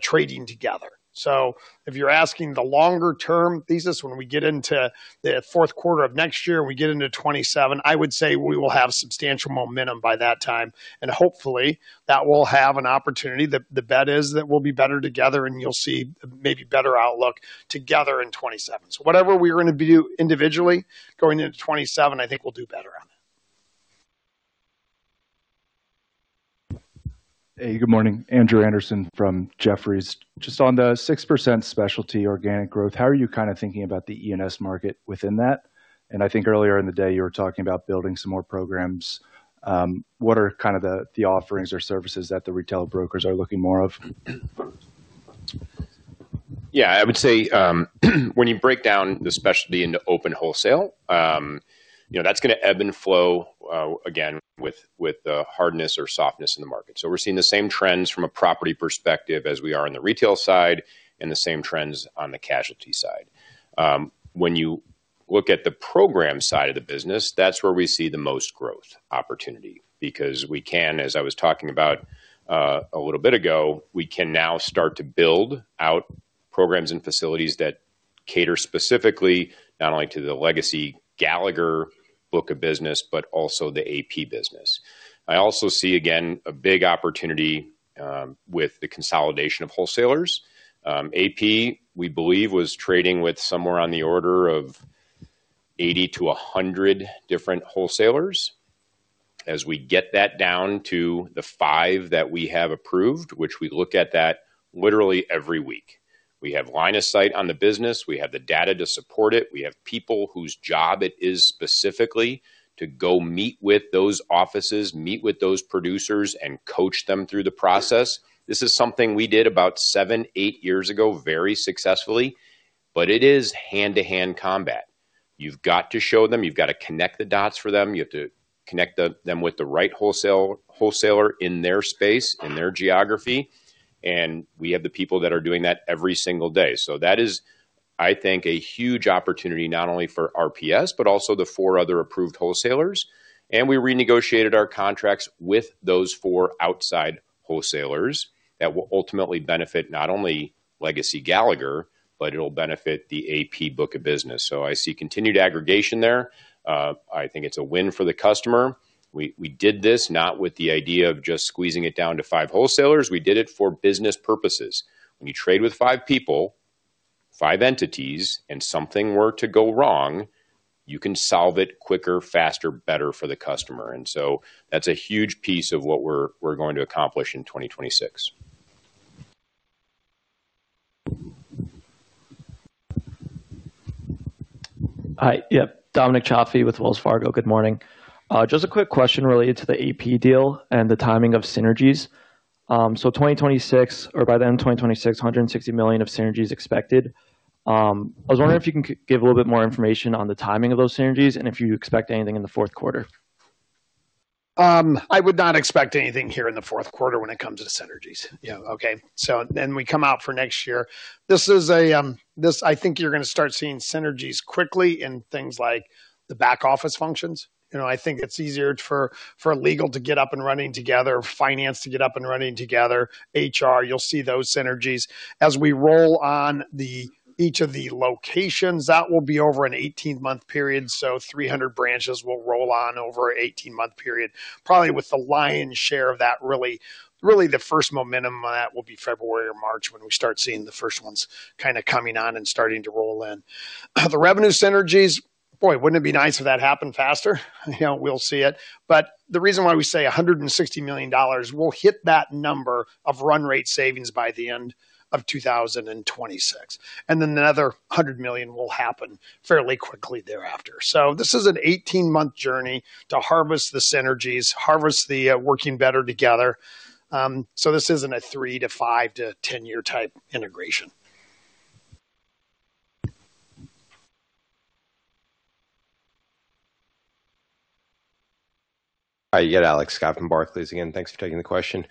trading together. So if you're asking the longer-term thesis, when we get into the fourth quarter of next year, we get into 2027, I would say we will have substantial momentum by that time. And hopefully, that will have an opportunity. The bet is that we'll be better together. And you'll see maybe better outlook together in 2027. So whatever we're going to do individually going into 2027, I think we'll do better on it. Hey, good morning. Andrew Andersen from Jefferies. Just on the 6% specialty organic growth, how are you kind of thinking about the E&S market within that? And I think earlier in the day, you were talking about building some more programs. What are kind of the offerings or services that the retail brokers are looking more of? Yeah. I would say when you break down the specialty into open wholesale, that's going to ebb and flow again with the hardness or softness in the market. So we're seeing the same trends from a property perspective as we are on the retail side and the same trends on the casualty side. When you look at the program side of the business, that's where we see the most growth opportunity because we can, as I was talking about a little bit ago, we can now start to build out programs and facilities that cater specifically not only to the legacy Gallagher book of business, but also the AP business. I also see, again, a big opportunity with the consolidation of wholesalers. AP, we believe, was trading with somewhere on the order of 80 to 100 different wholesalers. As we get that down to the five that we have approved, which we look at that literally every week. We have line of sight on the business. We have the data to support it. We have people whose job it is specifically to go meet with those offices, meet with those producers, and coach them through the process. This is something we did about seven, eight years ago very successfully. But it is hand-to-hand combat. You've got to show them. You've got to connect the dots for them. You have to connect them with the right wholesaler in their space, in their geography. And we have the people that are doing that every single day, so that is, I think, a huge opportunity not only for RPS, but also the four other approved wholesalers. And we renegotiated our contracts with those four outside wholesalers that will ultimately benefit not only legacy Gallagher, but it'll benefit the AP book of business. So I see continued aggregation there. I think it's a win for the customer. We did this not with the idea of just squeezing it down to five wholesalers. We did it for business purposes. When you trade with five people, five entities, and something were to go wrong, you can solve it quicker, faster, better for the customer. And so that's a huge piece of what we're going to accomplish in 2026. Hi. Yeah. Damien Chafe with Wells Fargo. Good morning. Just a quick question related to the AP deal and the timing of synergies. So 2026, or by the end of 2026, $160 million of synergies expected. I was wondering if you can give a little bit more information on the timing of those synergies and if you expect anything in the fourth quarter? I would not expect anything here in the fourth quarter when it comes to synergies. Okay. So then we come out for next year. This is a, I think you're going to start seeing synergies quickly in things like the back office functions. I think it's easier for legal to get up and running together, finance to get up and running together, HR. You'll see those synergies. As we roll on each of the locations, that will be over an 18-month period. So 300 branches will roll on over an 18-month period. Probably with the lion's share of that, really, the first momentum on that will be February or March when we start seeing the first ones kind of coming on and starting to roll in. The revenue synergies, boy, wouldn't it be nice if that happened faster? We'll see it. But the reason why we say $160 million, we'll hit that number of run rate savings by the end of 2026. And then another $100 million will happen fairly quickly thereafter. So this is an 18-month journey to harvest the synergies, harvest the working better together. So this isn't a 3- to 5- to 10-year type integration. Hi. Yeah. Alex Scott from Barclays again. Thanks for taking the question.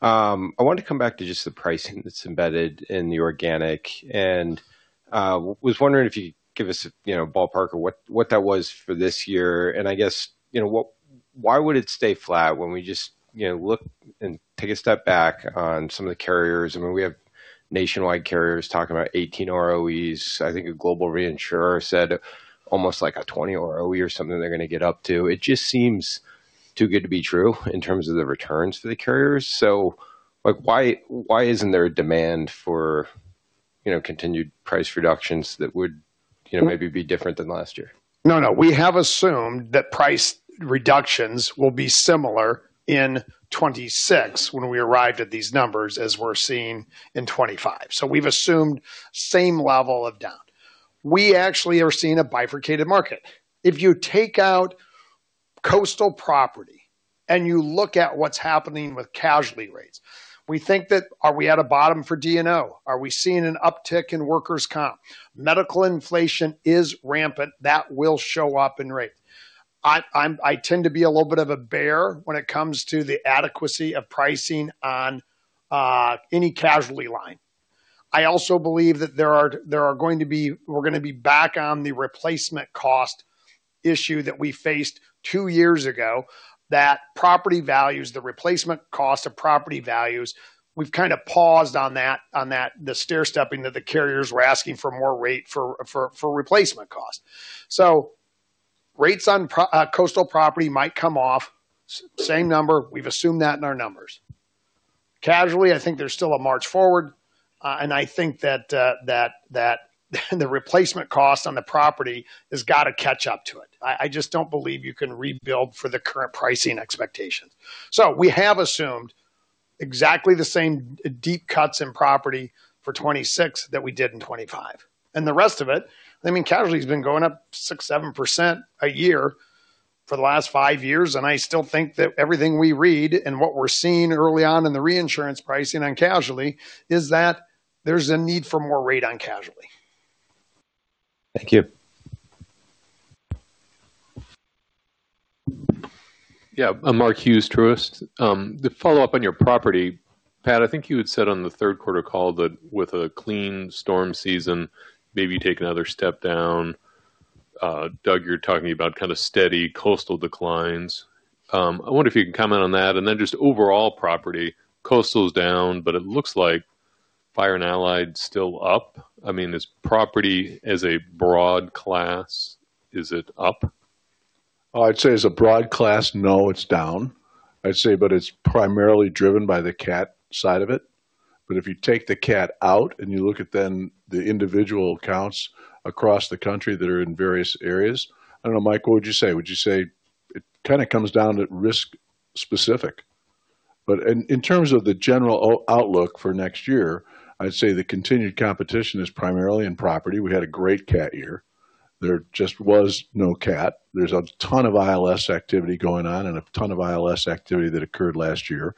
I wanted to come back to just the pricing that's embedded in the organic. And was wondering if you could give us a ballpark of what that was for this year. And I guess, why would it stay flat when we just look and take a step back on some of the carriers? I mean, we have nationwide carriers talking about 18 ROEs. I think a global reinsurer said almost like a 20 ROE or something they're going to get up to. It just seems too good to be true in terms of the returns for the carriers. So why isn't there a demand for continued price reductions that would maybe be different than last year? No, no. We have assumed that price reductions will be similar in '26 when we arrived at these numbers as we're seeing in '25. So we've assumed same level of down. We actually are seeing a bifurcated market. If you take out coastal property and you look at what's happening with casualty rates, we think that are we at a bottom for D&O? Are we seeing an uptick in workers' comp? Medical inflation is rampant. That will show up in rate. I tend to be a little bit of a bear when it comes to the adequacy of pricing on any casualty line. I also believe that we're going to be back on the replacement cost issue that we faced two years ago, that property values, the replacement cost of property values. We've kind of paused on that, the stair stepping that the carriers were asking for more rate for replacement cost. So rates on coastal property might come off. Same number. We've assumed that in our numbers. Casualty, I think there's still a march forward. And I think that the replacement cost on the property has got to catch up to it. I just don't believe you can rebuild for the current pricing expectations. We have assumed exactly the same deep cuts in property for 2026 that we did in 2025. And the rest of it, I mean, casualty has been going up 6%-7% a year for the last five years. And I still think that everything we read and what we're seeing early on in the reinsurance pricing on casualty is that there's a need for more rate on casualty. Thank you. Yeah. I'm Mark Hughes, Truist. To follow up on your property, Pat, I think you had said on the third quarter call that with a clean storm season, maybe take another step down. Doug, you're talking about kind of steady coastal declines. I wonder if you can comment on that. And then just overall property, coastal is down, but it looks like fire and allied still up. I mean, is property as a broad class, is it up? I'd say as a broad class, no, it's down. I'd say, but it's primarily driven by the cat side of it. But if you take the cat out and you look at then the individual accounts across the country that are in various areas, I don't know, Mike, what would you say? Would you say it kind of comes down to risk specific? But in terms of the general outlook for next year, I'd say the continued competition is primarily in property. We had a great cat year. There just was no cat. There's a ton of ILS activity going on and a ton of ILS activity that occurred last year.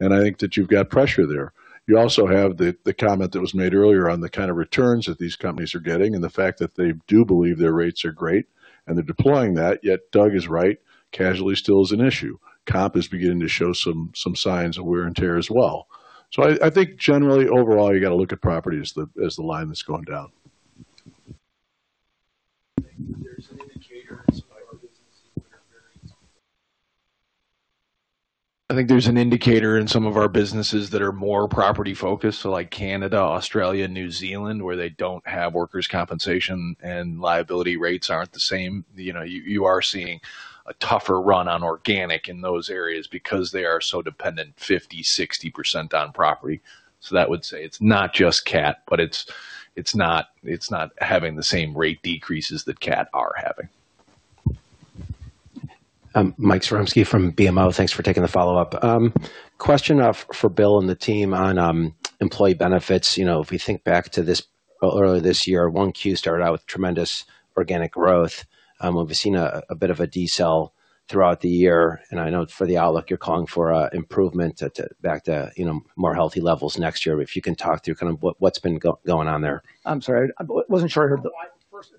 And I think that you've got pressure there. You also have the comment that was made earlier on the kind of returns that these companies are getting and the fact that they do believe their rates are great and they're deploying that. Yet Doug is right. Casualty still is an issue. Comp is beginning to show some signs of wear and tear as well. So I think generally overall, you got to look at property as the line that's going down. I think there's an indicator in some of our businesses that are more property-focused, so like Canada, Australia, New Zealand, where they don't have workers' compensation and liability rates aren't the same. You are seeing a tougher run on organic in those areas because they are so dependent 50%-60% on property. So that would say it's not just cat, but it's not having the same rate decreases that cat are having. Mike Zaremski from BMO. Thanks for taking the follow-up. Question for Bill and the team on employee benefits. If we think back to this earlier this year, 1Q started out with tremendous organic growth. We've seen a bit of a decel throughout the year. And I know for the outlook, you're calling for improvement back to more healthy levels next year. If you can talk through kind of what's been going on there. I'm sorry. I wasn't sure I heard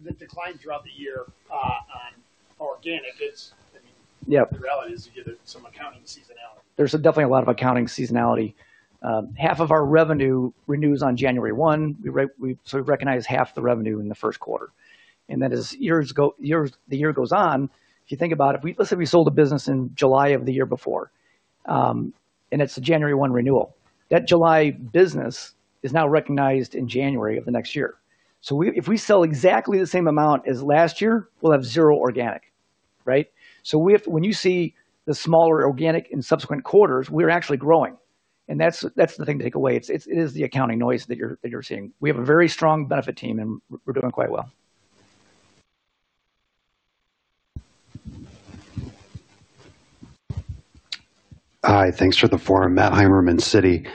the decline throughout the year on organic. I mean, the reality is you get some accounting seasonality. There's definitely a lot of accounting seasonality. Half of our revenue renews on January 1. So we recognize half the revenue in the first quarter. And then as the year goes on, if you think about it, let's say we sold a business in July of the year before, and it's a January 1 renewal. That July business is now recognized in January of the next year. So if we sell exactly the same amount as last year, we'll have zero organic, right? So when you see the smaller organic in subsequent quarters, we're actually growing. And that's the thing to take away. It is the accounting noise that you're seeing. We have a very strong benefit team, and we're doing quite well. Hi. Thanks for the forum. Matt Heimermann, Citi.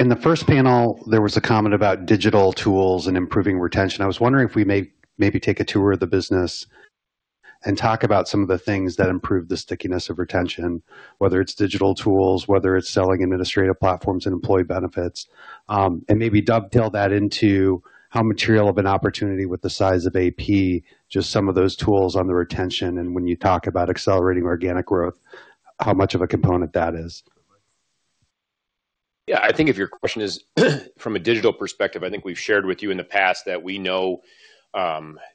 In the first panel, there was a comment about digital tools and improving retention. I was wondering if we maybe take a tour of the business and talk about some of the things that improve the stickiness of retention, whether it's digital tools, whether it's selling administrative platforms and employee benefits. And maybe dovetail that into how material of an opportunity with the size of AP, just some of those tools on the retention. When you talk about accelerating organic growth, how much of a component that is? Yeah. I think if your question is from a digital perspective, I think we've shared with you in the past that we know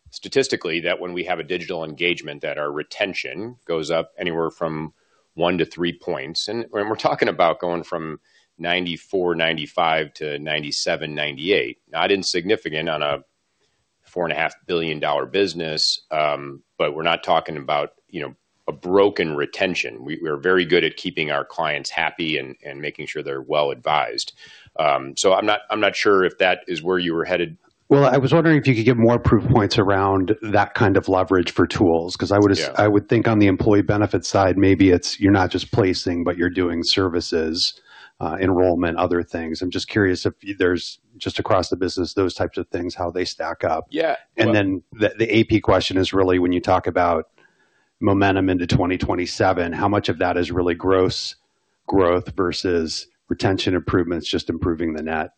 statistically that when we have a digital engagement, that our retention goes up anywhere from one to three points. We're talking about going from 94%-95% to 97%-98%. Not insignificant on a $4.5 billion business, but we're not talking about a broken retention. We are very good at keeping our clients happy and making sure they're well advised. So I'm not sure if that is where you were headed. Well, I was wondering if you could give more proof points around that kind of leverage for tools. Because I would think on the employee benefit side, maybe it's you're not just placing, but you're doing services, enrollment, other things. I'm just curious if there's just across the business, those types of things, how they stack up. And then the AP question is really when you talk about momentum into 2027, how much of that is really gross growth versus retention improvements, just improving the net?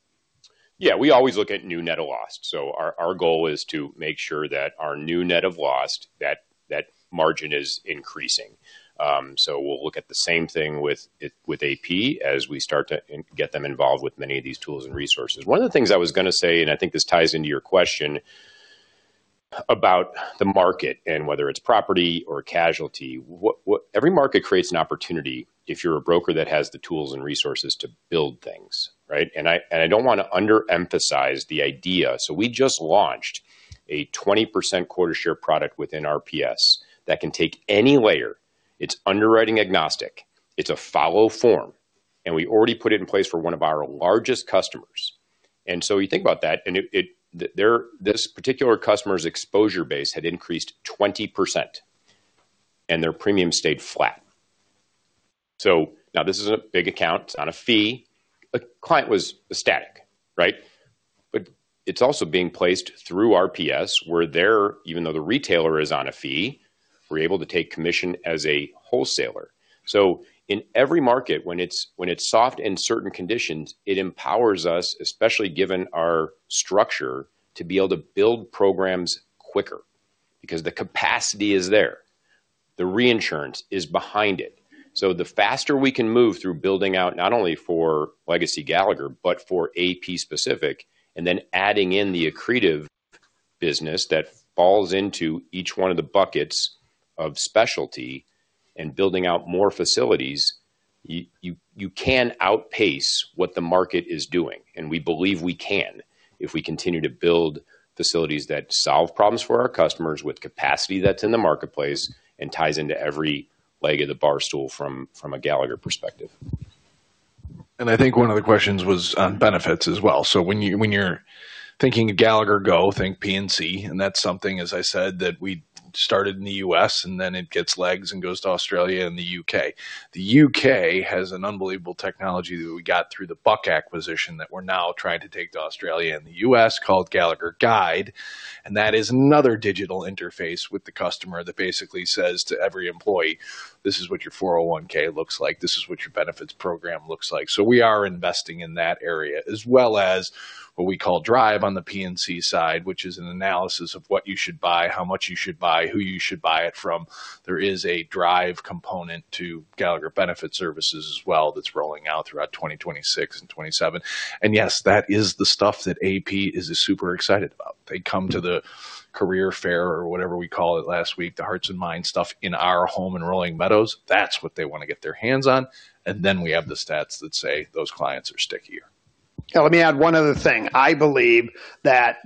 Yeah. We always look at new net of lost. So our goal is to make sure that our new net of lost, that margin is increasing. So we'll look at the same thing with AP as we start to get them involved with many of these tools and resources. One of the things I was going to say, and I think this ties into your question about the market and whether it's property or casualty, every market creates an opportunity if you're a broker that has the tools and resources to build things, right? And I don't want to underemphasize the idea. So we just launched a 20% quota share product within RPS that can take any layer. It's underwriting agnostic. It's a follow form. And we already put it in place for one of our largest customers. And so you think about that, and this particular customer's exposure base had increased 20%, and their premium stayed flat. So now this is a big account on a fee. A client was static, right? But it's also being placed through RPS where they're, even though the retailer is on a fee, we're able to take commission as a wholesaler. So in every market, when it's soft in certain conditions, it empowers us, especially given our structure, to be able to build programs quicker because the capacity is there. The reinsurance is behind it. So the faster we can move through building out not only for Legacy Gallagher, but for AP specific, and then adding in the accretive business that falls into each one of the buckets of specialty and building out more facilities, you can outpace what the market is doing. And we believe we can if we continue to build facilities that solve problems for our customers with capacity that's in the marketplace and ties into every leg of the barstool from a Gallagher perspective. And I think one of the questions was on benefits as well. So when you're thinking Gallagher Go, think P&C. And that's something, as I said, that we started in the US, and then it gets legs and goes to Australia and the UK. The U.K. has an unbelievable technology that we got through the Buck acquisition that we're now trying to take to Australia and the U.S. called Gallagher Guide, and that is another digital interface with the customer that basically says to every employee, "This is what your 401(k) looks like. This is what your benefits program looks like," so we are investing in that area as well as what we call Drive on the P&C side, which is an analysis of what you should buy, how much you should buy, who you should buy it from. There is a Drive component to Gallagher Benefit Services as well that's rolling out throughout 2026 and 2027, and yes, that is the stuff that AP is super excited about. They come to the career fair or whatever we call it last week, the hearts and minds stuff in our home and Rolling Meadows. That's what they want to get their hands on, and then we have the stats that say those clients are stickier. Yeah. Let me add one other thing. I believe that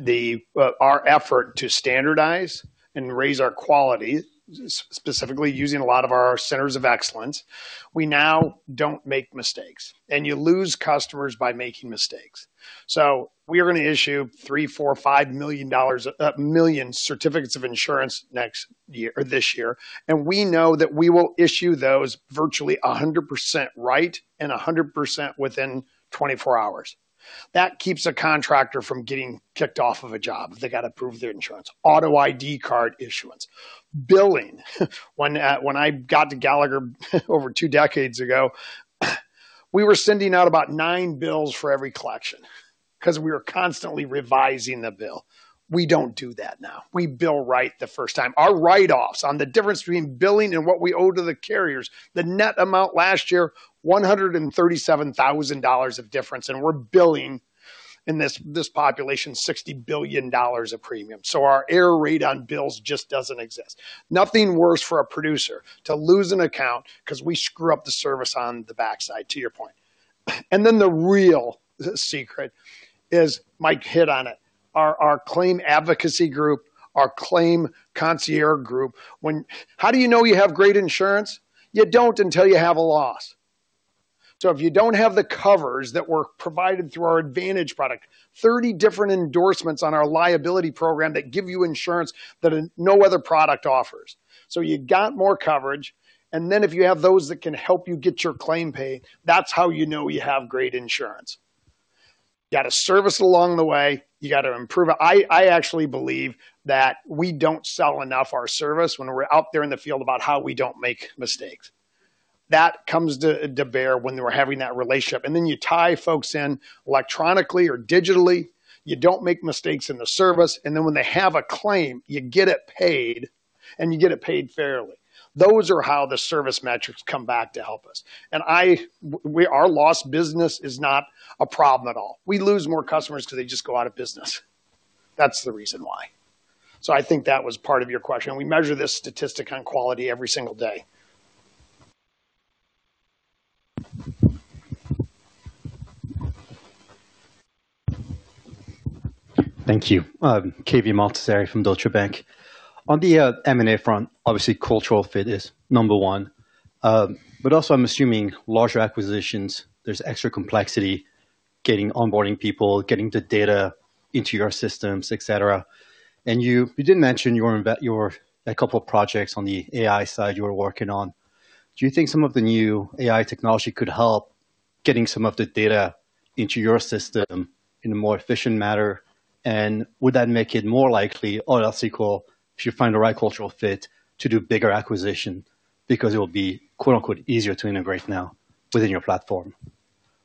our effort to standardize and raise our quality, specifically using a lot of our centers of excellence, we now don't make mistakes, and you lose customers by making mistakes, so we are going to issue three, four, five million certificates of insurance next year or this year. And we know that we will issue those virtually 100% right and 100% within 24 hours. That keeps a contractor from getting kicked off of a job if they got to prove their insurance. Auto ID card issuance. Billing. When I got to Gallagher over two decades ago, we were sending out about nine bills for every collection because we were constantly revising the bill. We don't do that now. We bill right the first time. Our write-offs on the difference between billing and what we owe to the carriers, the net amount last year, $137,000 of difference. And we're billing in this population $60 billion of premium. So our error rate on bills just doesn't exist. Nothing worse for a producer to lose an account because we screw up the service on the backside, to your point. And then the real secret is, Mike hit on it, our claim advocacy group, our claim concierge group. How do you know you have great insurance? You don't until you have a loss. So if you don't have the covers that were provided through our Advantage product, 30 different endorsements on our liability program that give you insurance that no other product offers. So you got more coverage. And then if you have those that can help you get your claim paid, that's how you know you have great insurance. You got a service along the way. You got to improve it. I actually believe that we don't sell enough our service when we're out there in the field about how we don't make mistakes. That comes to bear when we're having that relationship, and then you tie folks in electronically or digitally. You don't make mistakes in the service, and then when they have a claim, you get it paid, and you get it paid fairly. Those are how the service metrics come back to help us, and our lost business is not a problem at all. We lose more customers because they just go out of business. That's the reason why, so I think that was part of your question. We measure this statistic on quality every single day. Thank you. From Deutsche Bank. On the M&A front, obviously, cultural fit is number one. But also, I'm assuming larger acquisitions, there's extra complexity getting onboarding people, getting the data into your systems, etc. And you did mention a couple of projects on the AI side you were working on. Do you think some of the new AI technology could help getting some of the data into your system in a more efficient manner? And would that make it more likely, all else equal, if you find the right cultural fit, to do bigger acquisition because it will be "easier to integrate now" within your platform?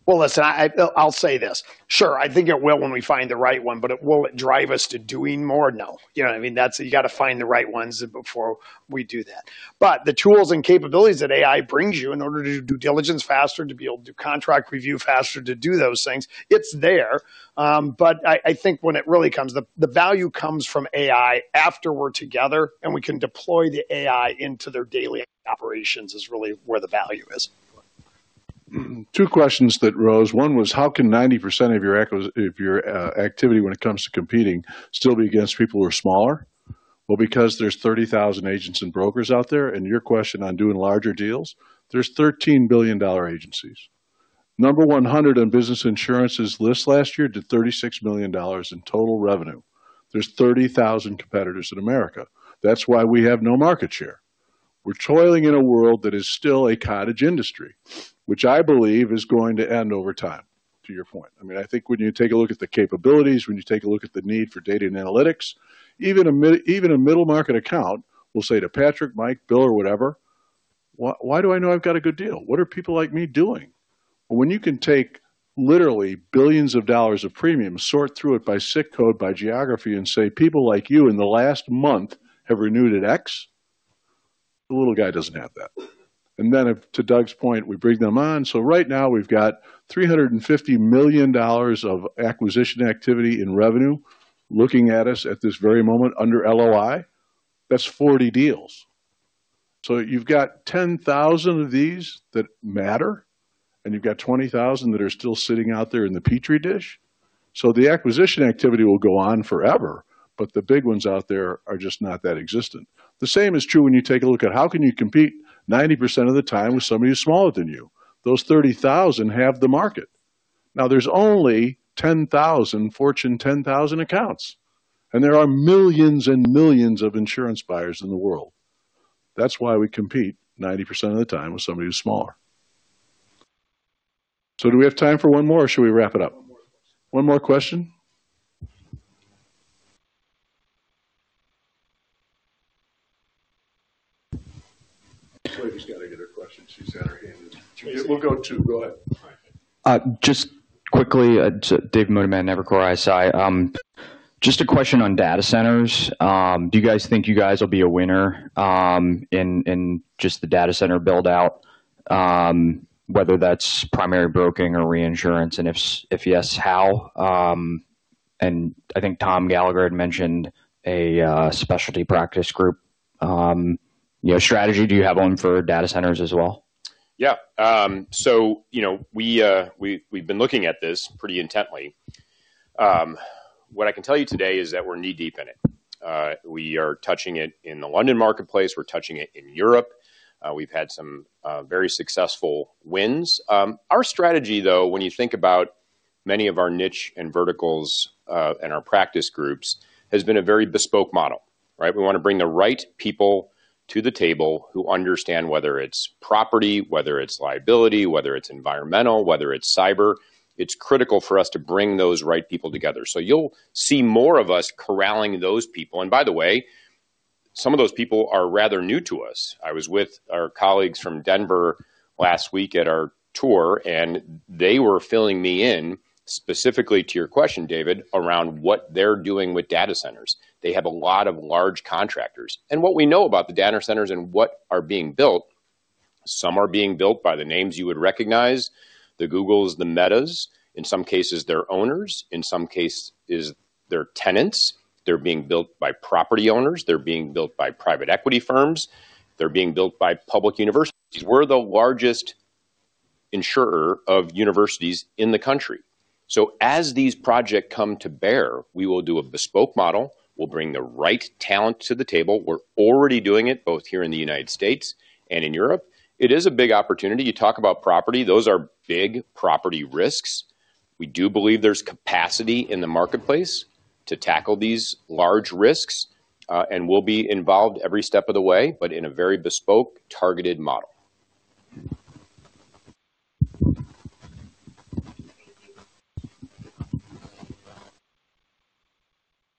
Well, listen, I'll say this. Sure, I think it will when we find the right one, but will it drive us to doing more? No. You know what I mean? You got to find the right ones before we do that, but the tools and capabilities that AI brings you in order to do due diligence faster, to be able to do contract review faster, to do those things, it's there, but I think when it really comes, the value comes from AI after we're together, and we can deploy the AI into their daily operations is really where the value is. Two questions that rose. One was, how can 90% of your activity when it comes to competing still be against people who are smaller? Well, because there's 30,000 agents and brokers out there, and your question on doing larger deals, there's $13 billion agencies. Number 100 in Business Insurance's list last year did $36 million in total revenue. There's 30,000 competitors in America. That's why we have no market share. We're toiling in a world that is still a cottage industry, which I believe is going to end over time, to your point. I mean, I think when you take a look at the capabilities, when you take a look at the need for data and analytics, even a middle market account will say to Patrick, Mike, Bill, or whatever, "Why do I know I've got a good deal? What are people like me doing?" Well, when you can take literally billions of dollars of premium, sort through it by zip code, by geography, and say, "People like you in the last month have renewed at X," the little guy doesn't have that. And then to Doug's point, we bring them on. Right now, we've got $350 million of acquisition activity in revenue looking at us at this very moment under LOI. That's 40 deals. So you've got 10,000 of these that matter, and you've got 20,000 that are still sitting out there in the Petri dish. So the acquisition activity will go on forever, but the big ones out there are just not that existent. The same is true when you take a look at how can you compete 90% of the time with somebody who's smaller than you. Those 30,000 have the market. Now, there's only 10,000 Fortune 10,000 accounts, and there are millions and millions of insurance buyers in the world. That's why we compete 90% of the time with somebody who's smaller. So do we have time for one more, or should we wrap it up? One more question. I think she's got another question. She's had her hand. We'll go to go ahead. Just quickly, David Motemaden, Evercore ISI. Just a question on data centers. Do you guys think you guys will be a winner in just the data center build-out, whether that's primary broking or reinsurance? And if yes, how? And I think Tom Gallagher had mentioned a specialty practice group. Strategy, do you have one for data centers as well? Yeah. So we've been looking at this pretty intently. What I can tell you today is that we're knee-deep in it. We are touching it in the London marketplace. We're touching it in Europe. We've had some very successful wins. Our strategy, though, when you think about many of our niche and verticals and our practice groups, has been a very bespoke model, right? We want to bring the right people to the table who understand whether it's property, whether it's liability, whether it's environmental, whether it's cyber. It's critical for us to bring those right people together. So you'll see more of us corralling those people. And by the way, some of those people are rather new to us. I was with our colleagues from Denver last week at our tour, and they were filling me in specifically to your question, David, around what they're doing with data centers. They have a lot of large contractors. And what we know about the data centers and what are being built, some are being built by the names you would recognize, the Googles, the Metas. In some cases, they're owners. In some cases, they're tenants. They're being built by property owners. They're being built by private equity firms. They're being built by public universities. We're the largest insurer of universities in the country. So as these projects come to bear, we will do a bespoke model. We'll bring the right talent to the table. We're already doing it both here in the United States and in Europe. It is a big opportunity. You talk about property. Those are big property risks. We do believe there's capacity in the marketplace to tackle these large risks. And we'll be involved every step of the way, but in a very bespoke, targeted model.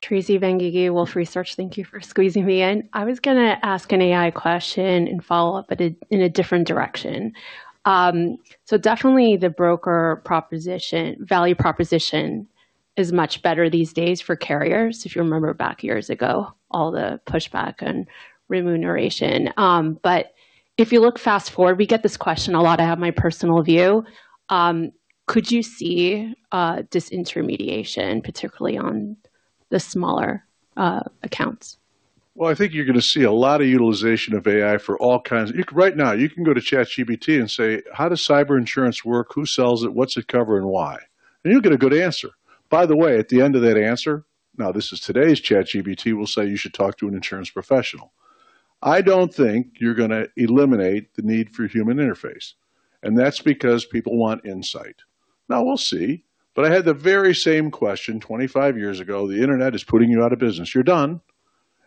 Tracy Benguigui, Wolfe Research. Thank you for squeezing me in. I was going to ask an AI question and follow up in a different direction. So definitely the broker value proposition is much better these days for carriers, if you remember back years ago, all the pushback and remuneration. But if you look fast forward, we get this question a lot. I have my personal view. Could you see disintermediation, particularly on the smaller accounts? Well, I think you're going to see a lot of utilization of AI for all kinds. Right now, you can go to ChatGPT and say, "How does cyber insurance work? Who sells it? What's it cover and why?" And you'll get a good answer. By the way, at the end of that answer, now this is today's ChatGPT, we'll say, "You should talk to an insurance professional." I don't think you're going to eliminate the need for human interface. And that's because people want insight. Now, we'll see. But I had the very same question 25 years ago. The internet is putting you out of business. You're done.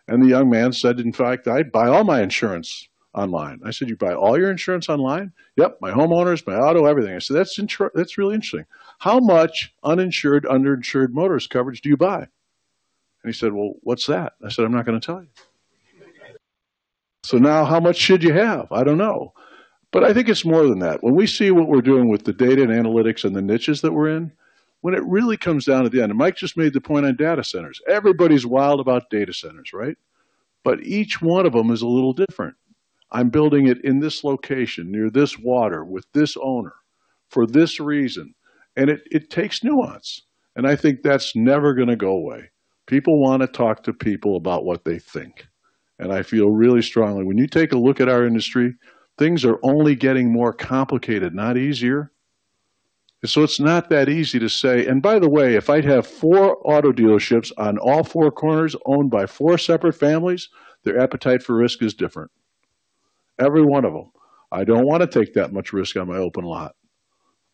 And the young man said, "In fact, I buy all my insurance online." I said, "You buy all your insurance online?" "Yep. My homeowners, my auto, everything." I said, "That's really interesting. How much uninsured, underinsured motorist coverage do you buy?" And he said, "Well, what's that?" I said, "I'm not going to tell you." So now how much should you have? I don't know. But I think it's more than that. When we see what we're doing with the data and analytics and the niches that we're in, when it really comes down to the end, and Mike just made the point on data centers, everybody's wild about data centers, right? But each one of them is a little different. I'm building it in this location near this water with this owner for this reason. And it takes nuance. And I think that's never going to go away. People want to talk to people about what they think. And I feel really strongly when you take a look at our industry, things are only getting more complicated, not easier. And so it's not that easy to say. And by the way, if I'd have four auto dealerships on all four corners owned by four separate families, their appetite for risk is different. Every one of them. I don't want to take that much risk on my open lot.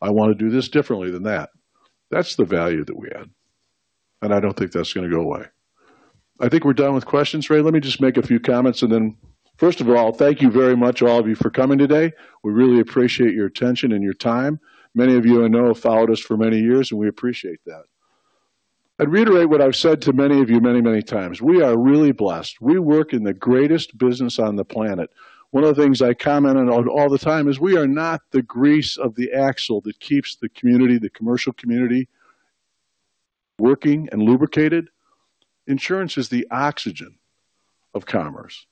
I want to do this differently than that. That's the value that we add. And I don't think that's going to go away. I think we're done with questions, Ray. Let me just make a few comments. And then, first of all, thank you very much, all of you, for coming today. We really appreciate your attention and your time. Many of you, I know, have followed us for many years, and we appreciate that. I'd reiterate what I've said to many of you many, many times. We are really blessed. We work in the greatest business on the planet. One of the things I comment on all the time is we are not the grease of the axle that keeps the community, the commercial community working and lubricated. Insurance is the oxygen of commerce.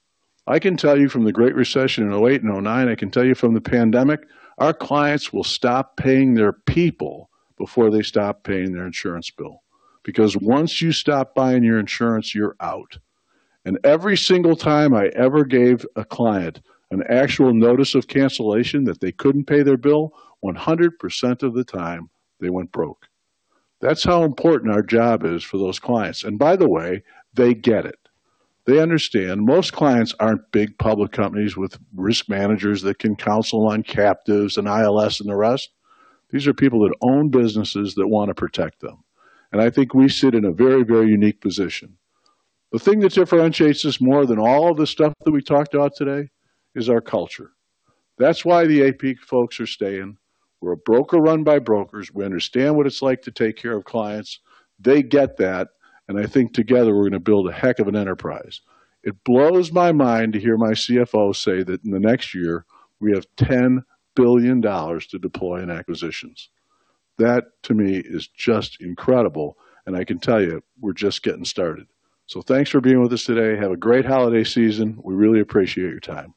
I can tell you from the Great Recession in 2008 and 2009, I can tell you from the pandemic, our clients will stop paying their people before they stop paying their insurance bill. Because once you stop buying your insurance, you're out. And every single time I ever gave a client an actual notice of cancellation that they couldn't pay their bill, 100% of the time, they went broke. That's how important our job is for those clients. And by the way, they get it. They understand. Most clients aren't big public companies with risk managers that can counsel on captives and ILS and the rest. These are people that own businesses that want to protect them, and I think we sit in a very, very unique position. The thing that differentiates us more than all of the stuff that we talked about today is our culture. That's why the AP folks are staying. We're a broker run by brokers. We understand what it's like to take care of clients. They get that, and I think together, we're going to build a heck of an enterprise. It blows my mind to hear my CFO say that in the next year, we have $10 billion to deploy in acquisitions. That, to me, is just incredible, and I can tell you, we're just getting started, so thanks for being with us today. Have a great holiday season. We really appreciate your time.